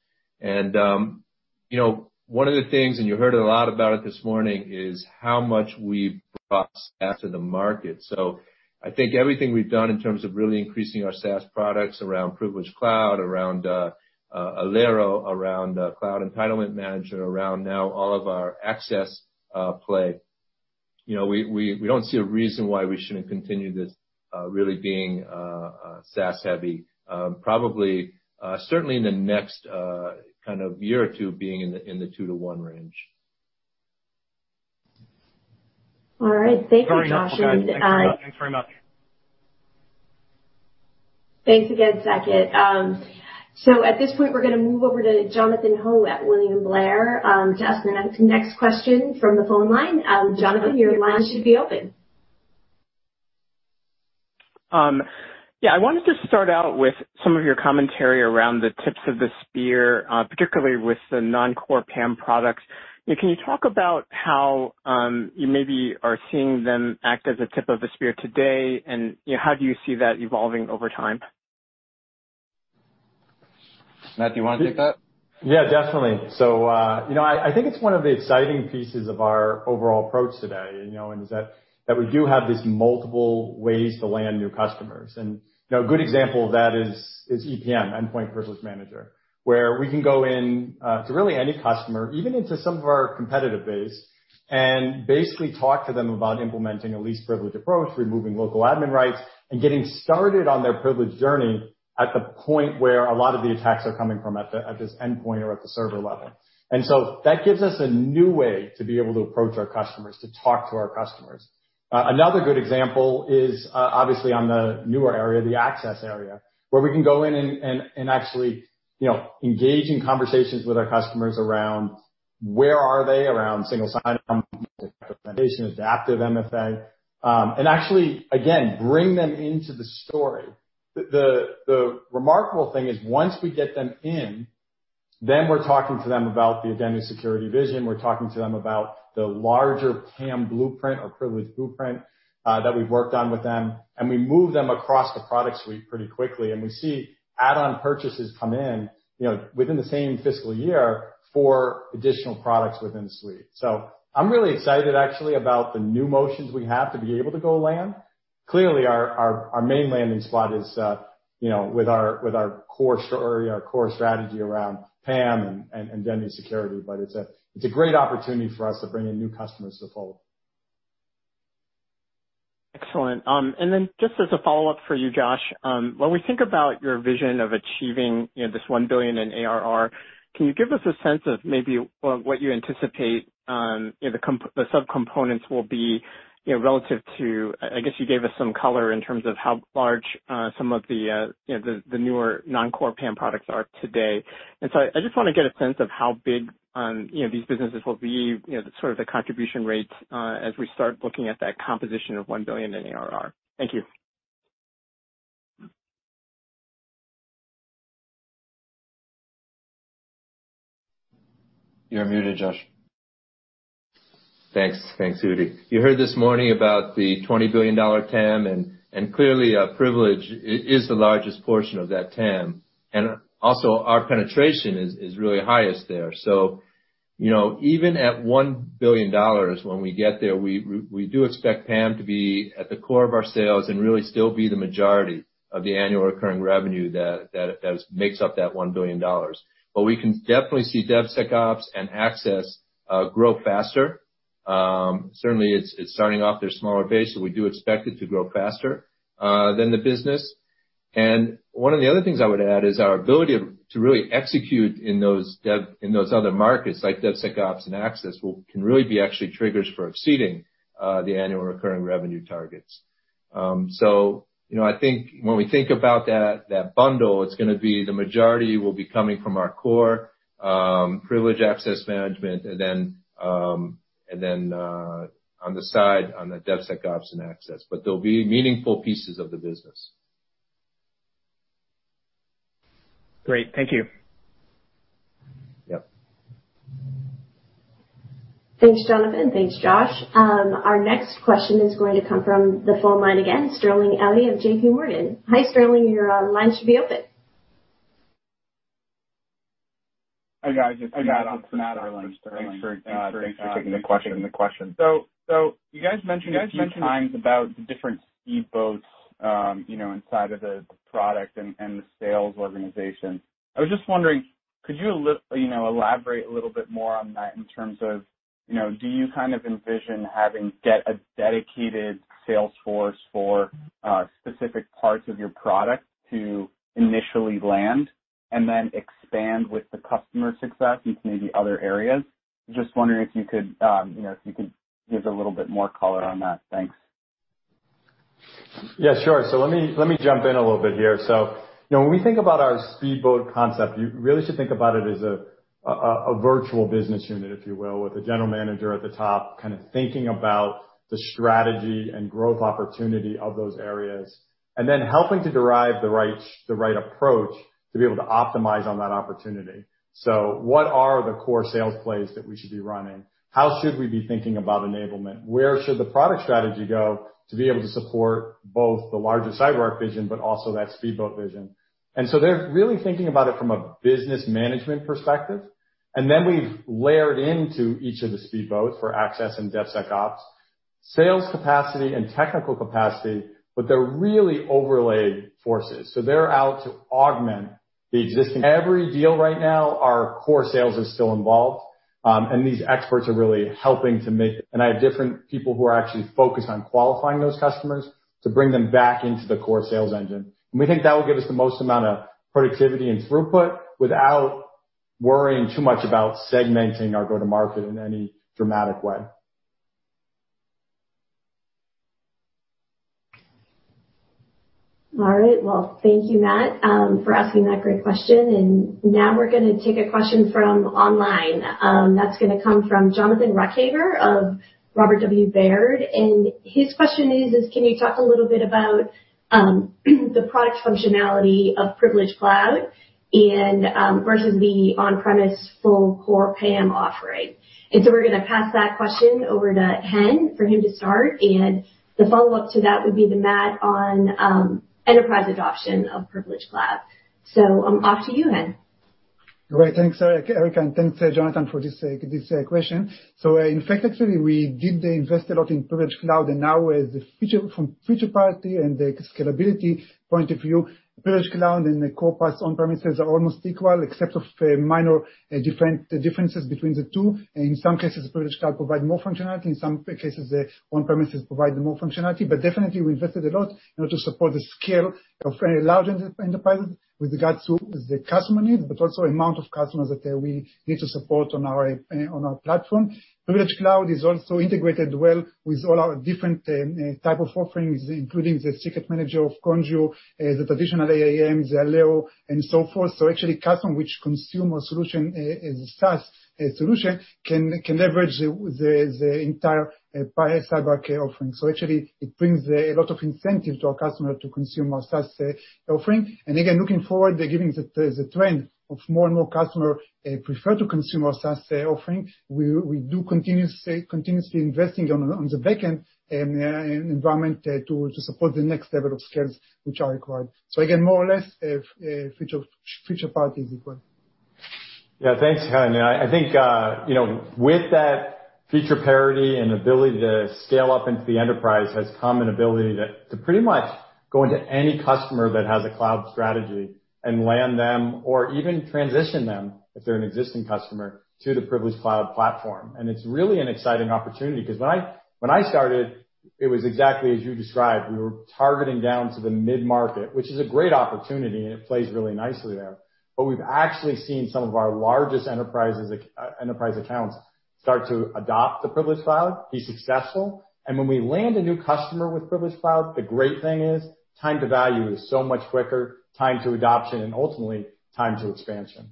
One of the things, and you heard a lot about it this morning, is how much we've brought SaaS to the market. I think everything we've done in terms of really increasing our SaaS products around Privilege Cloud, around Alero, around Cloud Entitlements Manager, around now all of our access play. We don't see a reason why we shouldn't continue this really being SaaS heavy. Probably, certainly in the next year or two, being in the two to one range. All right. Thank you, Josh. Very helpful, guys. Thanks very much. Thanks again, Saket. At this point, we're gonna move over to Jonathan Ho at William Blair, to ask the next question from the phone line. Jonathan, your line should be open. Yeah. I wanted to start out with some of your commentary around the tips of the spear, particularly with the non-core PAM products. Can you talk about how you maybe are seeing them act as a tip of the spear today, and how do you see that evolving over time? Matt, do you want to take that? Definitely. I think it's one of the exciting pieces of our overall approach today, and is that we do have these multiple ways to land new customers. A good example of that is EPM, Endpoint Privilege Manager. Where we can go in to really any customer, even into some of our competitive base, and basically talk to them about implementing a least privileged approach, removing local admin rights, and getting started on their privilege journey at the point where a lot of the attacks are coming from, at this endpoint or at the server level. That gives us a new way to be able to approach our customers, to talk to our customers. Another good example is, obviously on the newer area, the access area, where we can go in and actually engage in conversations with our customers around where are they around single sign-on, adaptive MFA. Actually, again, bring them into the story. The remarkable thing is once we get them in, then we're talking to them about the identity security vision. We're talking to them about the larger PAM blueprint or privilege blueprint that we've worked on with them. We move them across the product suite pretty quickly, and we see add-on purchases come in within the same fiscal year for additional products within the suite. I'm really excited actually about the new motions we have to be able to go land. Clearly, our main landing spot is with our core strategy around PAM and identity security, but it's a great opportunity for us to bring in new customers to follow. Excellent. Just as a follow-up for you, Josh, when we think about your vision of achieving this $1 billion in ARR, can you give us a sense of maybe what you anticipate the sub-components will be relative to, I guess you gave us some color in terms of how large some of the newer non-core PAM products are today. I just want to get a sense of how big these businesses will be, sort of the contribution rates as we start looking at that composition of $1 billion in ARR. Thank you. You're muted, Josh. Thanks, Udi. You heard this morning about the $20 billion TAM. Clearly, Privilege is the largest portion of that TAM. Also, our penetration is really highest there. Even at $1 billion when we get there, we do expect PAM to be at the core of our sales and really still be the majority of the annual recurring revenue that makes up that $1 billion. We can definitely see DevSecOps and access grow faster. Certainly it's starting off their smaller base, so we do expect it to grow faster than the business. One of the other things I would add is our ability to really execute in those other markets like DevSecOps and access can really be actually triggers for exceeding the annual recurring revenue targets. I think when we think about that bundle, it's going to be the majority will be coming from our core privileged access management and then on the side, on the DevSecOps and access. They'll be meaningful pieces of the business. Great. Thank you. Yep. Thanks, Jonathan. Thanks, Josh. Our next question is going to come from the phone line again, Sterling Auty of JPMorgan. Hi, Sterling. Your line should be open. Hi, guys. It's Sterling. Thanks for taking the question. You guys mentioned a few times about the different speed boats inside of the product and the sales organization. I was just wondering, could you elaborate a little bit more on that in terms of, do you kind of envision having get a dedicated sales force for specific parts of your product to initially land and then expand with the customer success into maybe other areas? Just wondering if you could give a little bit more color on that. Thanks. Yeah, sure. Let me jump in a little bit here. When we think about our speedboat concept, you really should think about it as a virtual business unit, if you will, with a general manager at the top, kind of thinking about the strategy and growth opportunity of those areas. Then helping to derive the right approach to be able to optimize on that opportunity. What are the core sales plays that we should be running? How should we be thinking about enablement? Where should the product strategy go to be able to support both the larger CyberArk vision, but also that speedboat vision? They're really thinking about it from a business management perspective. Then we've layered into each of the speedboats for access and DevSecOps, sales capacity and technical capacity, but they're really overlay forces. They're out to augment the existing Every deal right now, our core sales is still involved, and these experts are really helping to make. I have different people who are actually focused on qualifying those customers to bring them back into the core sales engine. We think that will give us the most amount of productivity and throughput without worrying too much about segmenting our go-to-market in any dramatic way. All right. Well, thank you, Matt, for asking that great question. Now we're going to take a question from online. That's going to come from Jonathan Ruykhaver of Robert W. Baird. His question is: Can you talk a little bit about the product functionality of Privilege Cloud versus the on-premise full core PAM offering? We're going to pass that question over to Chen, for him to start. The follow-up to that would be to Matt on enterprise adoption of Privilege Cloud. Off to you, Chen. Great. Thanks, Erica, and thanks, Jonathan, for this question. In fact, actually, we did invest a lot in Privilege Cloud, and now from a feature parity and scalability point of view, Privilege Cloud and the core parts on-premises are almost equal except for minor differences between the two. In some cases, Privilege Cloud provide more functionality. In some cases, on-premises provide more functionality. Definitely, we invested a lot in order to support the scale of large enterprises with regards to the customer needs, but also amount of customers that we need to support on our platform. Privilege Cloud is also integrated well with all our different type of offerings, including the Secrets Manager of Conjur, the traditional AAM, the Alero, and so forth. Actually, customer which consume our solution as a SaaS solution can leverage the entire CyberArk offering. Actually it brings a lot of incentive to our customer to consume our SaaS offering. Again, looking forward, given the trend of more and more customer prefer to consume our SaaS offering, we do continuously investing on the back end environment to support the next level of scales which are required. Again, more or less, feature parity is equal. Yeah, thanks, Chen. I think with that feature parity and ability to scale up into the enterprise has come an ability to pretty much go into any customer that has a cloud strategy and land them, or even transition them if they're an existing customer, to the Privilege Cloud platform. It's really an exciting opportunity because when I started, it was exactly as you described. We were targeting down to the mid-market, which is a great opportunity, and it plays really nicely there. We've actually seen some of our largest enterprise accounts start to adopt the Privilege Cloud, be successful, and when we land a new customer with Privilege Cloud, the great thing is time to value is so much quicker, time to adoption, and ultimately, time to expansion.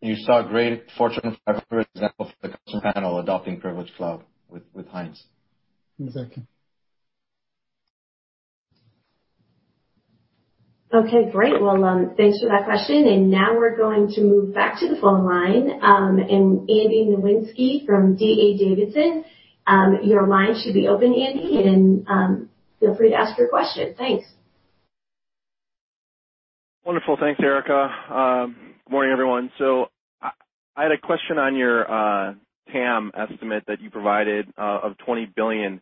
You saw a great Fortune 500 example from the customer panel adopting Privilege Cloud with Heinz. Exactly. Okay, great. Well, thanks for that question. Now we're going to move back to the phone line, and Andy Nowinski from D.A. Davidson. Your line should be open, Andy, and feel free to ask your question. Thanks. Wonderful. Thanks, Erica. Morning, everyone. I had a question on your TAM estimate that you provided of $20 billion.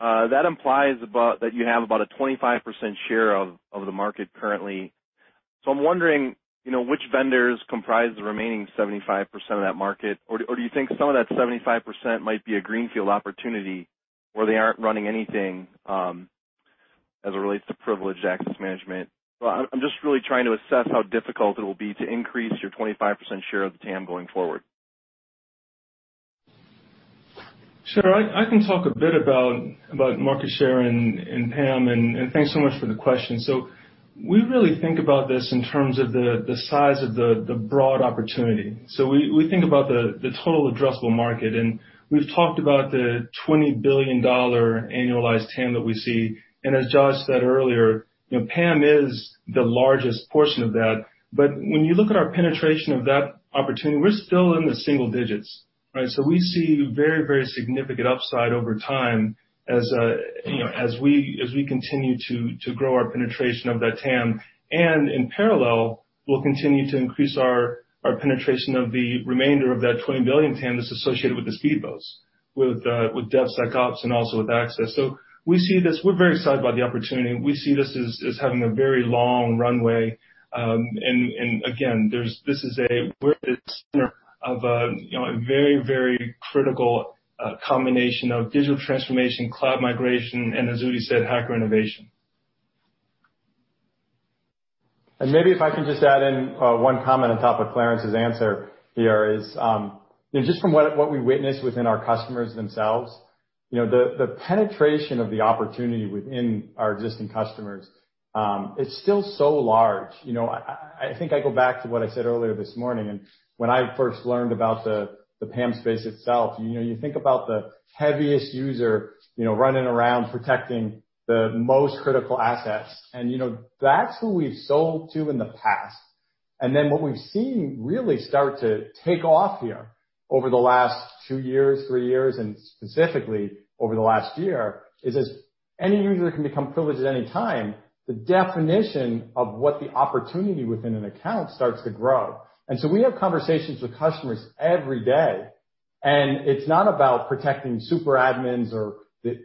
That implies that you have about a 25% share of the market currently. I'm wondering which vendors comprise the remaining 75% of that market, or do you think some of that 75% might be a greenfield opportunity where they aren't running anything, as it relates to privileged access management? I'm just really trying to assess how difficult it will be to increase your 25% share of the TAM going forward. Sure. I can talk a bit about market share and TAM, and thanks so much for the question. We really think about this in terms of the size of the broad opportunity. We think about the total addressable market, and we've talked about the $20 billion annualized TAM that we see. As Josh said earlier, TAM is the largest portion of that. When you look at our penetration of that opportunity, we're still in the single digits, right? We see very significant upside over time as we continue to grow our penetration of that TAM. In parallel, we'll continue to increase our penetration of the remainder of that $20 billion TAM that's associated with the speedboats, with DevSecOps, and also with access. We're very excited about the opportunity. We see this as having a very long runway. Again, we're at the center of a very critical combination of digital transformation, cloud migration, and as Udi said, hacker innovation. Maybe if I can just add in one comment on top of Clarence's answer here is, just from what we witness within our customers themselves, the penetration of the opportunity within our existing customers, it's still so large. I think I go back to what I said earlier this morning, and when I first learned about the PAM space itself. You think about the heaviest user running around protecting the most critical assets, and that's who we've sold to in the past. Then what we've seen really start to take off here over the last two years, three years, and specifically over the last year, is as any user can become privileged at any time, the definition of what the opportunity within an account starts to grow. So we have conversations with customers every day, and it's not about protecting super admins or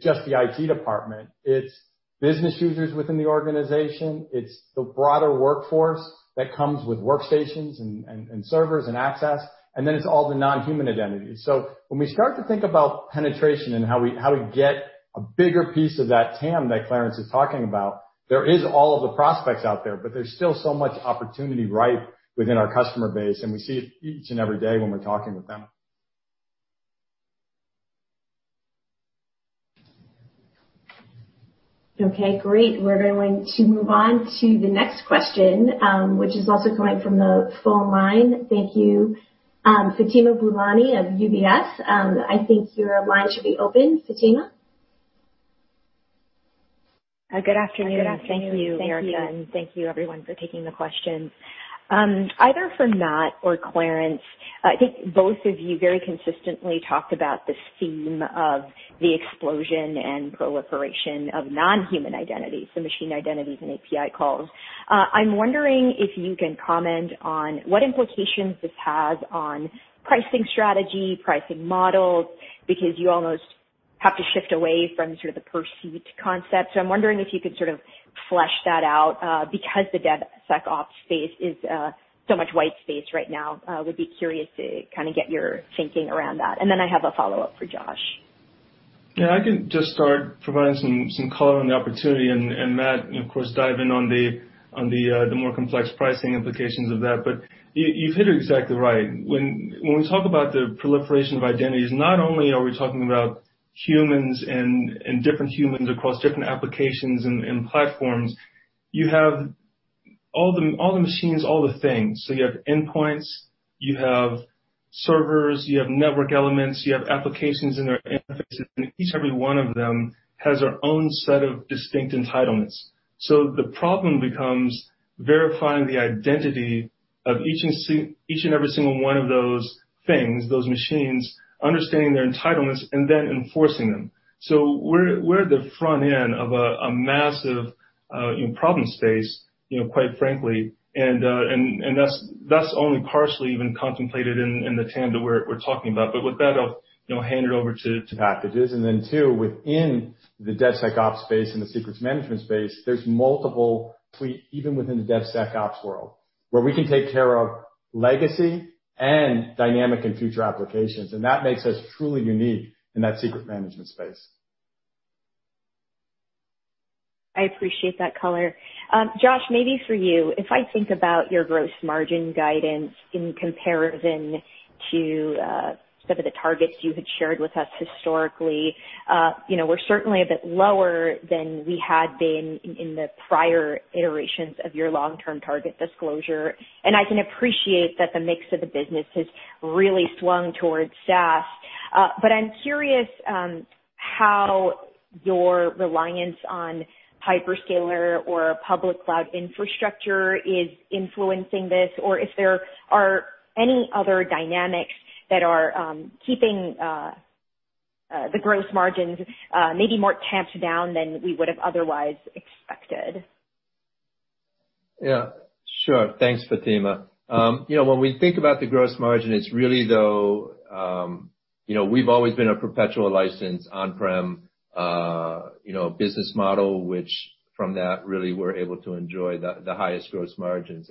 just the IT department. It's business users within the organization. It's the broader workforce that comes with workstations and servers and access, and then it's all the non-human identities. When we start to think about penetration and how we get a bigger piece of that TAM that Clarence is talking about, there is all of the prospects out there, but there's still so much opportunity ripe within our customer base, and we see it each and every day when we're talking with them. Okay, great. We're going to move on to the next question, which is also coming from the phone line. Thank you. Fatima Boolani of UBS. I think your line should be open, Fatima. Good afternoon. Thank you, Erica, and thank you, everyone, for taking the questions. Either for Matt or Clarence, I think both of you very consistently talked about this theme of the explosion and proliferation of non-human identities, so machine identities and API calls. I'm wondering if you can comment on what implications this has on pricing strategy, pricing models, because you almost have to shift away from sort of the per-seat concept. I'm wondering if you could sort of flesh that out, because the DevSecOps space is so much white space right now. Would be curious to kind of get your thinking around that. I have a follow-up for Josh. Yeah, I can just start providing some color on the opportunity, and Matt, of course, dive in on the more complex pricing implications of that. You've hit it exactly right. When we talk about the proliferation of identities, not only are we talking about humans and different humans across different applications and platforms, you have all the machines, all the things. You have endpoints, you have servers, you have network elements, you have applications and their interfaces, and each and every one of them has their own set of distinct entitlements. The problem becomes verifying the identity Of each and every single one of those things, those machines, understanding their entitlements and then enforcing them. We're at the front end of a massive problem space, quite frankly, and that's only partially even contemplated in the TAM that we're talking about. With that, I'll hand it over to- Packages. Then two, within the DevSecOps space and the secrets management space, there's multiple suite even within the DevSecOps world, where we can take care of legacy and dynamic and future applications. That makes us truly unique in that secrets management space. I appreciate that color. Josh, maybe for you, if I think about your gross margin guidance in comparison to some of the targets you had shared with us historically, we're certainly a bit lower than we had been in the prior iterations of your long-term target disclosure. I can appreciate that the mix of the business has really swung towards SaaS. I'm curious how your reliance on hyperscaler or public cloud infrastructure is influencing this, or if there are any other dynamics that are keeping the gross margins maybe more tamped down than we would've otherwise expected. Yeah. Sure. Thanks, Fatima. When we think about the gross margin, we've always been a perpetual license on-prem business model, which from that, really we're able to enjoy the highest gross margins.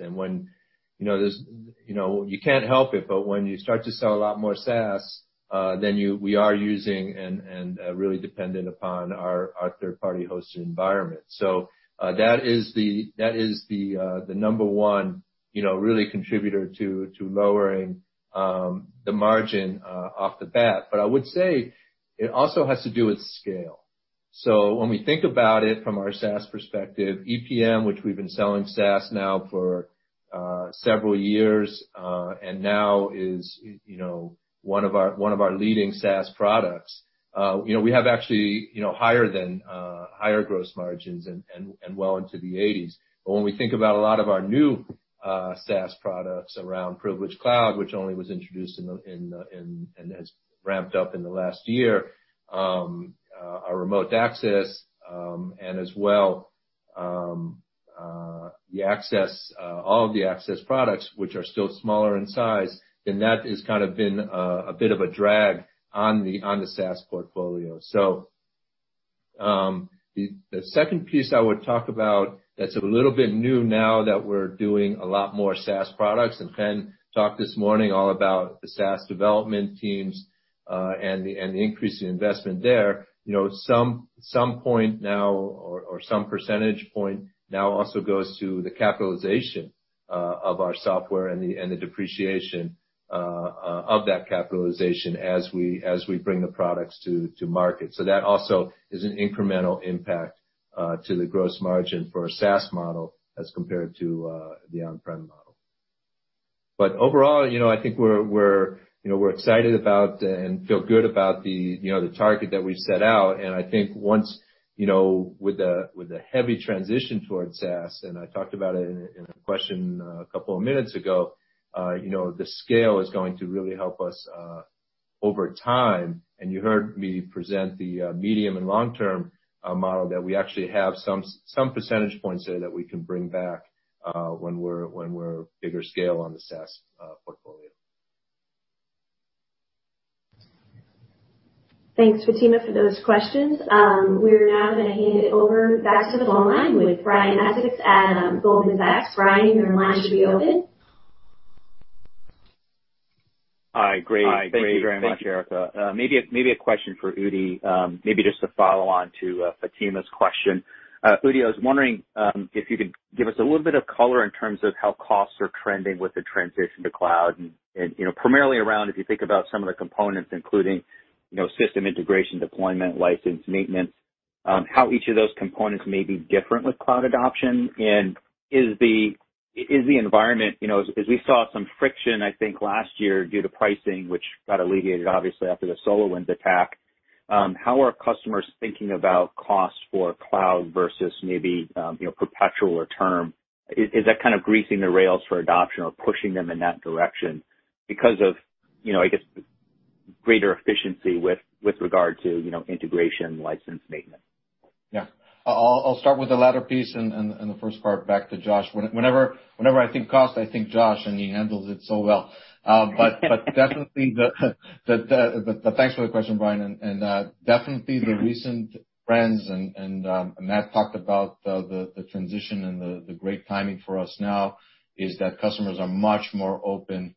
You can't help it, but when you start to sell a lot more SaaS, then we are using and really dependent upon our third-party hosted environment. That is the number one really contributor to lowering the margin off the bat. I would say it also has to do with scale. When we think about it from our SaaS perspective, EPM, which we've been selling SaaS now for several years, and now is one of our leading SaaS products. We have actually higher gross margins and well into the 80s. When we think about a lot of our new SaaS products around Privilege Cloud, which only was introduced and has ramped up in the last year, our Remote Access, and as well all of the access products which are still smaller in size, then that has been a bit of a drag on the SaaS portfolio. The second piece I would talk about that's a little bit new now that we're doing a lot more SaaS products, and Chen talked this morning all about the SaaS development teams, and the increase in investment there. Some point now, or some percentage point now also goes to the capitalization of our software and the depreciation of that capitalization as we bring the products to market. That also is an incremental impact to the gross margin for a SaaS model as compared to the on-prem model. Overall, I think we're excited about and feel good about the target that we've set out. I think with the heavy transition towards SaaS, and I talked about it in a question a couple of minutes ago, the scale is going to really help us over time. You heard me present the medium and long-term model that we actually have some percentage points there that we can bring back when we're bigger scale on the SaaS portfolio. Thanks, Fatima, for those questions. We're now going to hand it over back to the phone line with Brian Essex at Goldman Sachs. Brian, your line should be open. Hi. Great. Thank you very much, Erica. Maybe a question for Udi, maybe just to follow on to Fatima's question. Udi, I was wondering if you could give us a little bit of color in terms of how costs are trending with the transition to cloud and, primarily around if you think about some of the components, including system integration, deployment, license, maintenance, how each of those components may be different with cloud adoption. As we saw some friction, I think, last year due to pricing, which got alleviated obviously after the SolarWinds attack, how are customers thinking about costs for cloud versus maybe perpetual or term? Is that greasing the rails for adoption or pushing them in that direction because of, I guess, greater efficiency with regard to integration license maintenance? Yeah. I'll start with the latter piece and the first part back to Josh. Whenever I think cost, I think Josh, and he handles it so well. Thanks for the question, Brian, and definitely the recent trends, and Matt talked about the transition and the great timing for us now is that customers are much more open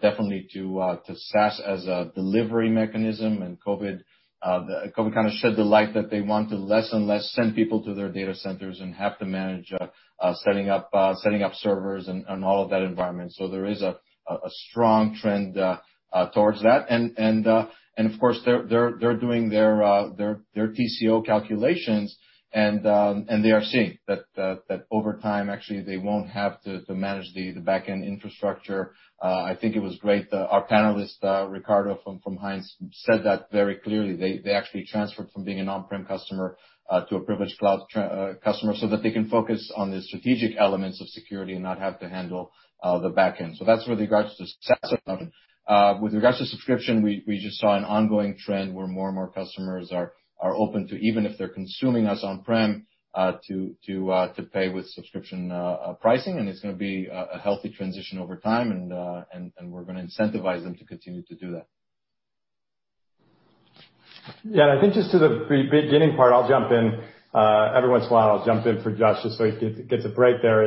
definitely to SaaS as a delivery mechanism, and COVID kind of shed the light that they want to less and less send people to their data centers and have to manage setting up servers and all of that environment. There is a strong trend towards that. Of course, they're doing their TCO calculations and they are seeing that over time, actually, they won't have to manage the back-end infrastructure. I think it was great our panelist, Ricardo from Kraft Heinz, said that very clearly. They actually transferred from being an on-prem customer to a Privileged Cloud customer so that they can focus on the strategic elements of security and not have to handle the back end. That's with regards to the SaaS side of it. With regards to subscription, we just saw an ongoing trend where more and more customers are open to, even if they're consuming us on-prem, to pay with subscription pricing. It's going to be a healthy transition over time, and we're going to incentivize them to continue to do that. I think just to the beginning part, every once in a while, I'll jump in for Josh just so he gets a break there.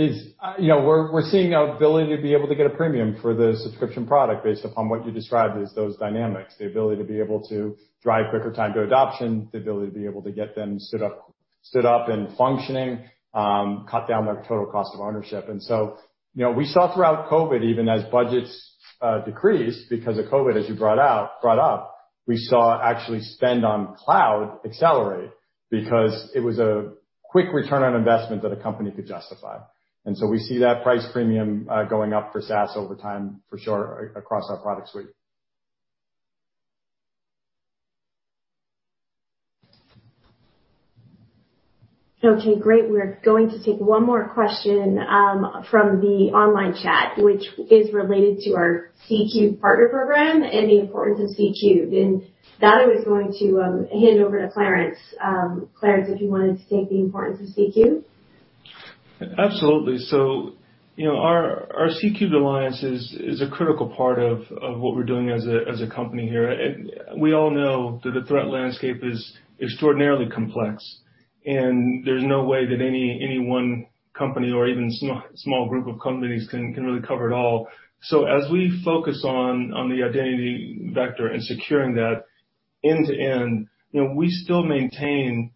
We're seeing an ability to be able to get a premium for the subscription product based upon what you described as those dynamics, the ability to be able to drive quicker time to adoption, the ability to be able to get them stood up and functioning, cut down their total cost of ownership. We saw throughout COVID, even as budgets decreased because of COVID, as you brought up, we saw actually spend on cloud accelerate because it was a quick return on investment that a company could justify. We see that price premium going up for SaaS over time, for sure, across our product suite. Okay, great. We're going to take one more question from the online chat, which is related to our C3 Alliance partner program and the importance of C3 Alliance. That I was going to hand over to Clarence. Clarence, if you wanted to state the importance of C3 Alliance. Absolutely. Our C3 Alliance is a critical part of what we're doing as a company here. We all know that the threat landscape is extraordinarily complex, and there's no way that any one company or even small group of companies can really cover it all. As we focus on the identity vector and securing that end-to-end, we still maintain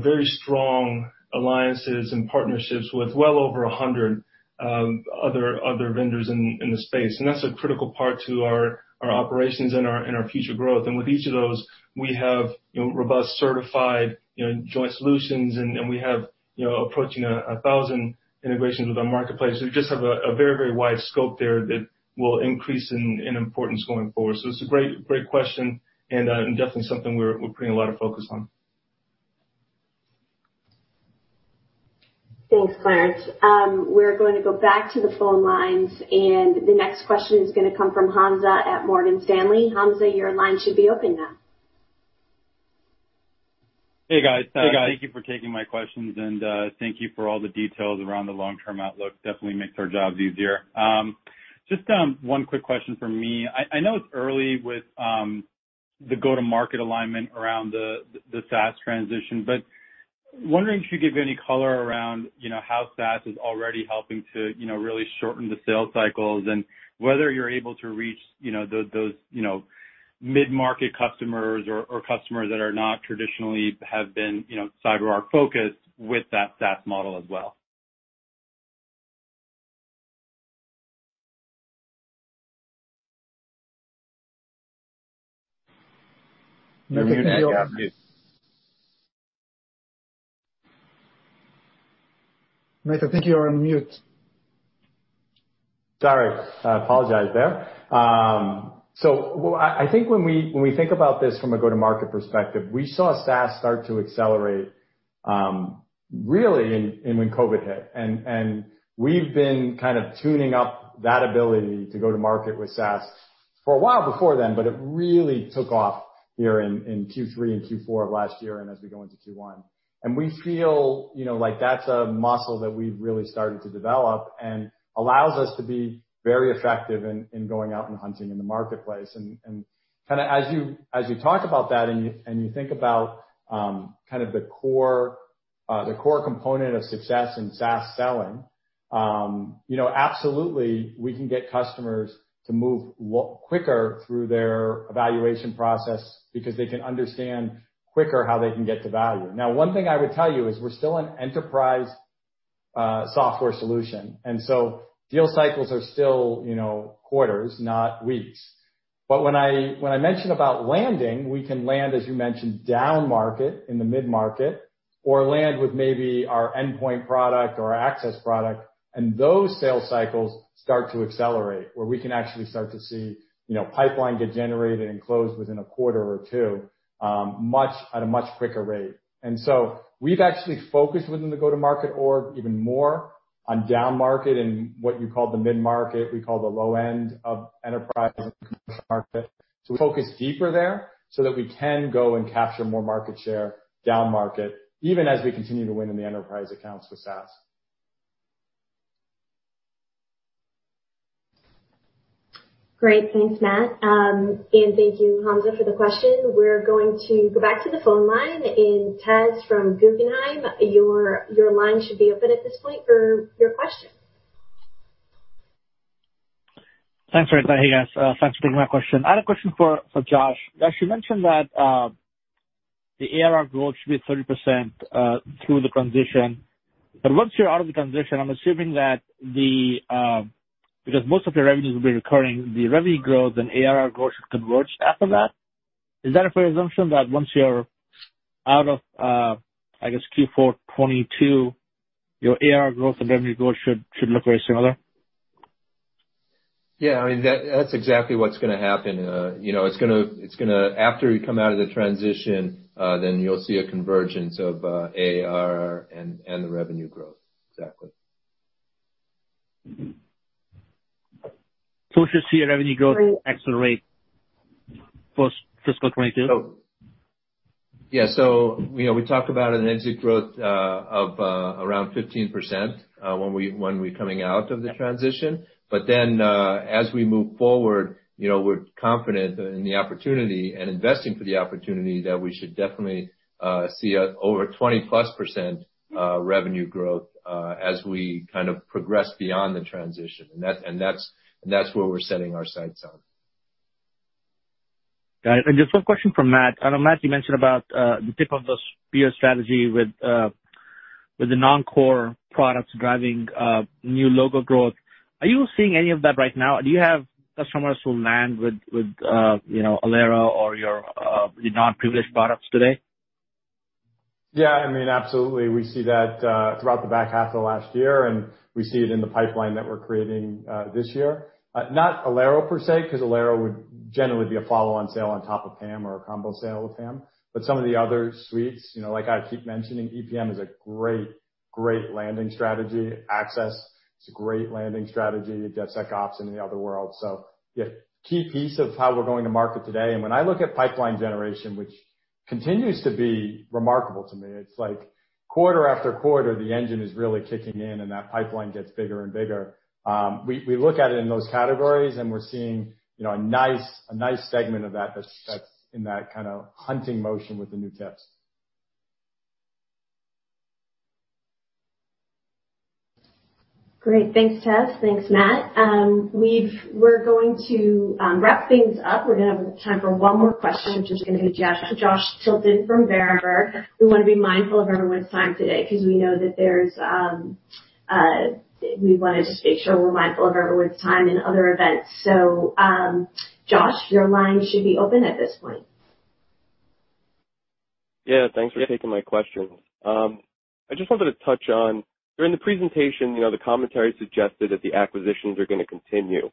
very strong alliances and partnerships with well over 100 other vendors in the space. That's a critical part to our operations and our future growth. With each of those, we have robust, certified joint solutions, and we have approaching 1,000 integrations with our marketplace. We just have a very wide scope there that will increase in importance going forward. It's a great question and definitely something we're putting a lot of focus on. Thanks, Clarence. We're going to go back to the phone lines. The next question is going to come from Hamza at Morgan Stanley. Hamza, your line should be open now. Hey, guys. Thank you for taking my questions, and thank you for all the details around the long-term outlook. Definitely makes our jobs easier. Just one quick question from me. I know it's early with the go-to-market alignment around the SaaS transition, but wondering if you could give any color around how SaaS is already helping to really shorten the sales cycles and whether you're able to reach those mid-market customers or customers that are not traditionally have been CyberArk focused with that SaaS model as well. Matt, I think you're on mute. Sorry. I apologize there. I think when we think about this from a go-to-market perspective, we saw SaaS start to accelerate really when COVID hit. We've been kind of tuning up that ability to go to market with SaaS for a while before then, but it really took off here in Q3 and Q4 of last year, and as we go into Q1. We feel like that's a muscle that we've really started to develop and allows us to be very effective in going out and hunting in the marketplace. As you talk about that, and you think about the core component of success in SaaS selling, absolutely, we can get customers to move quicker through their evaluation process because they can understand quicker how they can get to value. One thing I would tell you is we're still an enterprise software solution, deal cycles are still quarters, not weeks. When I mention about landing, we can land, as you mentioned, down market in the mid-market, or land with maybe our endpoint product or our access product, those sales cycles start to accelerate, where we can actually start to see pipeline get generated and closed within a quarter or two at a much quicker rate. We've actually focused within the go-to-market org even more on down market and what you call the mid-market, we call the low end of enterprise market. We focus deeper there so that we can go and capture more market share down market, even as we continue to win in the enterprise accounts with SaaS. Great. Thanks, Matt. Thank you, Hamza, for the question. We're going to go back to the phone line, and Taz from Guggenheim, your line should be open at this point for your question. Thanks very much. Hey, guys. Thanks for taking my question. I had a question for Josh. Josh, you mentioned that the ARR growth should be at 30% through the transition. Once you're out of the transition, I'm assuming that because most of your revenues will be recurring, the revenue growth and ARR growth should converge after that. Is that a fair assumption, that once you're out of, I guess, Q4 2022, your ARR growth and revenue growth should look very similar? Yeah. That's exactly what's going to happen. After you come out of the transition, you'll see a convergence of ARR and the revenue growth. Exactly. We should see a revenue growth accelerate post-fiscal 2022? Yeah. We talk about an exit growth of around 15% when we're coming out of the transition. As we move forward, we're confident in the opportunity and investing for the opportunity that we should definitely see over 20-plus% revenue growth as we progress beyond the transition. That's where we're setting our sights on. Got it. Just one question from Matt. I know, Matt, you mentioned about the tip of the spear strategy with the non-core products driving new logo growth. Are you seeing any of that right now? Do you have customers who land with, Alero or your non-privileged products today? Yeah, absolutely. We see that throughout the back half of last year, and we see it in the pipeline that we're creating this year. Not Alero per se, because Alero would generally be a follow-on sale on top of PAM or a combo sale with PAM. Some of the other suites, like I keep mentioning, EPM is a great landing strategy. Access is a great landing strategy. DevSecOps in the other world. Yeah, key piece of how we're going to market today. When I look at pipeline generation, which continues to be remarkable to me, it's like quarter after quarter, the engine is really kicking in, and that pipeline gets bigger and bigger. We look at it in those categories, and we're seeing a nice segment of that's in that kind of hunting motion with the new tips. Great. Thanks, Taz. Thanks, Matt. We're going to wrap things up. We're going to have time for one more question, which is going to be Joshua Tilton from Berenberg. We want to be mindful of everyone's time today because we know that we want to just make sure we're mindful of everyone's time and other events. Josh, your line should be open at this point. Yeah, thanks for taking my questions. I just wanted to touch on, during the presentation, the commentary suggested that the acquisitions are going to continue.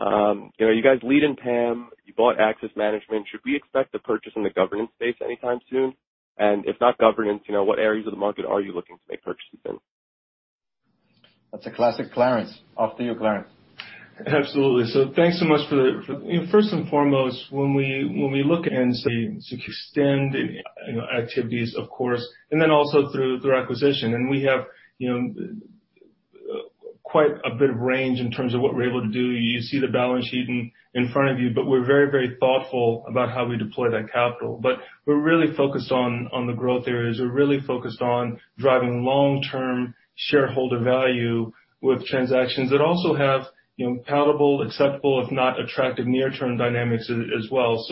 You guys lead in PAM, you bought access management. Should we expect a purchase in the governance space anytime soon? If not governance, what areas of the market are you looking to make purchases in? That's a classic Clarence. Off to you, Clarence. Absolutely. Thanks so much. First and foremost, when we look at end-to-end security extend activities, of course, and then also through acquisition. We have quite a bit of range in terms of what we're able to do. You see the balance sheet in front of you, but we're very thoughtful about how we deploy that capital. We're really focused on the growth areas. We're really focused on driving long-term shareholder value with transactions that also have palatable, acceptable, if not attractive near-term dynamics as well.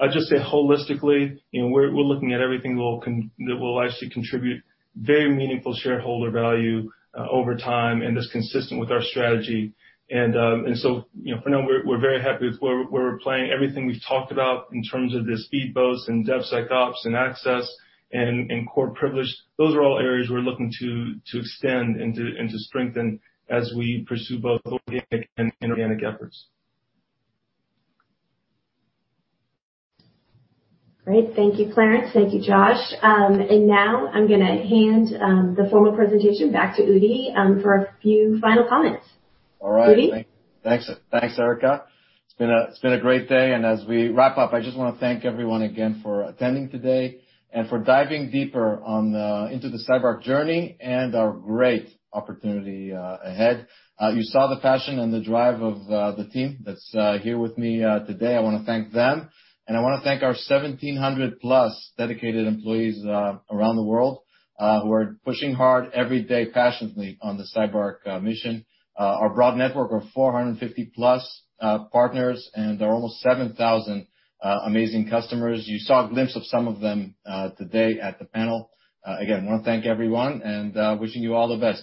I'd just say holistically, we're looking at everything that will actually contribute very meaningful shareholder value over time and is consistent with our strategy. For now, we're very happy with where we're playing. Everything we've talked about in terms of the speed boats and DevSecOps and access and core privilege, those are all areas we're looking to extend and to strengthen as we pursue both organic and inorganic efforts. Great. Thank you, Clarence. Thank you, Josh. Now I'm going to hand the formal presentation back to Udi for a few final comments. Udi? All right. Thanks, Erica. It's been a great day. As we wrap up, I just want to thank everyone again for attending today and for diving deeper into the CyberArk journey and our great opportunity ahead. You saw the passion and the drive of the team that's here with me today. I want to thank them, and I want to thank our 1,700-plus dedicated employees around the world who are pushing hard every day passionately on the CyberArk mission. Our broad network of 450-plus partners and our almost 7,000 amazing customers. You saw a glimpse of some of them today at the panel. Again, I want to thank everyone, and wishing you all the best.